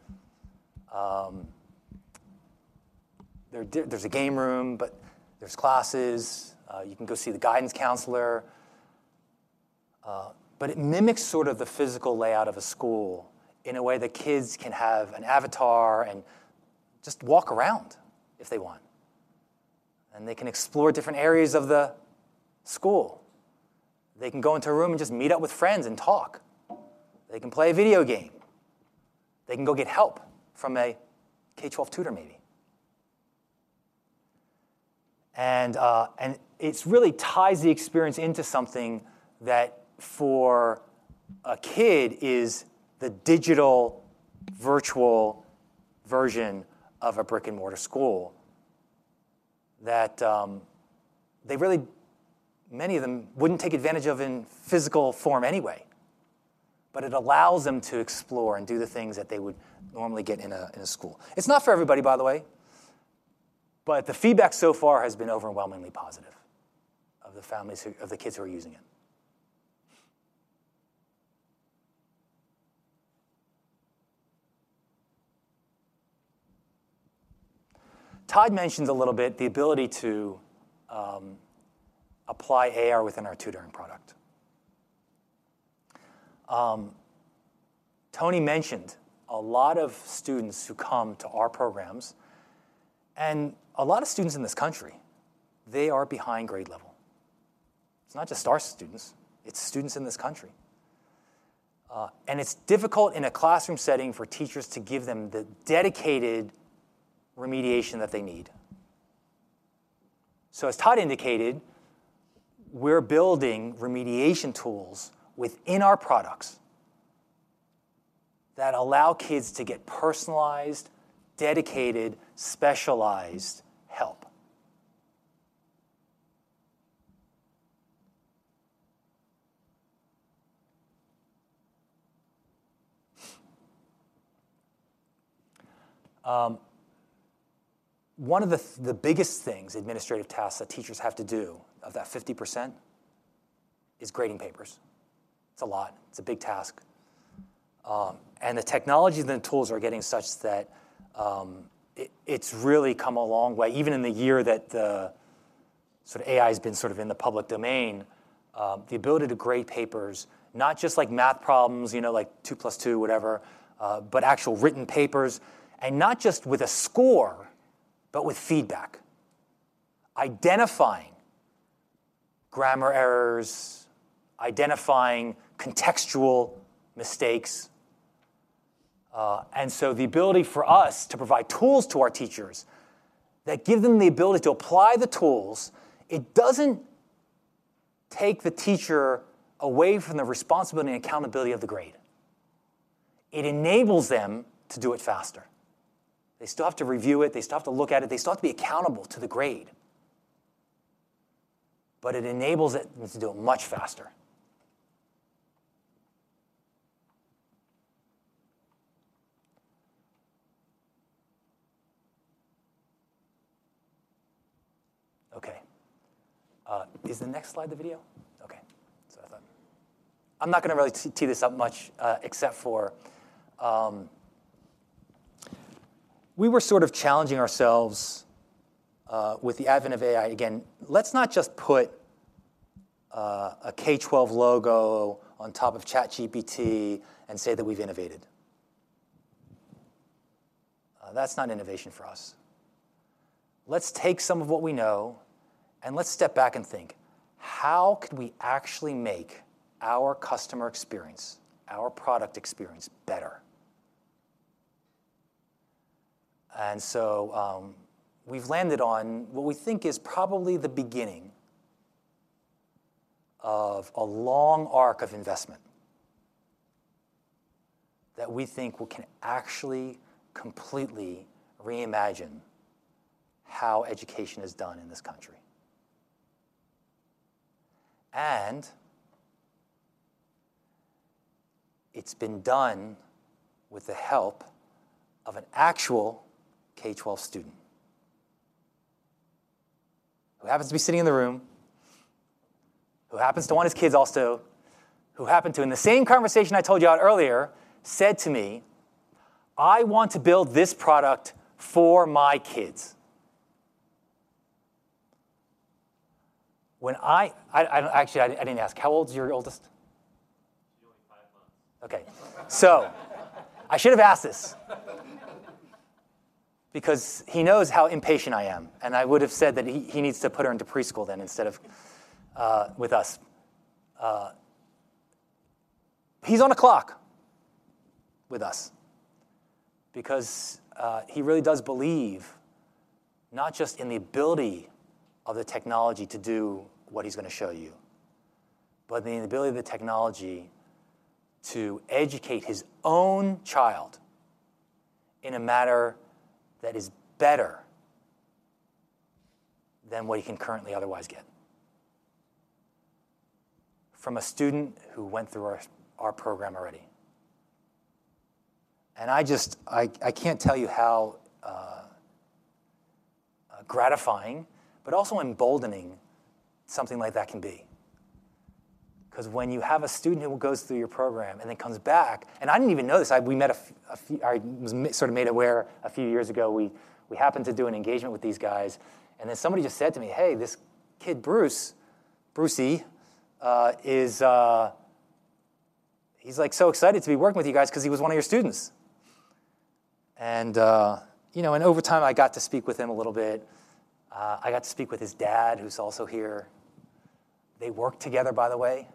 there's a game room, but there's classes, you can go see the guidance counselor, but it mimics sort of the physical layout of a school in a way that kids can have an avatar and just walk around if they want, and they can explore different areas of the school. They can go into a room and just meet up with friends and talk. They can play a video game. They can go get help from a K12 tutor, maybe. And, and it's really ties the experience into something that for a kid, is the digital, virtual version of a brick-and-mortar school, that, they really, many of them wouldn't take advantage of in physical form anyway. But it allows them to explore and do the things that they would normally get in a, in a school. It's not for everybody, by the way, but the feedback so far has been overwhelmingly positive of the kids who are using it. Todd mentioned a little bit, the ability to apply AR within our tutoring product. Tony mentioned a lot of students who come to our programs, and a lot of students in this country, they are behind grade level. It's not just our students, it's students in this country. It's difficult in a classroom setting for teachers to give them the dedicated remediation that they need. So as Todd indicated, we're building remediation tools within our products that allow kids to get personalized, dedicated, specialized help. One of the biggest things, administrative tasks, that teachers have to do of that 50%, is grading papers. It's a lot. It's a big task. The technology and the tools are getting such that it's really come a long way, even in the year that sort of AI has been sort of in the public domain, the ability to grade papers, not just like math problems, you know, like 2 + 2, whatever, but actual written papers, and not just with a score, but with feedback. Identifying grammar errors, identifying contextual mistakes. And so the ability for us to provide tools to our teachers that give them the ability to apply the tools. It doesn't take the teacher away from the responsibility and accountability of the grade. It enables them to do it faster. They still have to review it, they still have to look at it, they still have to be accountable to the grade, but it enables them to do it much faster.... Is the next slide the video? Okay, that's what I thought. I'm not gonna really tee this up much, except for, we were sort of challenging ourselves with the advent of AI. Again, let's not just put a K12 logo on top of ChatGPT and say that we've innovated. That's not innovation for us. Let's take some of what we know, and let's step back and think, "How could we actually make our customer experience, our product experience, better?" And so, we've landed on what we think is probably the beginning of a long arc of investment, that we think we can actually completely reimagine how education is done in this country. It's been done with the help of an actual K12 student, who happens to be sitting in the room, who happens to one of his kids also, who happened to, in the same conversation I told you about earlier, said to me, "I want to build this product for my kids." When I actually didn't ask, how old's your oldest? She's only five months. Okay. So I should have asked this, because he knows how impatient I am, and I would have said that he needs to put her into preschool then instead of with us. He's on a clock with us, because he really does believe not just in the ability of the technology to do what he's gonna show you, but in the ability of the technology to educate his own child in a manner that is better than what he can currently otherwise get, from a student who went through our program already. And I just... I can't tell you how gratifying but also emboldening something like that can be. 'Cause when you have a student who goes through your program and then comes back... And I didn't even know this. I was sort of made aware a few years ago. We happened to do an engagement with these guys, and then somebody just said to me, "Hey, this kid, Bruce, Brucey, is like so excited to be working with you guys, 'cause he was one of your students." And, you know, and over time, I got to speak with him a little bit. I got to speak with his dad, who's also here. They work together, by the way.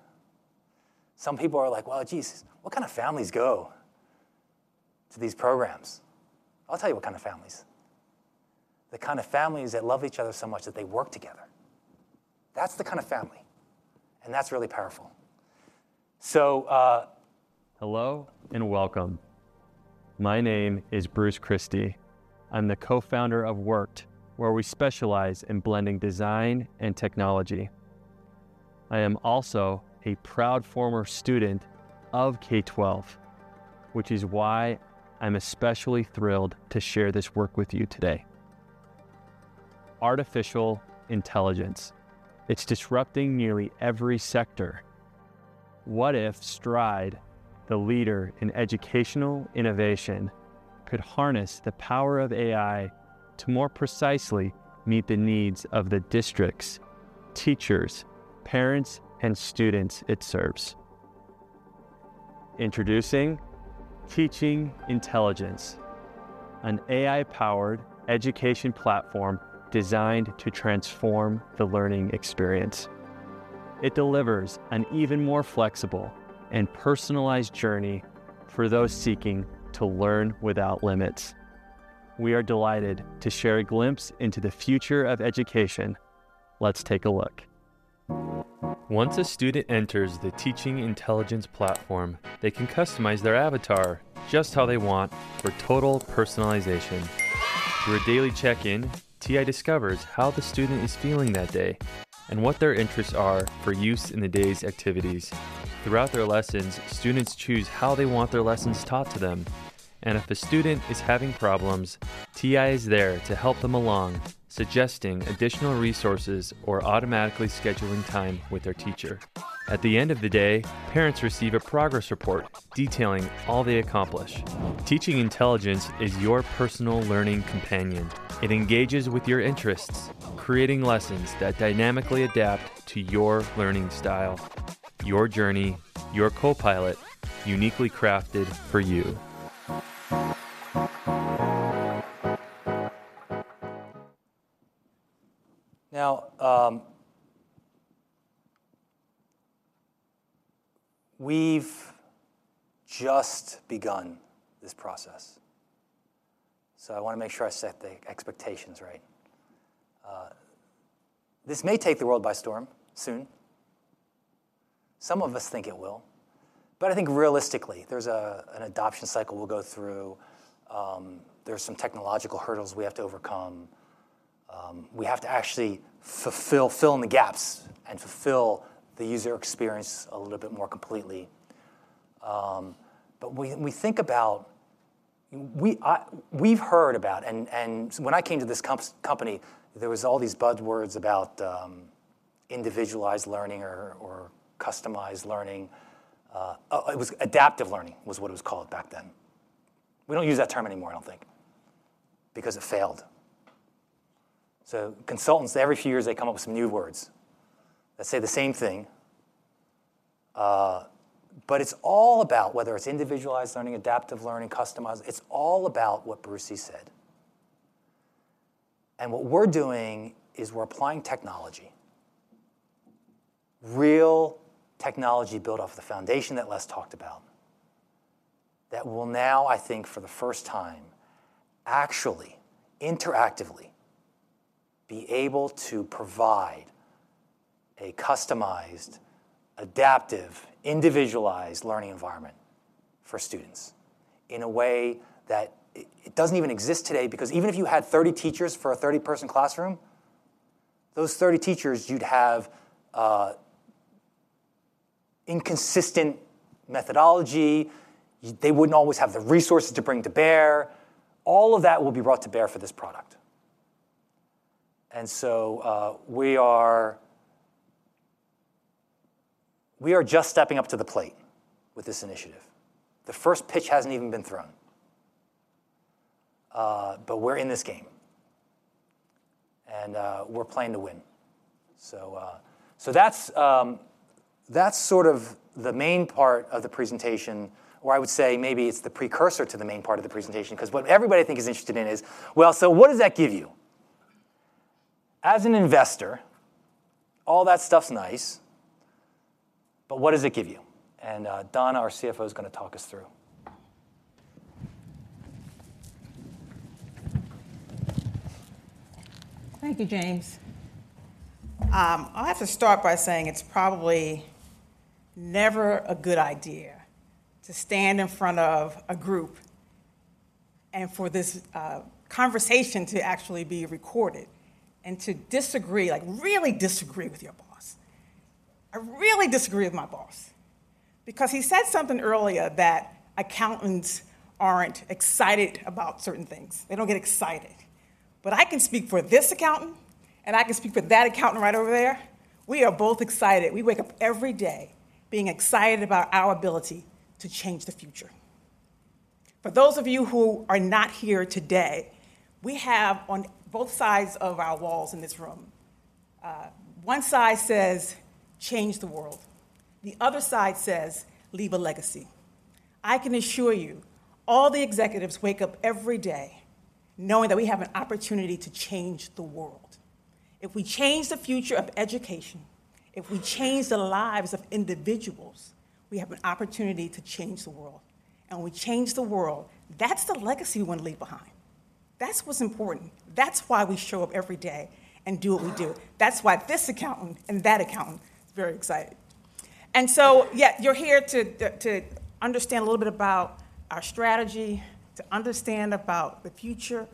Some people are like: Well, geez, what kind of families go to these programs? I'll tell you what kind of families. The kind of families that love each other so much that they work together. That's the kind of family, and that's really powerful. So, Hello, and welcome. My name is Bruce Christie. I'm the co-founder of worked, where we specialize in blending design and technology. I am also a proud former student of K12, which is why I'm especially thrilled to share this work with you today. Artificial intelligence, it's disrupting nearly every sector. What if Stride, the leader in educational innovation, could harness the power of AI to more precisely meet the needs of the districts, teachers, parents, and students it serves? Introducing Teaching Intelligence, an AI-powered education platform designed to transform the learning experience. It delivers an even more flexible and personalized journey for those seeking to learn without limits. We are delighted to share a glimpse into the future of education. Let's take a look. Once a student enters the Teaching Intelligence platform, they can customize their avatar just how they want for total personalization. Through a daily check-in, TI discovers how the student is feeling that day and what their interests are for use in the day's activities. Throughout their lessons, students choose how they want their lessons taught to them, and if the student is having problems, TI is there to help them along, suggesting additional resources or automatically scheduling time with their teacher. At the end of the day, parents receive a progress report detailing all they accomplish. Teaching Intelligence is your personal learning companion. It engages with your interests, creating lessons that dynamically adapt to your learning style, your journey, your co-pilot, uniquely crafted for you. Now, we've just begun this process, so I wanna make sure I set the expectations right. This may take the world by storm soon. Some of us think it will, but I think realistically, there's an adoption cycle we'll go through. There are some technological hurdles we have to overcome. We have to actually fill in the gaps and fulfill the user experience a little bit more completely... But we think about. We've heard about, and when I came to this company, there was all these buzzwords about individualized learning or customized learning. It was adaptive learning, what it was called back then. We don't use that term anymore, I don't think, because it failed. So consultants, every few years, they come up with some new words that say the same thing. But it's all about whether it's individualized learning, adaptive learning, customized, it's all about what Bruce said. And what we're doing is we're applying technology, real technology built off the foundation that Les talked about, that will now, I think, for the first time, actually, interactively, be able to provide a customized, adaptive, individualized learning environment for students in a way that it, it doesn't even exist today. Because even if you had 30 teachers for a 30-person classroom, those 30 teachers, you'd have inconsistent methodology. They wouldn't always have the resources to bring to bear. All of that will be brought to bear for this product. And so, we are just stepping up to the plate with this initiative. The first pitch hasn't even been thrown, but we're in this game, and we're playing to win. So, that's sort of the main part of the presentation, or I would say maybe it's the precursor to the main part of the presentation. 'Cause what everybody, I think, is interested in is: Well, so what does that give you? As an investor, all that stuff's nice, but what does it give you? Donna, our CFO, is gonna talk us through. Thank you, James. I'll have to start by saying it's probably never a good idea to stand in front of a group, and for this, conversation to actually be recorded, and to disagree, like, really disagree with your boss. I really disagree with my boss! Because he said something earlier, that accountants aren't excited about certain things. They don't get excited. But I can speak for this accountant, and I can speak for that accountant right over there, we are both excited. We wake up every day being excited about our ability to change the future. For those of you who are not here today, we have on both sides of our walls in this room, one side says, "Change the world," the other side says, "Leave a legacy." I can assure you, all the executives wake up every day knowing that we have an opportunity to change the world. If we change the future of education, if we change the lives of individuals, we have an opportunity to change the world, and when we change the world, that's the legacy we wanna leave behind. That's what's important. That's why we show up every day and do what we do. That's why this accountant and that accountant is very excited. And so, yeah, you're here to understand a little bit about our strategy, to understand about the future.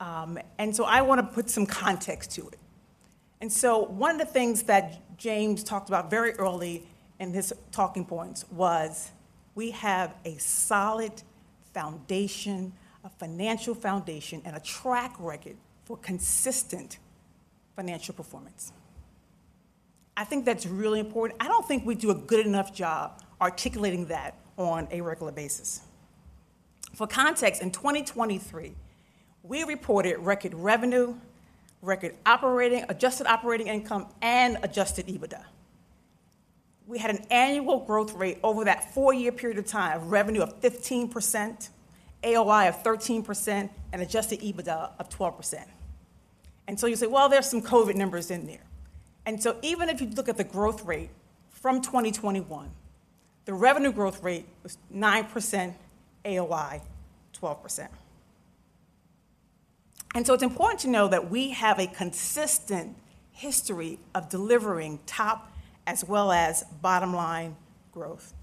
And so I wanna put some context to it. One of the things that James talked about very early in his talking points was, we have a solid foundation, a financial foundation, and a track record for consistent financial performance. I think that's really important. I don't think we do a good enough job articulating that on a regular basis. For context, in 2023, we reported record revenue, record operating, Adjusted Operating Income, and Adjusted EBITDA. We had an annual growth rate over that four-year period of time, revenue of 15%, AOI of 13%, and Adjusted EBITDA of 12%. And so you say, "Well, there are some COVID numbers in there." Even if you look at the growth rate from 2021, the revenue growth rate was 9%, AOI, 12%. And so it's important to know that we have a consistent history of delivering top as well as bottom-line growth,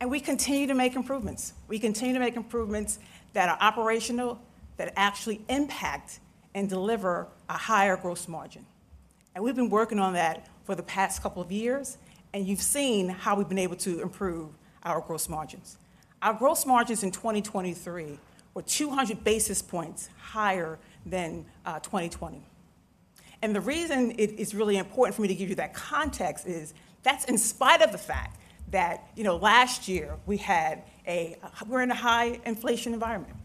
and we continue to make improvements. We continue to make improvements that are operational, that actually impact and deliver a higher gross margin. And we've been working on that for the past couple of years, and you've seen how we've been able to improve our gross margins. Our gross margins in 2023 were 200 basis points higher than 2020. And the reason it is really important for me to give you that context is, that's in spite of the fact that, you know, last year we had a, we're in a high inflation environment,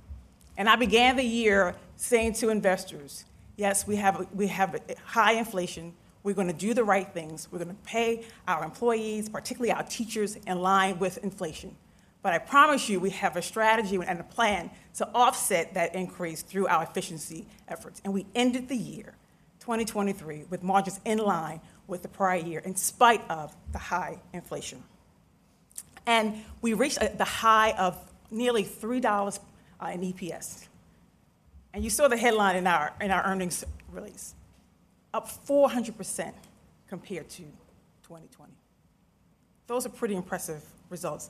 and I began the year saying to investors: Yes, we have a, we have high inflation. We're gonna do the right things. We're gonna pay our employees, particularly our teachers, in line with inflation. But I promise you, we have a strategy and a plan to offset that increase through our efficiency efforts. And we ended the year, 2023, with margins in line with the prior year, in spite of the high inflation. And we reached a, the high of nearly $3 in EPS. And you saw the headline in our, in our earnings release, up 400% compared to 2020. Those are pretty impressive results.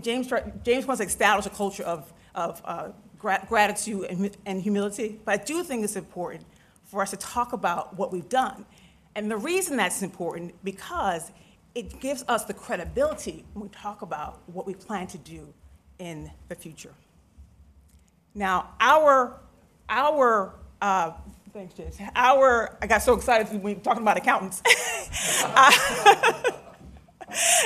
James, James wants to establish a culture of, of, gratitude and, and humility. But I do think it's important for us to talk about what we've done. And the reason that's important, because it gives us the credibility when we talk about what we plan to do in the future. Now, thanks, James. I got so excited when you were talking about accountants.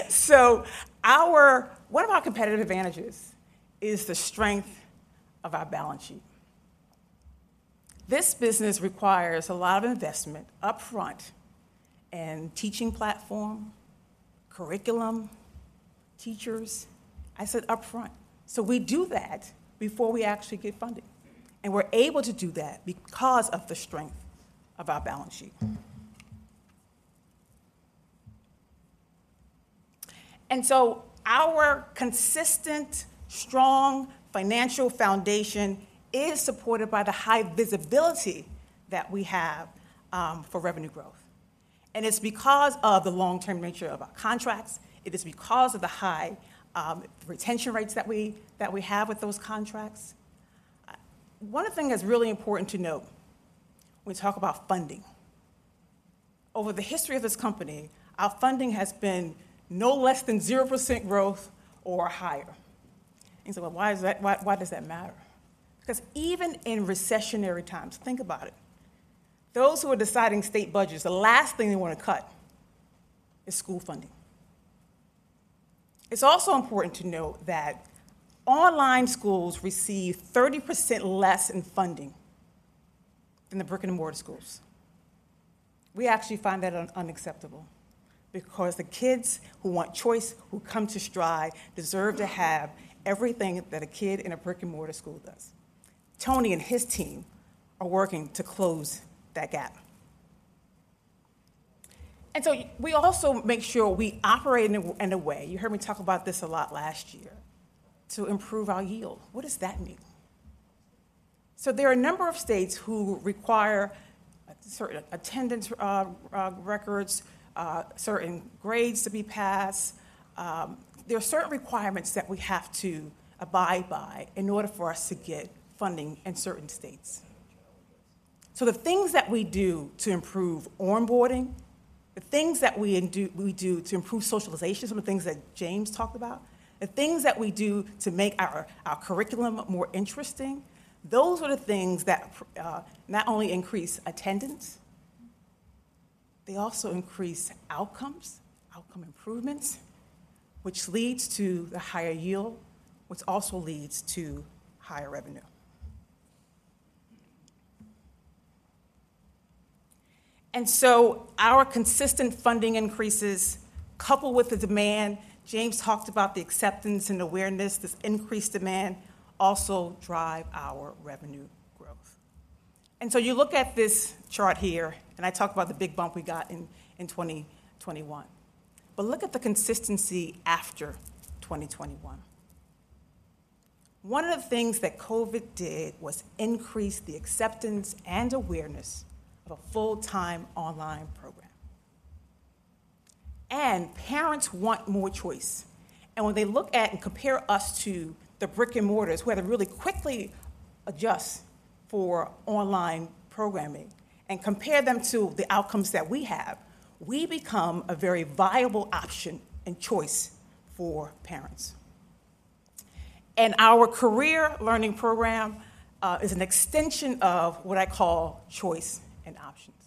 So our, one of our competitive advantages is the strength of our balance sheet. This business requires a lot of investment upfront in teaching platform, curriculum, teachers. I said upfront, so we do that before we actually get funding, and we're able to do that because of the strength of our balance sheet. And so our consistent, strong financial foundation is supported by the high visibility that we have for revenue growth. And it's because of the long-term nature of our contracts, it is because of the high retention rates that we have with those contracts. One thing that's really important to note when we talk about funding: over the history of this company, our funding has been no less than 0% growth or higher. And you say, "Well, why is that, why, why does that matter?" Because even in recessionary times, think about it, those who are deciding state budgets, the last thing they want to cut is school funding. It's also important to note that online schools receive 30% less in funding than the brick-and-mortar schools. We actually find that unacceptable because the kids who want choice, who come to Stride, deserve to have everything that a kid in a brick-and-mortar school does. Tony and his team are working to close that gap. And so we also make sure we operate in a way, you heard me talk about this a lot last year, to improve our yield. What does that mean? So there are a number of states who require certain attendance records, certain grades to be passed. There are certain requirements that we have to abide by in order for us to get funding in certain states. So the things that we do to improve onboarding, the things that we do to improve socialization, some of the things that James talked about, the things that we do to make our, our curriculum more interesting, those are the things that not only increase attendance, they also increase outcomes, outcome improvements, which leads to the higher yield, which also leads to higher revenue. And so our consistent funding increases, coupled with the demand, James talked about the acceptance and awareness, this increased demand also drive our revenue growth. And so you look at this chart here, and I talked about the big bump we got in 2021. But look at the consistency after 2021. One of the things that COVID did was increase the acceptance and awareness of a full-time online program. Parents want more choice. When they look at and compare us to the brick-and-mortars, who had to really quickly adjust for online programming, and compare them to the outcomes that we have, we become a very viable option and choice for parents. Our Career Learning program is an extension of what I call choice and options.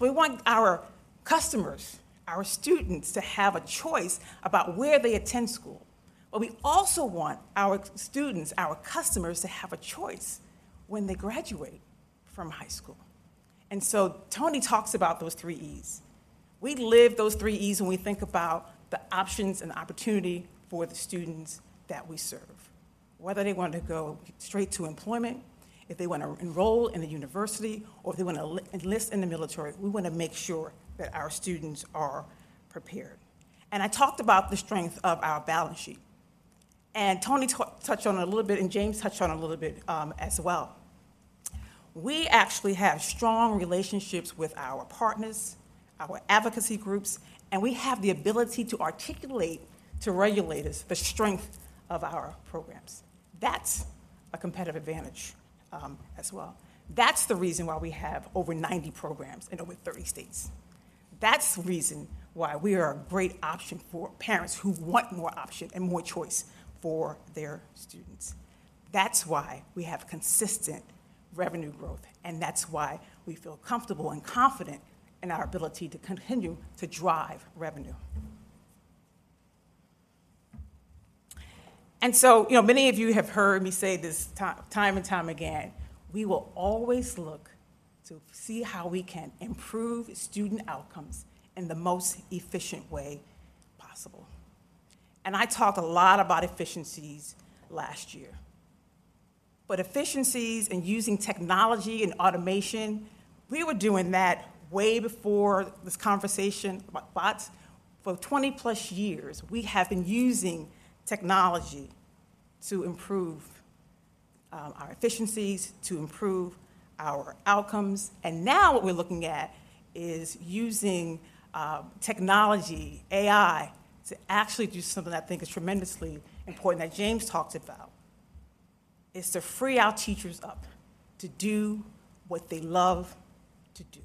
We want our customers, our students, to have a choice about where they attend school. We also want our students, our customers, to have a choice when they graduate from high school. Tony talks about those Three E's. We live those Three E's when we think about the options and opportunity for the students that we serve. Whether they want to go straight to employment, if they want to enroll in a university, or if they want to enlist in the military, we want to make sure that our students are prepared. And I talked about the strength of our balance sheet, and Tony touched on it a little bit, and James touched on it a little bit, as well. We actually have strong relationships with our partners, our advocacy groups, and we have the ability to articulate to regulators the strength of our programs. That's a competitive advantage, as well. That's the reason why we have over 90 programs in over 30 states. That's the reason why we are a great option for parents who want more option and more choice for their students. That's why we have consistent revenue growth, and that's why we feel comfortable and confident in our ability to continue to drive revenue. And so, you know, many of you have heard me say this time, time and time again, we will always look to see how we can improve student outcomes in the most efficient way possible. And I talked a lot about efficiencies last year. But efficiencies and using technology and automation, we were doing that way before this conversation about bots. For 20-plus years, we have been using technology to improve our efficiencies, to improve our outcomes. And now what we're looking at is using technology, AI, to actually do something that I think is tremendously important, that James talked about, is to free our teachers up to do what they love to do.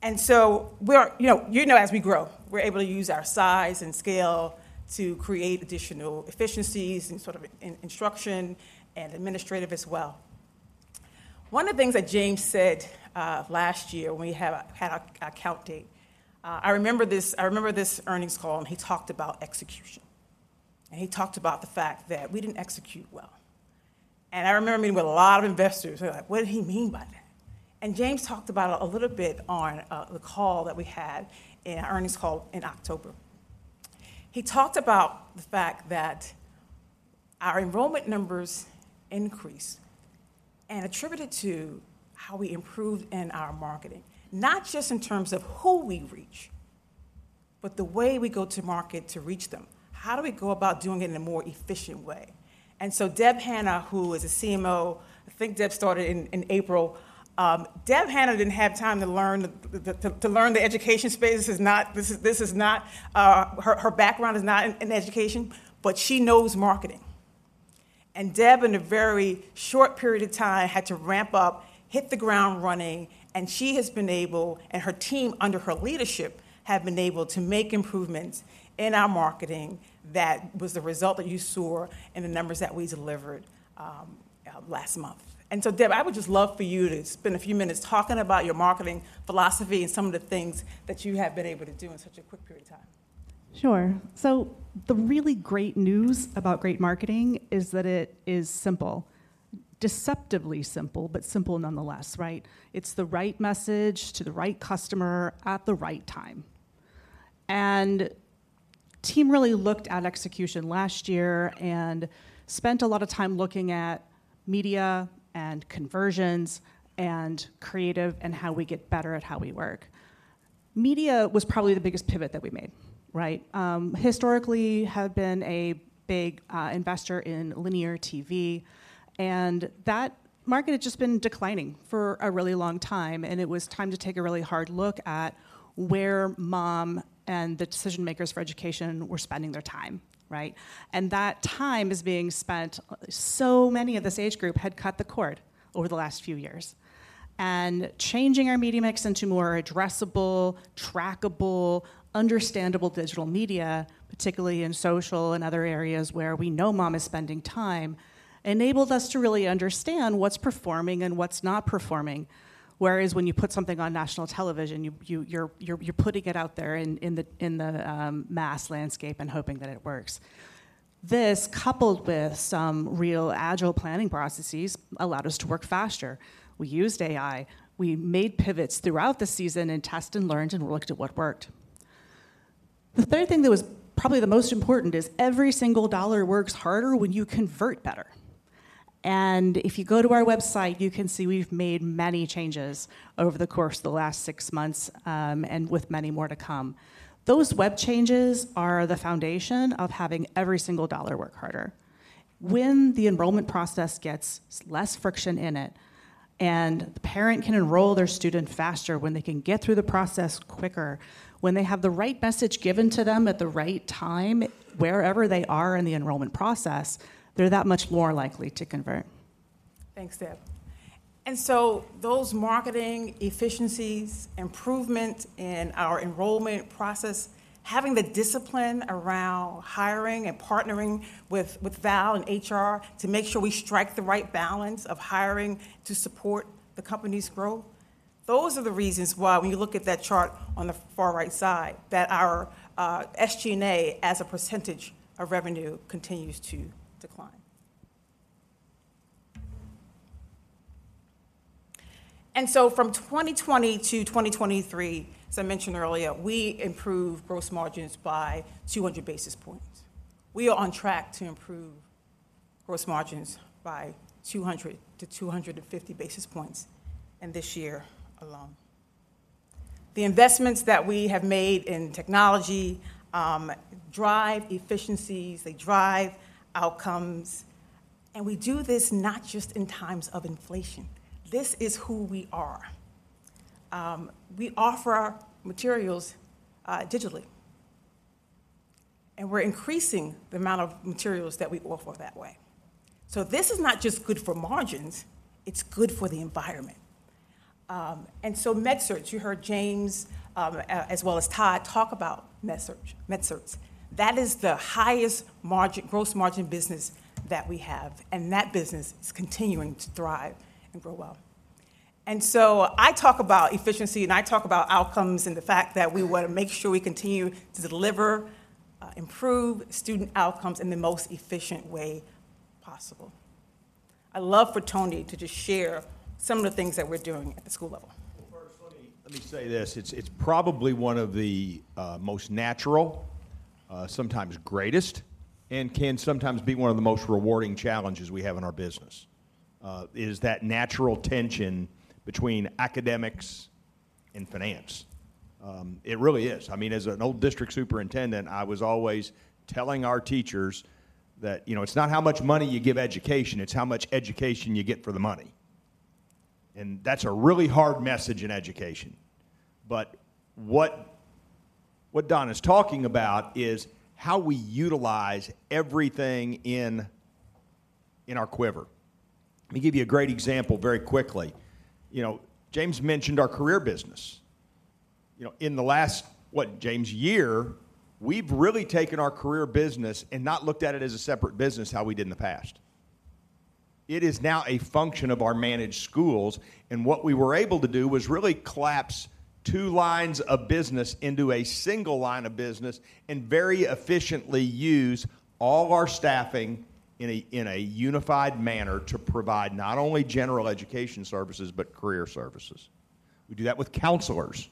And so we are, you know, as we grow, we're able to use our size and scale to create additional efficiencies and sort of in instruction and administrative as well. One of the things that James said last year when we had our count date, I remember this, I remember this earnings call, and he talked about execution. And he talked about the fact that we didn't execute well. And I remember meeting with a lot of investors who were like: "What did he mean by that?" And James talked about it a little bit on the call that we had in our earnings call in October. He talked about the fact that our enrollment numbers increased, and attributed to how we improved in our marketing. Not just in terms of who we reach, but the way we go to market to reach them. How do we go about doing it in a more efficient way? And so Deb Hannah, who is a CMO, I think Deb started in April. Deb Hannah didn't have time to learn the education space. This is not her background in education, but she knows marketing. And Deb, in a very short period of time, had to ramp up, hit the ground running, and she has been able, and her team, under her leadership, have been able to make improvements in our marketing that was the result that you saw in the numbers that we delivered last month. And so, Deb, I would just love for you to spend a few minutes talking about your marketing philosophy and some of the things that you have been able to do in such a quick period of time. Sure. So the really great news about great marketing is that it is simple. Deceptively simple, but simple nonetheless, right? It's the right message to the right customer at the right time. And the team really looked at execution last year and spent a lot of time looking at media, and conversions, and creative, and how we get better at how we work. Media was probably the biggest pivot that we made, right? Historically had been a big investor in linear TV, and that market had just been declining for a really long time, and it was time to take a really hard look at where mom and the decision-makers for education were spending their time, right? And that time is being spent. So many of this age group had cut the cord over the last few years. And changing our media mix into more addressable, trackable, understandable digital media, particularly in social and other areas where we know Mom is spending time, enabled us to really understand what's performing and what's not performing. Whereas when you put something on national television, you're putting it out there in the mass landscape and hoping that it works. This, coupled with some real agile planning processes, allowed us to work faster. We used AI. We made pivots throughout the season, and tested, and learned, and looked at what worked. The third thing that was probably the most important is every single dollar works harder when you convert better. And if you go to our website, you can see we've made many changes over the course of the last six months, and with many more to come. Those web changes are the foundation of having every single dollar work harder. When the enrollment process gets less friction in it, and the parent can enroll their student faster, when they can get through the process quicker, when they have the right message given to them at the right time, wherever they are in the enrollment process, they're that much more likely to convert. Thanks, Deb. Those marketing efficiencies, improvement in our enrollment process, having the discipline around hiring and partnering with Val and HR to make sure we strike the right balance of hiring to support the company's growth, those are the reasons why when you look at that chart on the far right side, that our SG&A, as a percentage of revenue, continues to decline. From 2020 to 2023, as I mentioned earlier, we improved gross margins by 200 basis points. We are on track to improve gross margins by 200-250 basis points in this year alone. The investments that we have made in technology drive efficiencies, they drive outcomes, and we do this not just in times of inflation. This is who we are. We offer our materials digitally, and we're increasing the amount of materials that we offer that way. So this is not just good for margins, it's good for the environment. MedCerts, you heard James, as well as Todd, talk about MedCerts, MedCerts. That is the highest margin, gross margin business that we have, and that business is continuing to thrive and grow well. And so I talk about efficiency, and I talk about outcomes, and the fact that we want to make sure we continue to deliver, improve student outcomes in the most efficient way possible. I'd love for Tony to just share some of the things that we're doing at the school level. Well, first, let me, let me say this: It's, it's probably one of the, most natural, sometimes greatest, and can sometimes be one of the most rewarding challenges we have in our business, is that natural tension between academics-... in finance. It really is. I mean, as an old district superintendent, I was always telling our teachers that, you know, it's not how much money you give education, it's how much education you get for the money. And that's a really hard message in education. But what Donna is talking about is how we utilize everything in our quiver. Let me give you a great example very quickly. You know, James mentioned our career business. You know, in the last, what, James, year, we've really taken our career business and not looked at it as a separate business, how we did in the past. It is now a function of our managed schools, and what we were able to do was really collapse two lines of business into a single line of business, and very efficiently use all our staffing in a unified manner to provide not only general education services, but career services. We do that with counselors.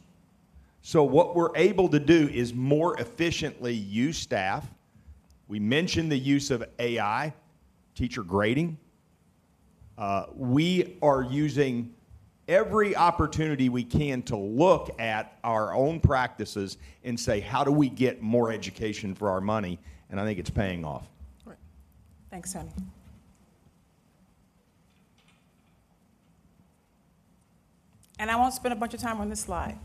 So what we're able to do is more efficiently use staff. We mentioned the use of AI, teacher grading. We are using every opportunity we can to look at our own practices and say: How do we get more education for our money? And I think it's paying off. Great. Thanks, Tony. And I won't spend a bunch of time on this slide.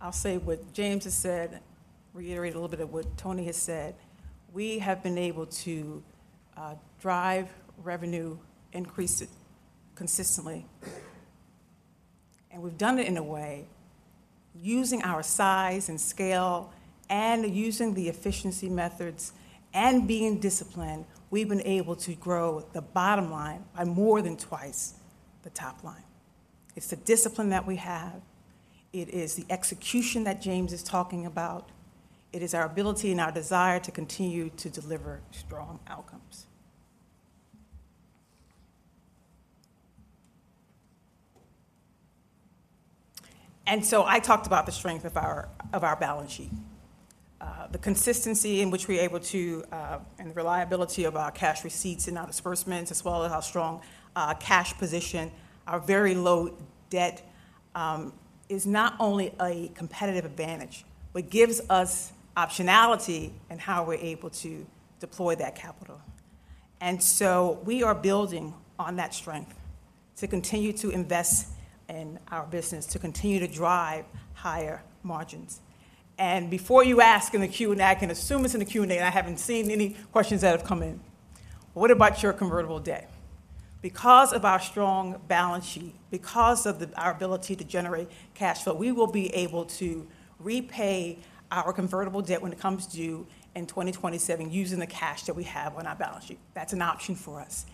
I'll say what James has said, reiterate a little bit of what Tony has said. We have been able to drive revenue, increase it consistently. And we've done it in a way, using our size and scale, and using the efficiency methods, and being disciplined, we've been able to grow the bottom line by more than twice the top line. It's the discipline that we have, it is the execution that James is talking about. It is our ability and our desire to continue to deliver strong outcomes. And so I talked about the strength of our balance sheet. The consistency in which we're able to, and the reliability of our cash receipts and disbursements, as well as our strong, cash position, our very low debt, is not only a competitive advantage, but gives us optionality in how we're able to deploy that capital. We are building on that strength to continue to invest in our business, to continue to drive higher margins. Before you ask in the Q&A, I can assume it's in the Q&A, I haven't seen any questions that have come in. What about your convertible debt? Because of our strong balance sheet, because of our ability to generate cash flow, we will be able to repay our convertible debt when it comes due in 2027 using the cash that we have on our balance sheet. That's an option for us.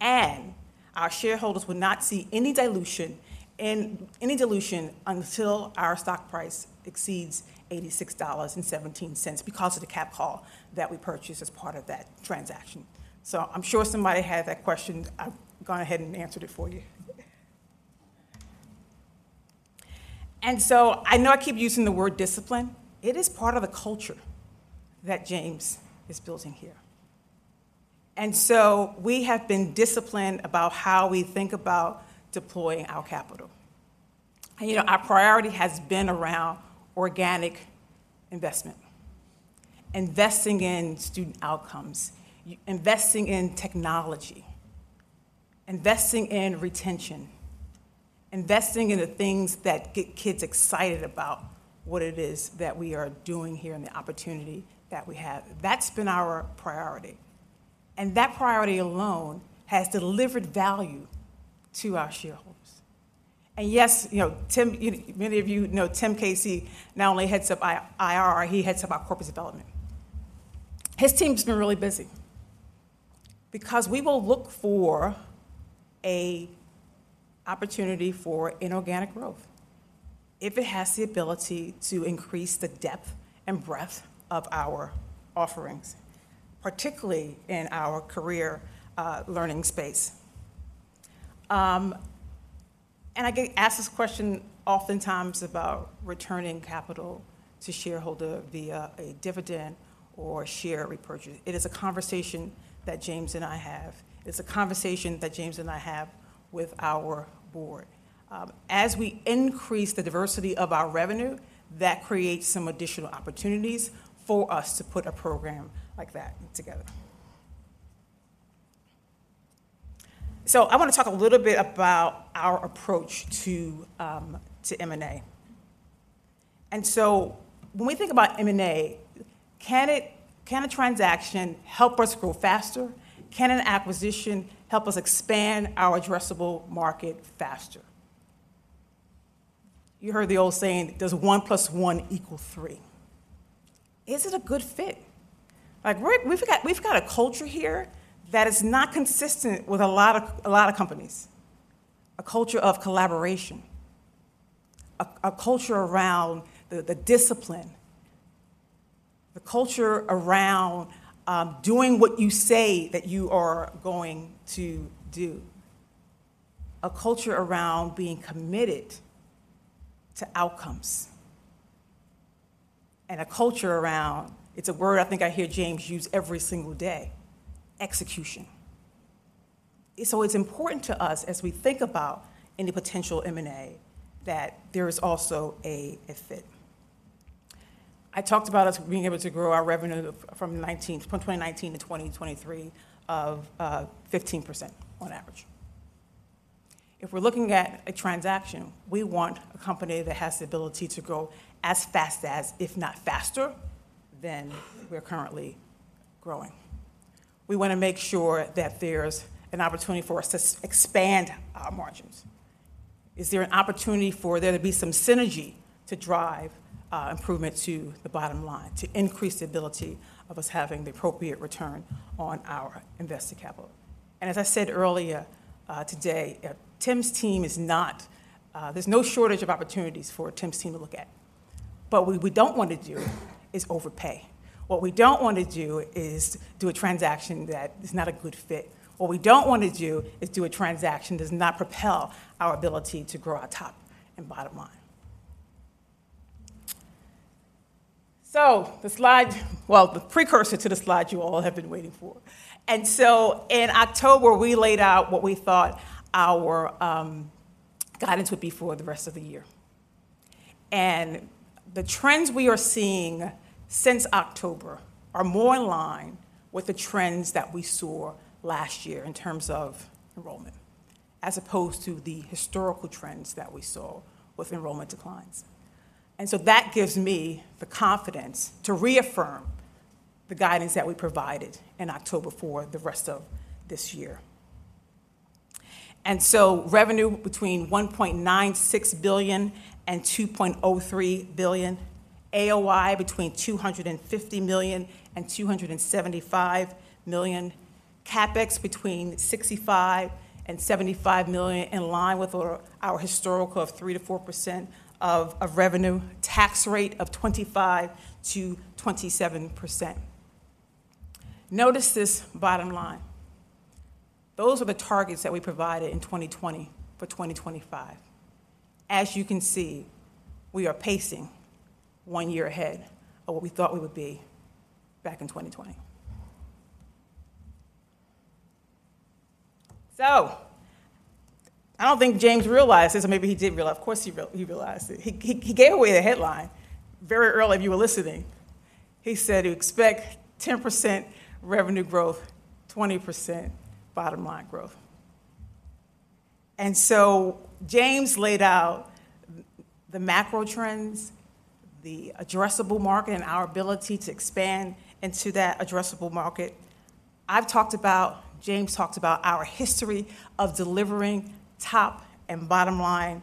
And our shareholders will not see any dilution, and any dilution until our stock price exceeds $86.17 because of the capped call that we purchased as part of that transaction. So I'm sure somebody had that question. I've gone ahead and answered it for you. And so I know I keep using the word discipline. It is part of the culture that James is building here. And so we have been disciplined about how we think about deploying our capital. And, you know, our priority has been around organic investment, investing in student outcomes, investing in technology, investing in retention, investing in the things that get kids excited about what it is that we are doing here and the opportunity that we have. That's been our priority, and that priority alone has delivered value to our shareholders. And yes, you know, Tim, many of you know, Tim Casey not only heads up IR, he heads up our corporate development. His team's been really busy, because we will look for a opportunity for inorganic growth if it has the ability to increase the depth and breadth of our offerings, particularly in our Career Learning space. And I get asked this question oftentimes about returning capital to shareholder via a dividend or share repurchase. It is a conversation that James and I have. It's a conversation that James and I have with our board. As we increase the diversity of our revenue, that creates some additional opportunities for us to put a program like that together. So I want to talk a little bit about our approach to M&A. And so when we think about M&A, can it - can a transaction help us grow faster? Can an acquisition help us expand our addressable market faster? You heard the old saying, "Does one plus one equal three?" Is it a good fit? Like, we're, we've got, we've got a culture here that is not consistent with a lot of, a lot of companies. A culture of collaboration, a culture around the discipline, the culture around doing what you say that you are going to do, a culture around being committed to outcomes... and a culture around, it's a word I think I hear James use every single day: execution. So it's important to us as we think about any potential M&A, that there is also a fit. I talked about us being able to grow our revenue from 2019 to 2023 of 15% on average. If we're looking at a transaction, we want a company that has the ability to grow as fast as, if not faster, than we're currently growing. We wanna make sure that there's an opportunity for us to expand our margins. Is there an opportunity for there to be some synergy to drive improvement to the bottom line, to increase the ability of us having the appropriate return on our invested capital? And as I said earlier, today, Tim's team is not... there's no shortage of opportunities for Tim's team to look at. But what we don't want to do is overpay. What we don't want to do is do a transaction that is not a good fit. What we don't want to do is do a transaction that does not propel our ability to grow our top and bottom line. So the slide. Well, the precursor to the slide you all have been waiting for. In October, we laid out what we thought our guidance would be for the rest of the year. The trends we are seeing since October are more in line with the trends that we saw last year in terms of enrollment, as opposed to the historical trends that we saw with enrollment declines. That gives me the confidence to reaffirm the guidance that we provided in October for the rest of this year. And so revenue between $1.96 billion and $2.03 billion, AOI between $250 million and $275 million, CapEx between $65 million and $75 million, in line with our historical of 3%-4% of revenue, tax rate of 25%-27%. Notice this bottom line. Those are the targets that we provided in 2020 for 2025. As you can see, we are pacing one year ahead of what we thought we would be back in 2020. So I don't think James realizes, or maybe he did realize, of course, he realized it. He gave away the headline very early if you were listening. He said to expect 10% revenue growth, 20% bottom line growth. James laid out the macro trends, the addressable market, and our ability to expand into that addressable market. I've talked about, James talked about our history of delivering top and bottom line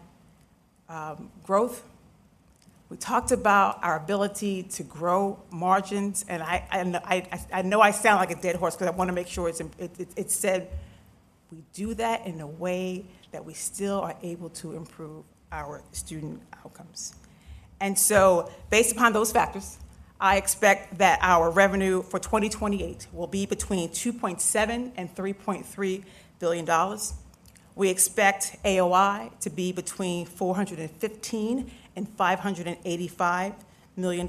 growth. We talked about our ability to grow margins, and I know I sound like a dead horse, 'cause I wanna make sure it's said. We do that in a way that we still are able to improve our student outcomes. Based upon those factors, I expect that our revenue for 2028 will be between $2.7 billion and $3.3 billion. We expect AOI to be between $415 million and $585 million,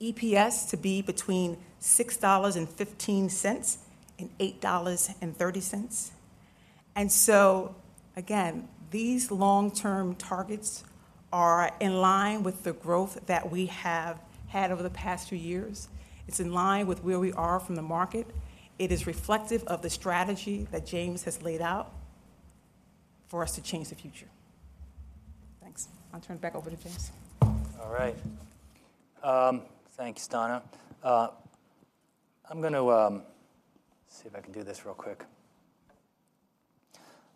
EPS to be between $6.15 and $8.30. And so again, these long-term targets are in line with the growth that we have had over the past few years. It's in line with where we are from the market. It is reflective of the strategy that James has laid out for us to change the future. Thanks. I'll turn it back over to James. All right. Thanks, Donna. I'm going to see if I can do this real quick.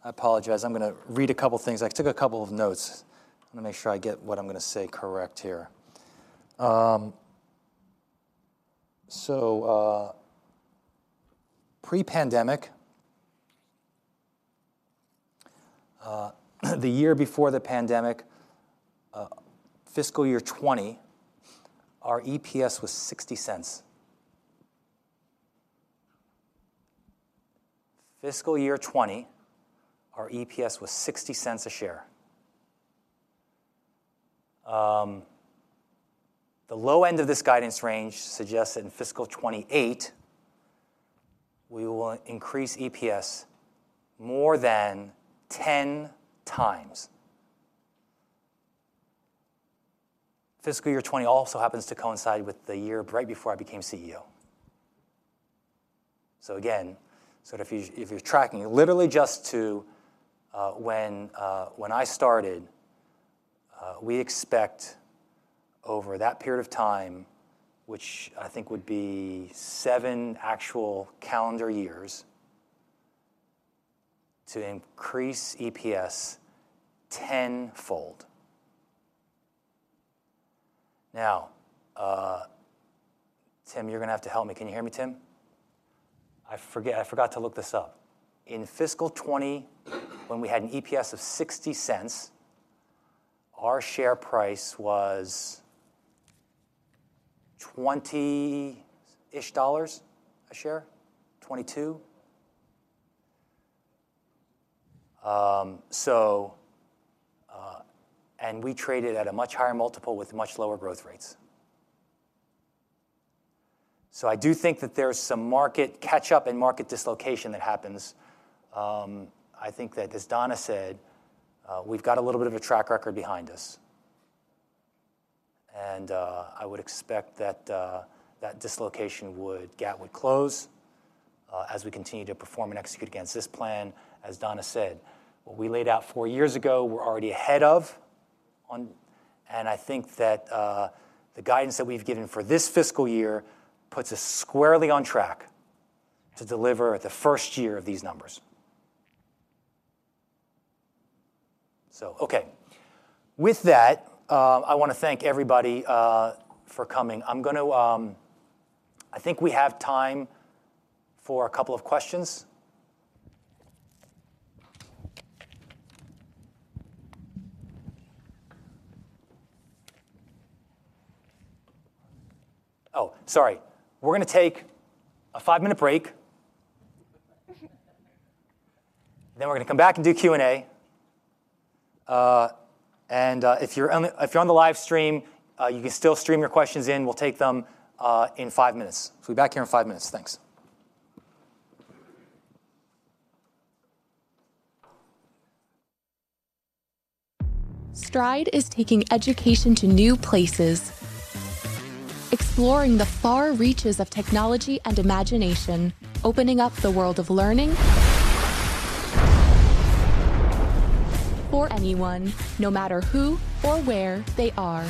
I apologize. I'm gonna read a couple of things. I took a couple of notes. I'm gonna make sure I get what I'm gonna say correct here. So, pre-pandemic, the year before the pandemic, fiscal year 2020, our EPS was $0.60. Fiscal year 2020, our EPS was $0.60 a share. The low end of this guidance range suggests that in fiscal 2028, we will increase EPS more than 10 times. Fiscal year 2020 also happens to coincide with the year right before I became CEO. So again, so if you, if you're tracking it, literally just to, when, when I started, we expect over that period of time, which I think would be seven actual calendar years, to increase EPS tenfold. Now, Tim, you're gonna have to help me. Can you hear me, Tim? I forget, I forgot to look this up. In fiscal 2020, when we had an EPS of $0.60, our share price was $20-ish a share, $22? And we traded at a much higher multiple with much lower growth rates. So I do think that there's some market catch-up and market dislocation that happens. I think that, as Donna said, we've got a little bit of a track record behind us, and I would expect that that dislocation would gap would close as we continue to perform and execute against this plan. As Donna said, what we laid out four years ago, we're already ahead of on, and I think that, the guidance that we've given for this fiscal year puts us squarely on track to deliver the first year of these numbers. So okay, with that, I want to thank everybody for coming. I'm going to, I think we have time for a couple of questions. Oh, sorry. We're going to take a five-minute break. Then we're going to come back and do Q&A. And, if you're on the, if you're on the live stream, you can still stream your questions in. We'll take them in five minutes. So we'll be back here in five minutes. Thanks. Stride is taking education to new places, exploring the far reaches of technology and imagination, opening up the world of learning for anyone, no matter who or where they are.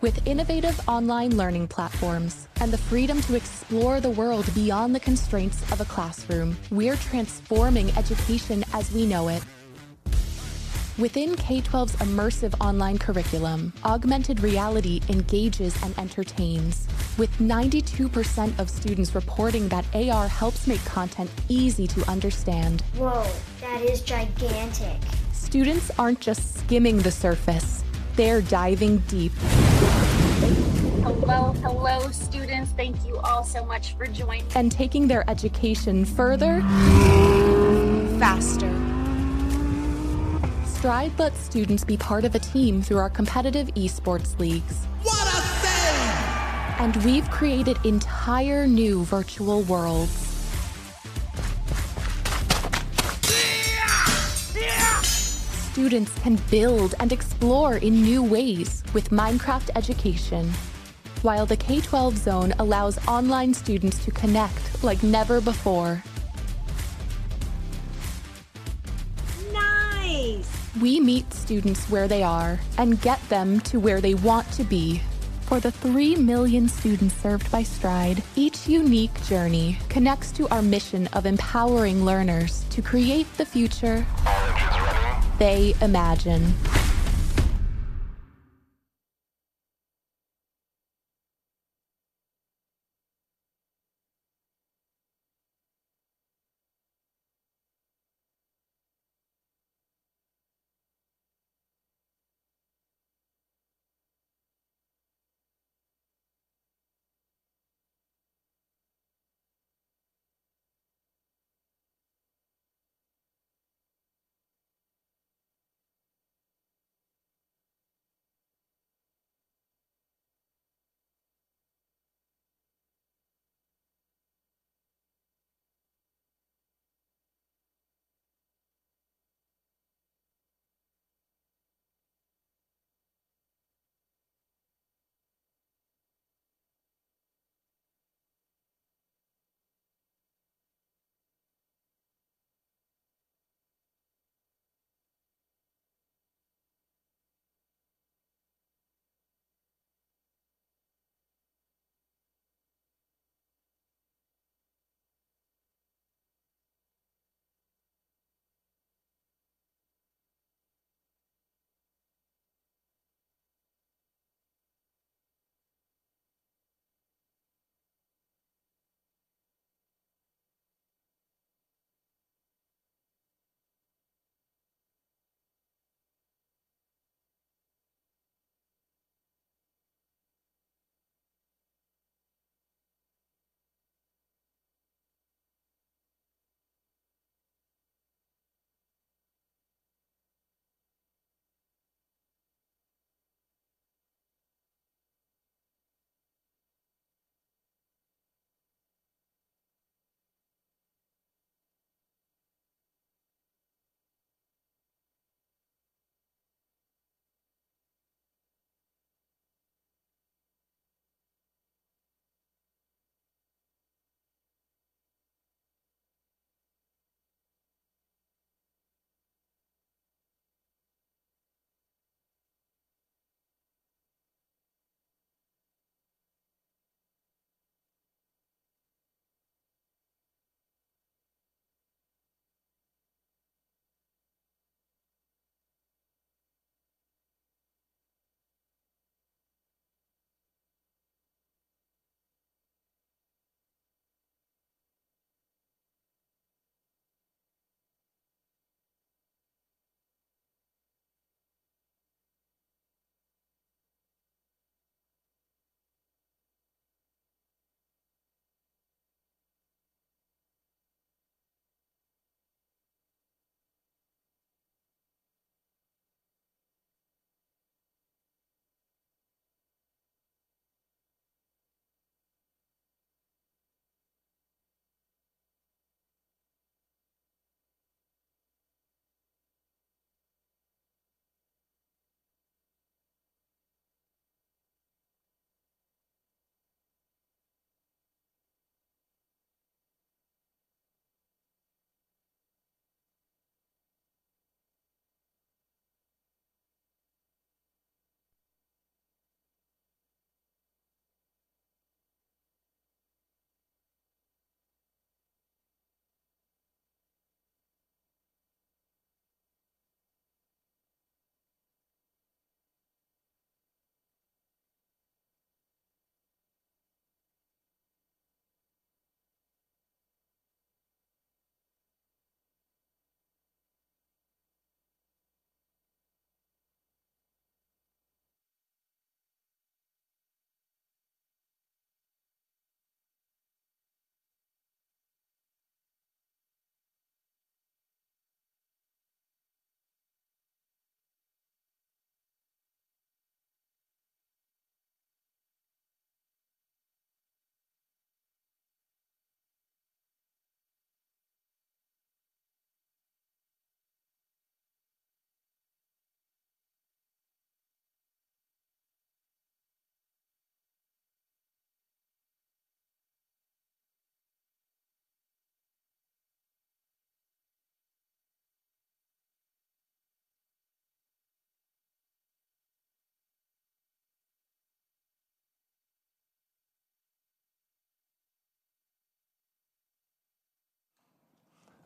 With innovative online learning platforms and the freedom to explore the world beyond the constraints of a classroom, we're transforming education as we know it. Within K12's immersive online curriculum, augmented reality engages and entertains, with 92% of students reporting that AR helps make content easy to understand. Whoa! That is gigantic. Students aren't just skimming the surface, they're diving deep. Hello, hello, students. Thank you all so much for joining. Taking their education further, faster. Stride lets students be part of a team through our competitive Esports leagues. What a save! We've created entire new virtual worlds. Yeah! Yeah. Students can build and explore in new ways with Minecraft Education, while the K12 Zone allows online students to connect like never before. Nice. We meet students where they are and get them to where they want to be. For the 3 million students served by Stride, each unique journey connects to our mission of empowering learners to create the future. Are you guys ready? -they imagine.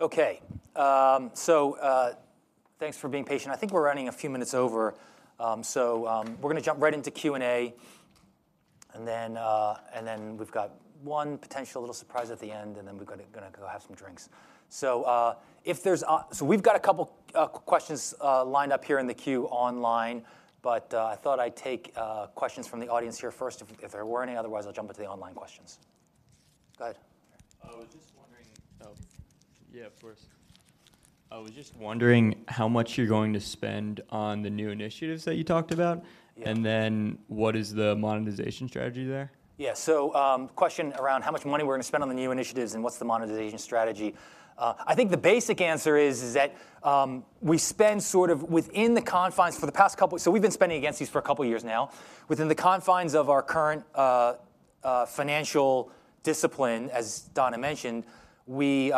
Okay, so, thanks for being patient. I think we're running a few minutes over, so, we're gonna jump right into Q&A, and then, and then we've got one potential little surprise at the end, and then we're gonna go have some drinks. So, if there's... So we've got a couple, questions, lined up here in the queue online, but, I thought I'd take, questions from the audience here first, if there were any, otherwise, I'll jump into the online questions. Go ahead. I was just wondering... Oh. Yeah, of course. I was just wondering how much you're going to spend on the new initiatives that you talked about? Yeah. And then what is the monetization strategy there? Yeah, so, question around how much money we're going to spend on the new initiatives, and what's the monetization strategy? I think the basic answer is that we spend sort of within the confines for the past couple- so we've been spending against these for a couple of years now. Within the confines of our current financial discipline, as Donna mentioned, we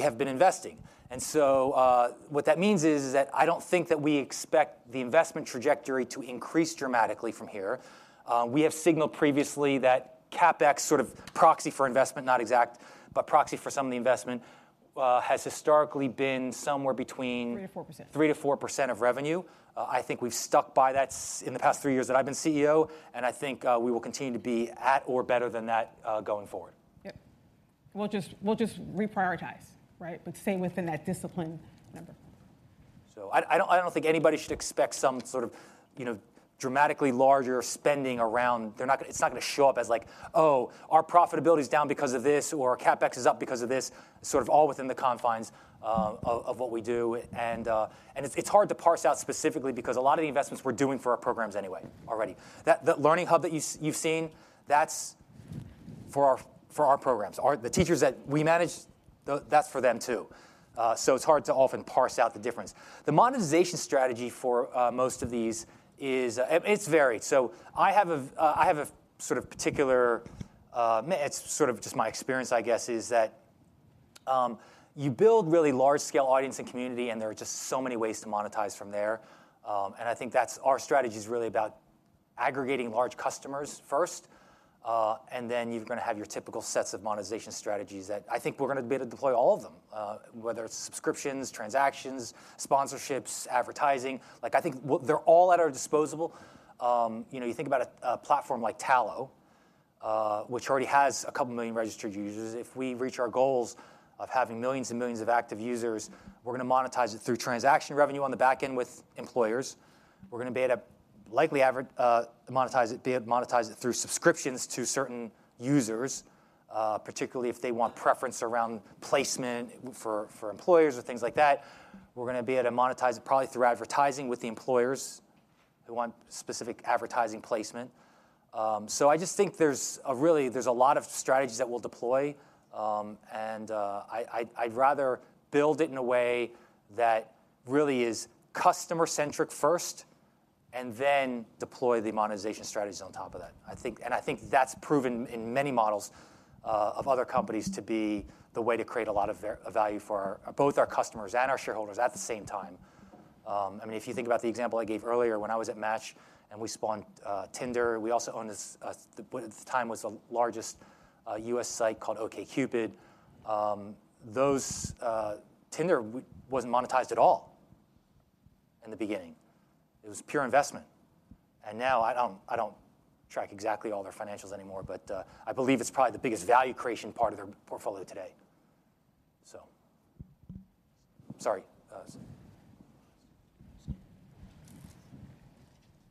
have been investing. And so, what that means is that I don't think that we expect the investment trajectory to increase dramatically from here. We have signaled previously that CapEx sort of proxy for investment, not exact, but proxy for some of the investment, has historically been somewhere between- 3%-4%. 3%-4% of revenue. I think we've stuck by that in the past three years that I've been CEO, and I think we will continue to be at or better than that, going forward. Yep. We'll just, we'll just reprioritize, right? But stay within that discipline number. So I don't think anybody should expect some sort of, you know, dramatically larger spending around... They're not gonna, it's not gonna show up as like, "Oh, our profitability is down because of this, or our CapEx is up because of this." Sort of all within the confines of what we do, and it's hard to parse out specifically because a lot of the investments we're doing for our programs anyway, already. That Learning Hub that you've seen, that's for our programs. Our teachers that we manage, that's for them, too. So it's hard to often parse out the difference. The monetization strategy for most of these is, it's varied. So I have a sort of particular. It's sort of just my experience, I guess, is that you build really large-scale audience and community, and there are just so many ways to monetize from there. And I think that's our strategy is really about aggregating large customers first, and then you're gonna have your typical sets of monetization strategies that I think we're gonna be able to deploy all of them, whether it's subscriptions, transactions, sponsorships, advertising. Like, I think they're all at our disposal. You know, you think about a platform like Tallo, which already has 2 million registered users. If we reach our goals of having millions and millions of active users, we're gonna monetize it through transaction revenue on the back end with employers. We're gonna be able to monetize it through subscriptions to certain users, particularly if they want preference around placement for employers or things like that. We're gonna be able to monetize it probably through advertising with the employers who want specific advertising placement. So I just think there's really a lot of strategies that we'll deploy, and I'd rather build it in a way that really is customer-centric first, and then deploy the monetization strategies on top of that. I think, and I think that's proven in many models of other companies to be the way to create a lot of value for both our customers and our shareholders at the same time. I mean, if you think about the example I gave earlier when I was at Match, and we spawned Tinder, we also owned the, what at the time, was the largest U.S. site called OkCupid. Those... Tinder wasn't monetized at all in the beginning. It was pure investment. And now, I don't, I don't track exactly all their financials anymore, but I believe it's probably the biggest value creation part of their portfolio today. So... Sorry,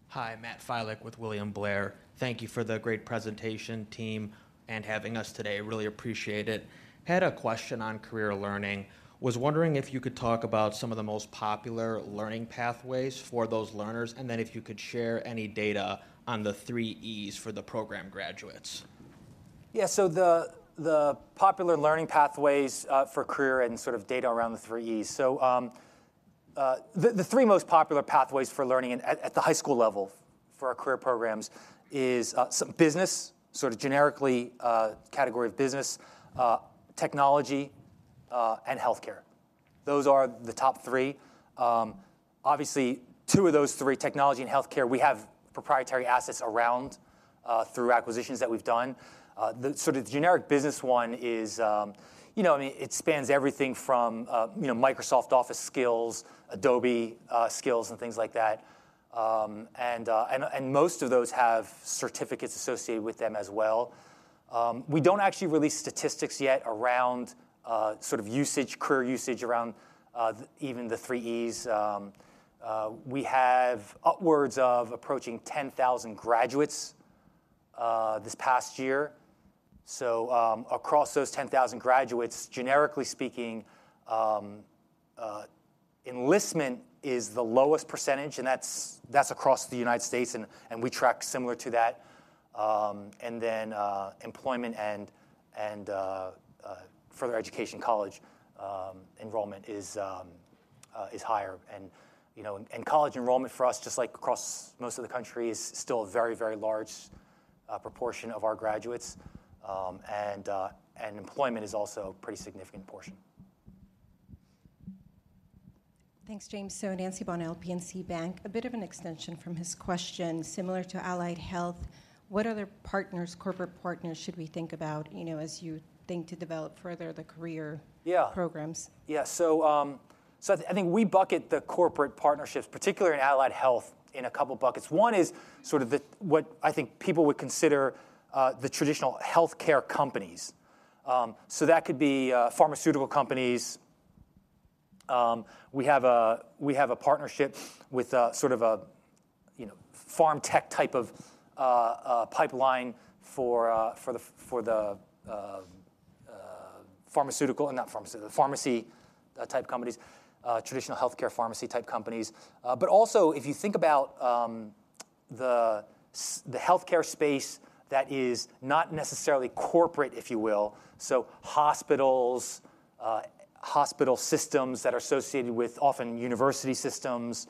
Hi, Matt Filek with William Blair. Thank you for the great presentation, team, and having us today. Really appreciate it. Had a question on Career Learning. Was wondering if you could talk about some of the most popular learning pathways for those learners, and then if you could share any data on the Three E's for the program graduates? Yeah, so the popular learning pathways for career and sort of data around the Three E's. So, the three most popular pathways for learning at the high school level for our career programs is business, sort of generically, category of business, technology, and healthcare. Those are the top three. Obviously, two of those three, technology and healthcare, we have proprietary assets around through acquisitions that we've done. The sort of generic business one is, you know, I mean, it spans everything from, you know, Microsoft Office skills, Adobe skills, and things like that. And most of those have certificates associated with them as well. We don't actually release statistics yet around sort of usage, career usage around even the Three E's. We have upwards of approaching 10,000 graduates this past year. So, across those 10,000 graduates, generically speaking, enlistment is the lowest percentage, and that's across the United States, and we track similar to that. And then, employment and further education college enrollment is higher. And, you know, college enrollment for us, just like across most of the country, is still a very, very large proportion of our graduates. And employment is also a pretty significant portion. Thanks, James. So Nancy Bunnell, PNC Bank. A bit of an extension from his question, similar to Allied Health, what other partners, corporate partners, should we think about, you know, as you think to develop further the career- Yeah... programs? Yeah. So, so I think we bucket the corporate partnerships, particularly in Allied Health, in a couple buckets. One is sort of the, what I think people would consider, the traditional healthcare companies. So that could be, pharmaceutical companies. We have a partnership with sort of a, you know, pharm tech type of pipeline for the pharmaceutical... Not pharmaceutical, the pharmacy type companies, traditional healthcare pharmacy-type companies. But also, if you think about, the healthcare space that is not necessarily corporate, if you will, so hospitals, hospital systems that are associated with often university systems,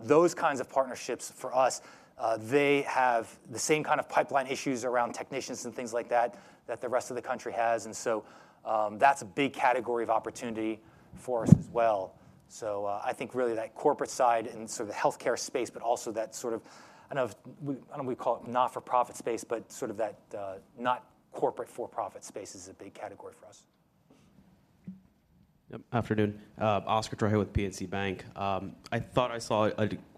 those kinds of partnerships for us, they have the same kind of pipeline issues around technicians and things like that, that the rest of the country has. And so, that's a big category of opportunity for us as well. So, I think really that corporate side and sort of the healthcare space, but also that sort of, I know we call it not-for-profit space, but sort of that, not corporate for-profit space is a big category for us. Yep, afternoon. Oscar Turner with PNC Bank. I thought I saw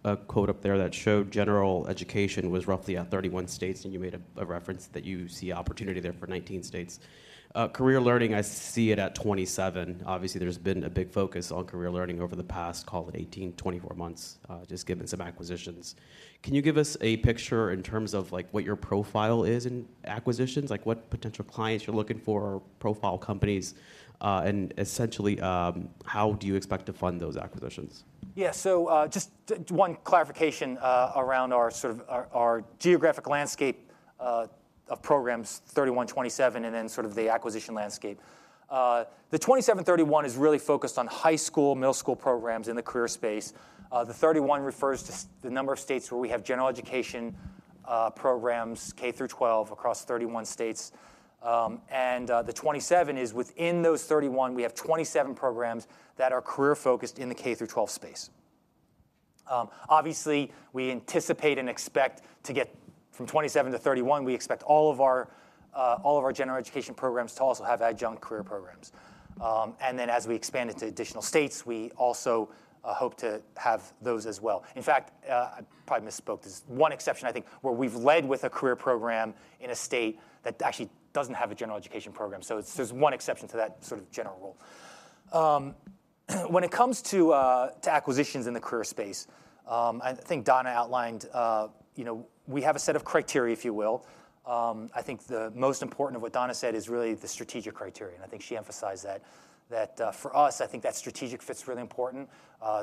a quote up there that showed General Education was roughly at 31 states, and you made a reference that you see opportunity there for 19 states. Career Learning, I see it at 27. Obviously, there's been a big focus on Career Learning over the past, call it 18, 24 months, just given some acquisitions. Can you give us a picture in terms of, like, what your profile is in acquisitions? Like, what potential clients you're looking for or profile companies, and essentially, how do you expect to fund those acquisitions? Yeah. So, just one clarification around our sort of our, our geographic landscape of programs, 31, 27, and then sort of the acquisition landscape. The 27, 31 is really focused on high school, middle school programs in the career space. The 31 refers to the number of states where we have general education programs, K-12, across 31 states. And the 27 is within those 31, we have 27 programs that are career-focused in the K-12 space. Obviously, we anticipate and expect to get from 27 to 31. We expect all of our all of our general education programs to also have adjunct career programs. And then as we expand into additional states, we also hope to have those as well. In fact, I probably misspoke. There's one exception, I think, where we've led with a career program in a state that actually doesn't have a general education program, so there's one exception to that sort of general rule. When it comes to acquisitions in the career space, I think Donna outlined, you know, we have a set of criteria, if you will. I think the most important of what Donna said is really the strategic criteria, and I think she emphasized that, for us, I think that strategic fit's really important.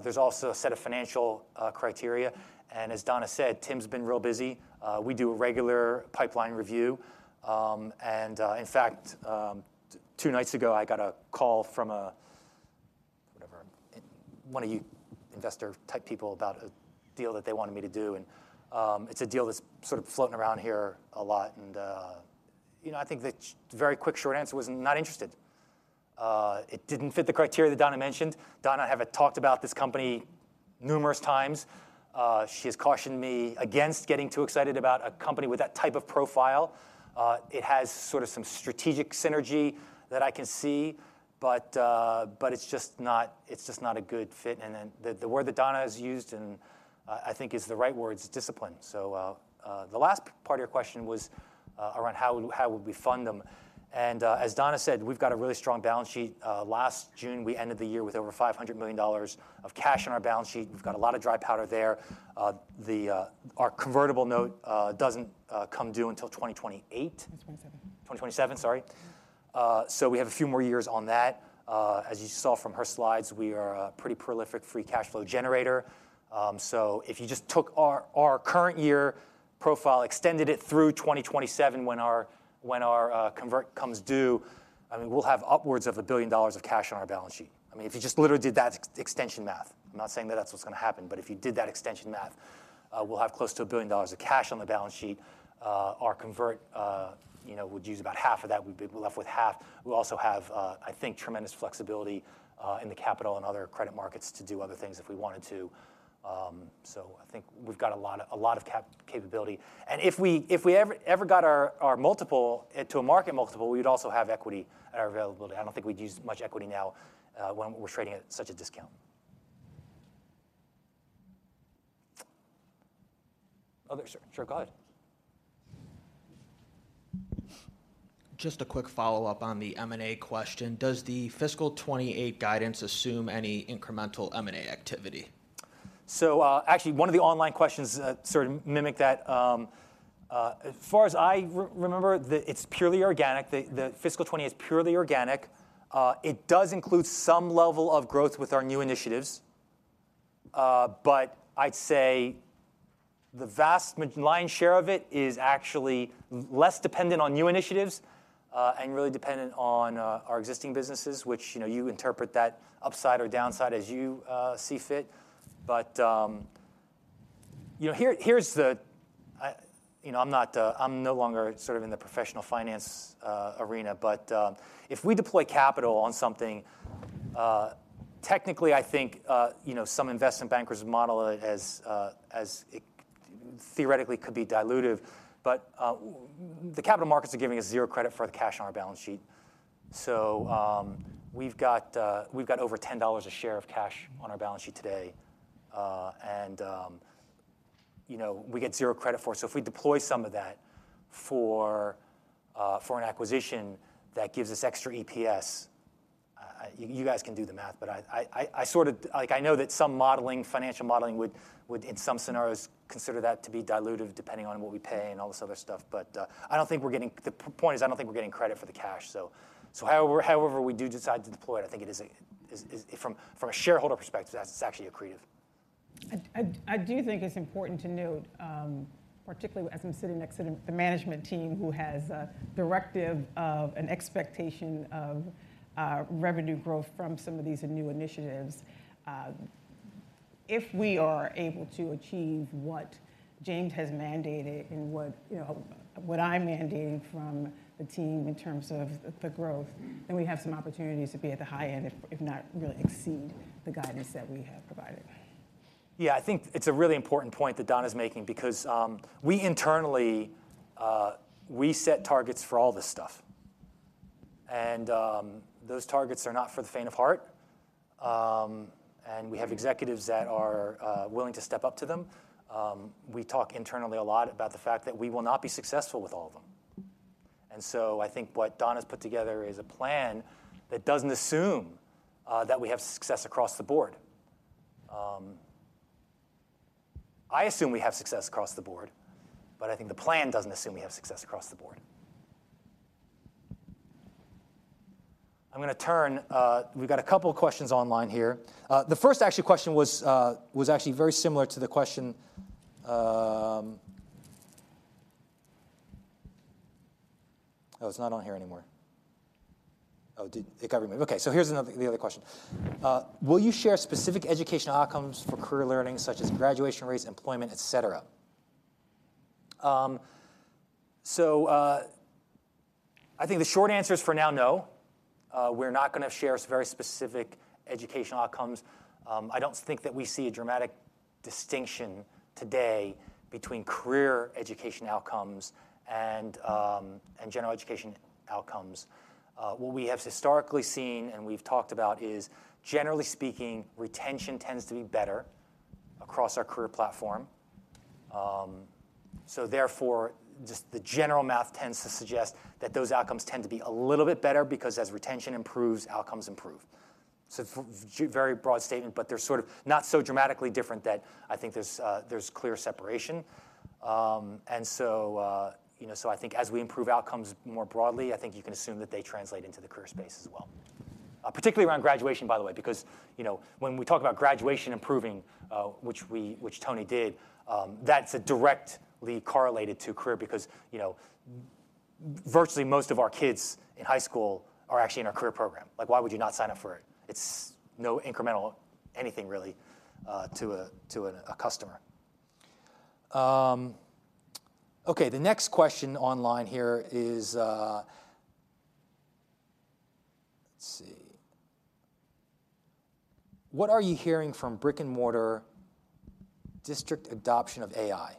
There's also a set of financial criteria, and as Donna said, Tim's been real busy. We do a regular pipeline review. In fact, two nights ago, I got a call from a, whatever, one of you investor-type people about a deal that they wanted me to do, and, it's a deal that's sort of floating around here a lot. You know, I think the very quick, short answer was I'm not interested. It didn't fit the criteria that Donna mentioned. Donna, have talked about this company numerous times. She has cautioned me against getting too excited about a company with that type of profile. It has sort of some strategic synergy that I can see, but, but it's just not, it's just not a good fit. Then, the word that Donna has used, and I think is the right word, is discipline. The last part of your question was around how would we fund them? As Donna said, we've got a really strong balance sheet. Last June, we ended the year with over $500 million of cash on our balance sheet. We've got a lot of dry powder there. Our convertible note doesn't come due until 2028? 2027. 2027, sorry. So we have a few more years on that. As you saw from her slides, we are a pretty prolific free cash flow generator. So if you just took our current year profile, extended it through 2027, when our convert comes due, I mean, we'll have upwards of $1 billion of cash on our balance sheet. I mean, if you just literally did that extension math. I'm not saying that that's what's gonna happen, but if you did that extension math, we'll have close to $1 billion of cash on the balance sheet. Our convert, you know, would use about half of that. We'd be left with half. We'll also have, I think, tremendous flexibility in the capital and other credit markets to do other things if we wanted to. So, I think we've got a lot of, a lot of capability. And if we ever got our multiple to a market multiple, we'd also have equity at our availability. I don't think we'd use much equity now, when we're trading at such a discount. Other. Sure, sure, go ahead. Just a quick follow-up on the M&A question: Does the fiscal 2028 guidance assume any incremental M&A activity? So, actually, one of the online questions sort of mimic that. As far as I remember, it's purely organic. The fiscal 2020 is purely organic. It does include some level of growth with our new initiatives, but I'd say the vast lion's share of it is actually less dependent on new initiatives, and really dependent on our existing businesses, which, you know, you interpret that upside or downside as you see fit. But, you know, here, here's the I... You know, I'm not, I'm no longer sort of in the professional finance arena, but, if we deploy capital on something, technically, I think, you know, some investment bankers model it as, as it theoretically could be dilutive, but, the capital markets are giving us zero credit for the cash on our balance sheet. So, we've got, we've got over $10 a share of cash on our balance sheet today, and, you know, we get zero credit for it. So if we deploy some of that for an acquisition that gives us extra EPS, you guys can do the math, but I sort of like, I know that some modeling, financial modeling would, in some scenarios, consider that to be dilutive, depending on what we pay and all this other stuff, but I don't think we're getting the point is, I don't think we're getting credit for the cash. So however we do decide to deploy it, I think it is from a shareholder perspective, that's actually accretive. I do think it's important to note, particularly as I'm sitting next to the management team, who has a directive of an expectation of revenue growth from some of these new initiatives, if we are able to achieve what James has mandated and what, you know, what I'm mandating from the team in terms of the growth, then we have some opportunities to be at the high end, if not really exceed the guidance that we have provided. Yeah, I think it's a really important point that Donna's making because we internally we set targets for all this stuff, and those targets are not for the faint of heart. And we have executives that are willing to step up to them. We talk internally a lot about the fact that we will not be successful with all of them, and so I think what Donna's put together is a plan that doesn't assume that we have success across the board. I assume we have success across the board, but I think the plan doesn't assume we have success across the board. I'm gonna turn, we've got a couple of questions online here. The first actually question was actually very similar to the question... Oh, it's not on here anymore. Oh, did it get removed. Okay, so here's another, the other question: will you share specific educational outcomes for Career Learning, such as graduation rates, employment, et cetera? I think the short answer is, for now, no. We're not gonna share very specific educational outcomes. I don't think that we see a dramatic distinction today between career education outcomes and general education outcomes. What we have historically seen, and we've talked about, is generally speaking, retention tends to be better across our career platform. So therefore, just the general math tends to suggest that those outcomes tend to be a little bit better because as retention improves, outcomes improve. So it's very broad statement, but they're sort of not so dramatically different that I think there's clear separation. And so, you know, so I think as we improve outcomes more broadly, I think you can assume that they translate into the career space as well. Particularly around graduation, by the way, because, you know, when we talk about graduation improving, which we, which Tony did, that's directly correlated to career because, you know, virtually most of our kids in high school are actually in our career program. Like, why would you not sign up for it? It's no incremental anything, really, to a customer. Okay, the next question online here is... Let's see. What are you hearing from brick-and-mortar district adoption of AI,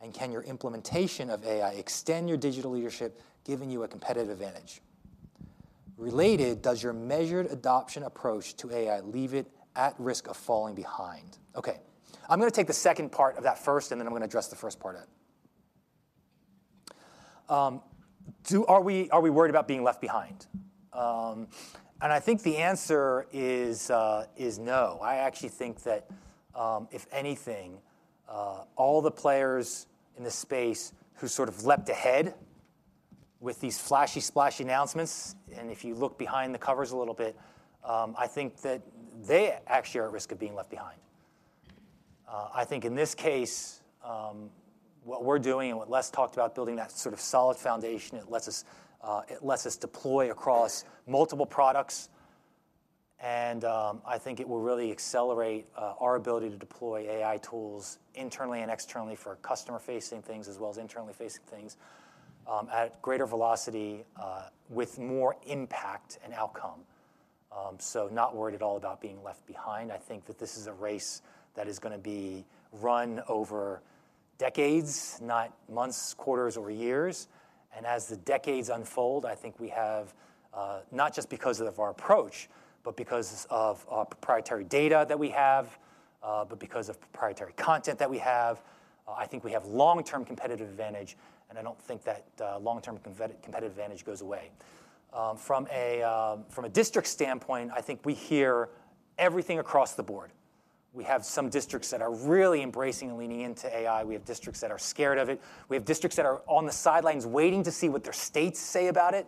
and can your implementation of AI extend your digital leadership, giving you a competitive advantage? Related, does your measured adoption approach to AI leave it at risk of falling behind? Okay, I'm gonna take the second part of that first, and then I'm gonna address the first part then. Are we, are we worried about being left behind? And I think the answer is, is no. I actually think that, if anything, all the players in this space who sort of leapt ahead with these flashy, splashy announcements, and if you look behind the covers a little bit, I think that they actually are at risk of being left behind. I think in this case, what we're doing and what Les talked about, building that sort of solid foundation, it lets us, it lets us deploy across multiple products, and, I think it will really accelerate, our ability to deploy AI tools internally and externally for customer-facing things, as well as internally-facing things, at greater velocity, with more impact and outcome. So not worried at all about being left behind. I think that this is a race that is gonna be run over decades, not months, quarters, or years. And as the decades unfold, I think we have, not just because of our approach, but because of our proprietary data that we have, but because of proprietary content that we have, I think we have long-term competitive advantage, and I don't think that, long-term competitive advantage goes away. From a district standpoint, I think we hear everything across the board. We have some districts that are really embracing and leaning into AI, we have districts that are scared of it. We have districts that are on the sidelines waiting to see what their states say about it,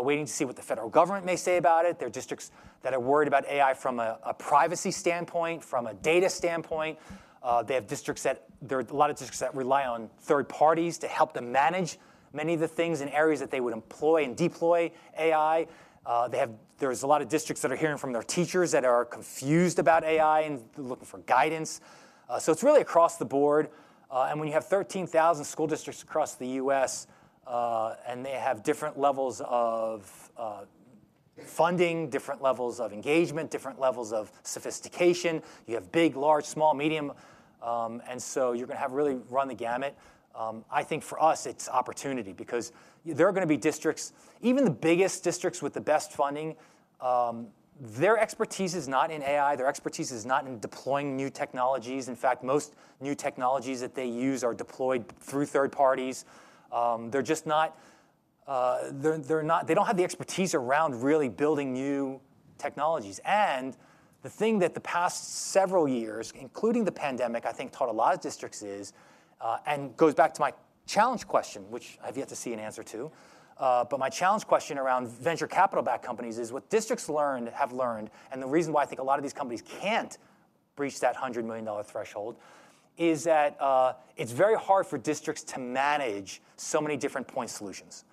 waiting to see what the federal government may say about it. There are districts that are worried about AI from a privacy standpoint, from a data standpoint. There are a lot of districts that rely on third parties to help them manage many of the things in areas that they would employ and deploy AI. There's a lot of districts that are hearing from their teachers that are confused about AI and looking for guidance. So it's really across the board. And when you have 13,000 school districts across the U.S., and they have different levels of funding, different levels of engagement, different levels of sophistication, you have big, large, small, medium, and so you're gonna have really run the gamut. I think for us it's opportunity because there are gonna be districts, even the biggest districts with the best funding, their expertise is not in AI, their expertise is not in deploying new technologies. In fact, most new technologies that they use are deployed through third parties. They're just not. They don't have the expertise around really building new technologies. The thing that the past several years, including the pandemic, I think taught a lot of districts is, and goes back to my challenge question, which I've yet to see an answer to, but my challenge question around venture capital-backed companies, is what districts learned, have learned, and the reason why I think a lot of these companies can't breach that $100 million threshold, is that, it's very hard for districts to manage so many different point solutions.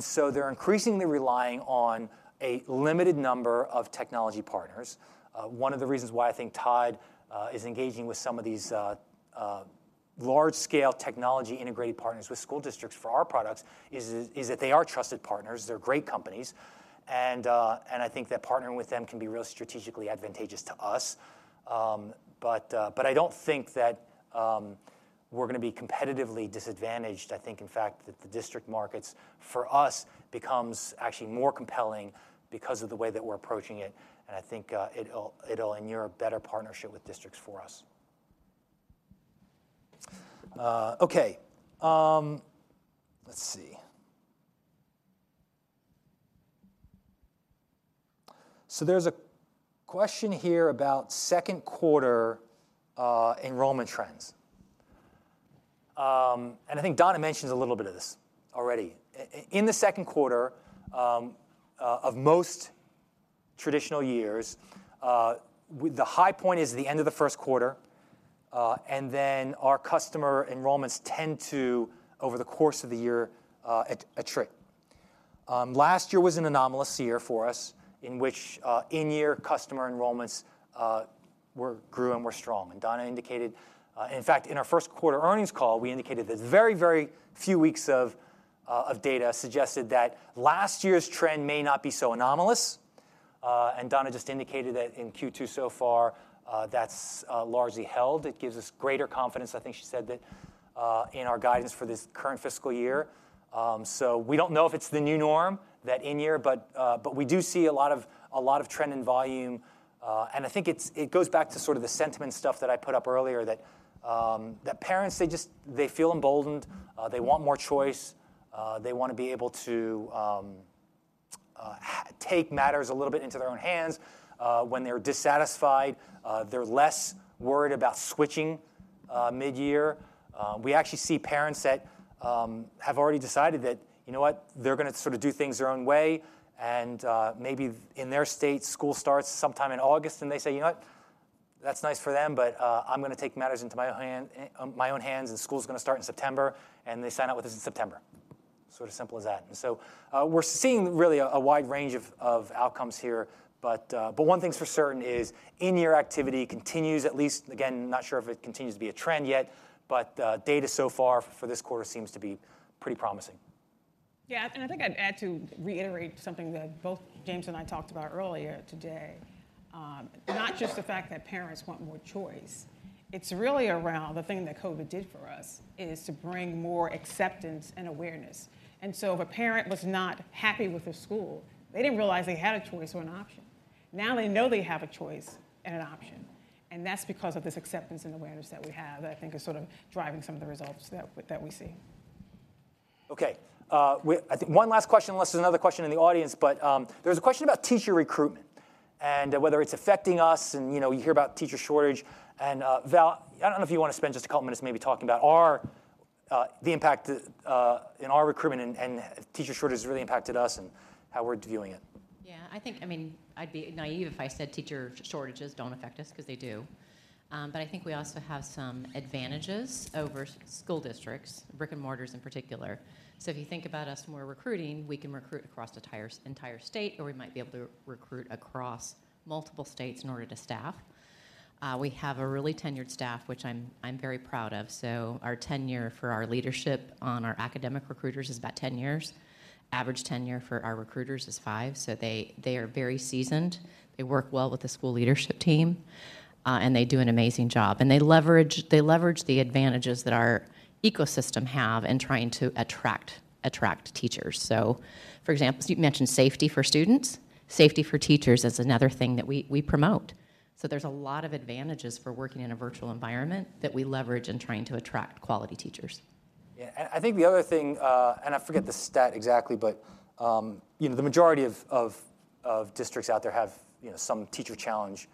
So they're increasingly relying on a limited number of technology partners. One of the reasons why I think Todd is engaging with some of these large-scale technology integrated partners with school districts for our products is, is that they are trusted partners, they're great companies, and I think that partnering with them can be really strategically advantageous to us. But I don't think that we're gonna be competitively disadvantaged. I think, in fact, that the district markets, for us, becomes actually more compelling because of the way that we're approaching it, and I think, it'll endure a better partnership with districts for us. Okay, let's see. So there's a question here about second quarter enrollment trends. And I think Donna mentioned a little bit of this already. In the second quarter of most traditional years, the high point is the end of the first quarter, and then our customer enrollments tend to, over the course of the year, attrit. Last year was an anomalous year for us, in which in-year customer enrollments grew and were strong. And Donna indicated... In fact, in our first quarter earnings call, we indicated that very, very few weeks of data suggested that last year's trend may not be so anomalous. And Donna just indicated that in Q2 so far, that's largely held. It gives us greater confidence, I think she said that, in our guidance for this current fiscal year. So we don't know if it's the new norm, that in-year, but, but we do see a lot of, a lot of trend in volume. I think it goes back to sort of the sentiment stuff that I put up earlier, that parents, they just, they feel emboldened, they want more choice, they wanna be able to take matters a little bit into their own hands, when they're dissatisfied, they're less worried about switching midyear. We actually see parents that have already decided that, you know what? They're gonna sort of do things their own way, and maybe in their state, school starts sometime in August, and they say: "You know what? That's nice for them, but I'm gonna take matters into my own hand, my own hands, and school's gonna start in September," and they sign up with us in September. Sort of simple as that. So, we're seeing really a wide range of outcomes here, but one thing's for certain is, in-year activity continues at least... Again, not sure if it continues to be a trend yet, but data so far for this quarter seems to be pretty promising. Yeah, and I think I'd add to reiterate something that both James and I talked about earlier today. Not just the fact that parents want more choice, it's really around the thing that COVID did for us, is to bring more acceptance and awareness. And so if a parent was not happy with their school, they didn't realize they had a choice or an option. Now they know they have a choice and an option, and that's because of this acceptance and awareness that we have, that I think is sort of driving some of the results that we, that we see. Okay. I think one last question, unless there's another question in the audience. But, there was a question about teacher recruitment and whether it's affecting us, and, you know, you hear about teacher shortage. And, Val, I don't know if you wanna spend just a couple minutes maybe talking about our the impact in our recruitment and, and if teacher shortage has really impacted us and how we're dealing it. Yeah, I think, I mean, I'd be naive if I said teacher shortages don't affect us, 'cause they do. But I think we also have some advantages over school districts, brick-and-mortars in particular. So if you think about us when we're recruiting, we can recruit across the entire state, or we might be able to recruit across multiple states in order to staff. We have a really tenured staff, which I'm very proud of. So our tenure for our leadership on our academic recruiters is about 10 years. Average tenure for our recruiters is 5, so they are very seasoned, they work well with the school leadership team, and they do an amazing job. They leverage the advantages that our ecosystem have in trying to attract teachers. So, for example, so you've mentioned safety for students, safety for teachers is another thing that we, we promote. So there's a lot of advantages for working in a virtual environment that we leverage in trying to attract quality teachers. Yeah. I think the other thing, and I forget the stat exactly, but, you know, the majority of districts out there have, you know, some teacher challenge,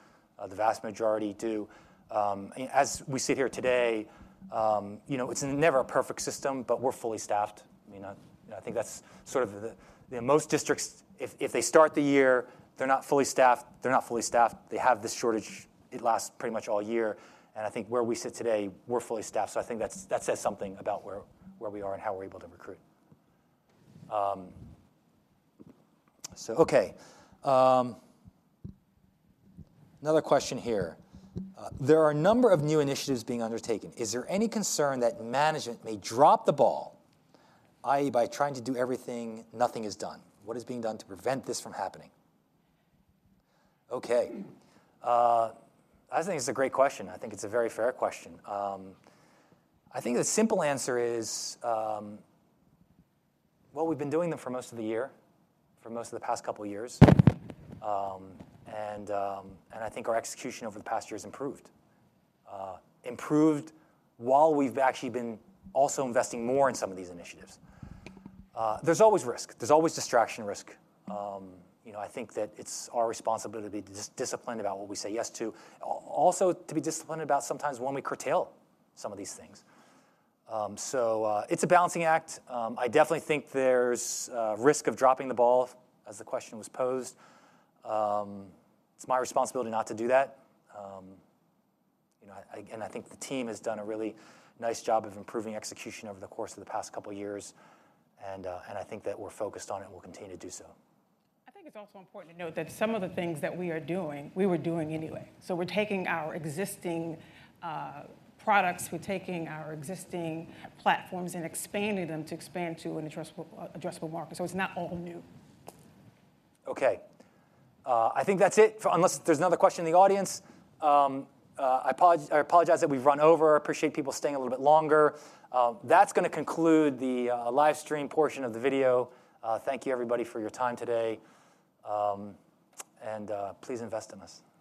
the vast majority do. As we sit here today, you know, it's never a perfect system, but we're fully staffed. I mean, I think that's sort of the... You know, most districts, if they start the year, they're not fully staffed, they're not fully staffed, they have this shortage, it lasts pretty much all year. I think where we sit today, we're fully staffed, so I think that's, that says something about where we are and how we're able to recruit. So okay, another question here. There are a number of new initiatives being undertaken. Is there any concern that management may drop the ball, i.e., by trying to do everything, nothing is done? What is being done to prevent this from happening? Okay. I think it's a great question. I think it's a very fair question. I think the simple answer is, well, we've been doing them for most of the year, for most of the past couple of years. And I think our execution over the past year has improved while we've actually been also investing more in some of these initiatives. There's always risk, there's always distraction risk. You know, I think that it's our responsibility to be disciplined about what we say yes to. Also to be disciplined about sometimes when we curtail some of these things. So, it's a balancing act. I definitely think there's a risk of dropping the ball, as the question was posed. It's my responsibility not to do that. You know, I, again, I think the team has done a really nice job of improving execution over the course of the past couple of years, and, and I think that we're focused on it and we'll continue to do so. I think it's also important to note that some of the things that we are doing, we were doing anyway. So we're taking our existing products, we're taking our existing platforms and expanding them to expand to an addressable, addressable market, so it's not all new. Okay. I think that's it, unless there's another question in the audience. I apologize that we've run over. I appreciate people staying a little bit longer. That's gonna conclude the live stream portion of the video. Thank you, everybody, for your time today. And please invest in us.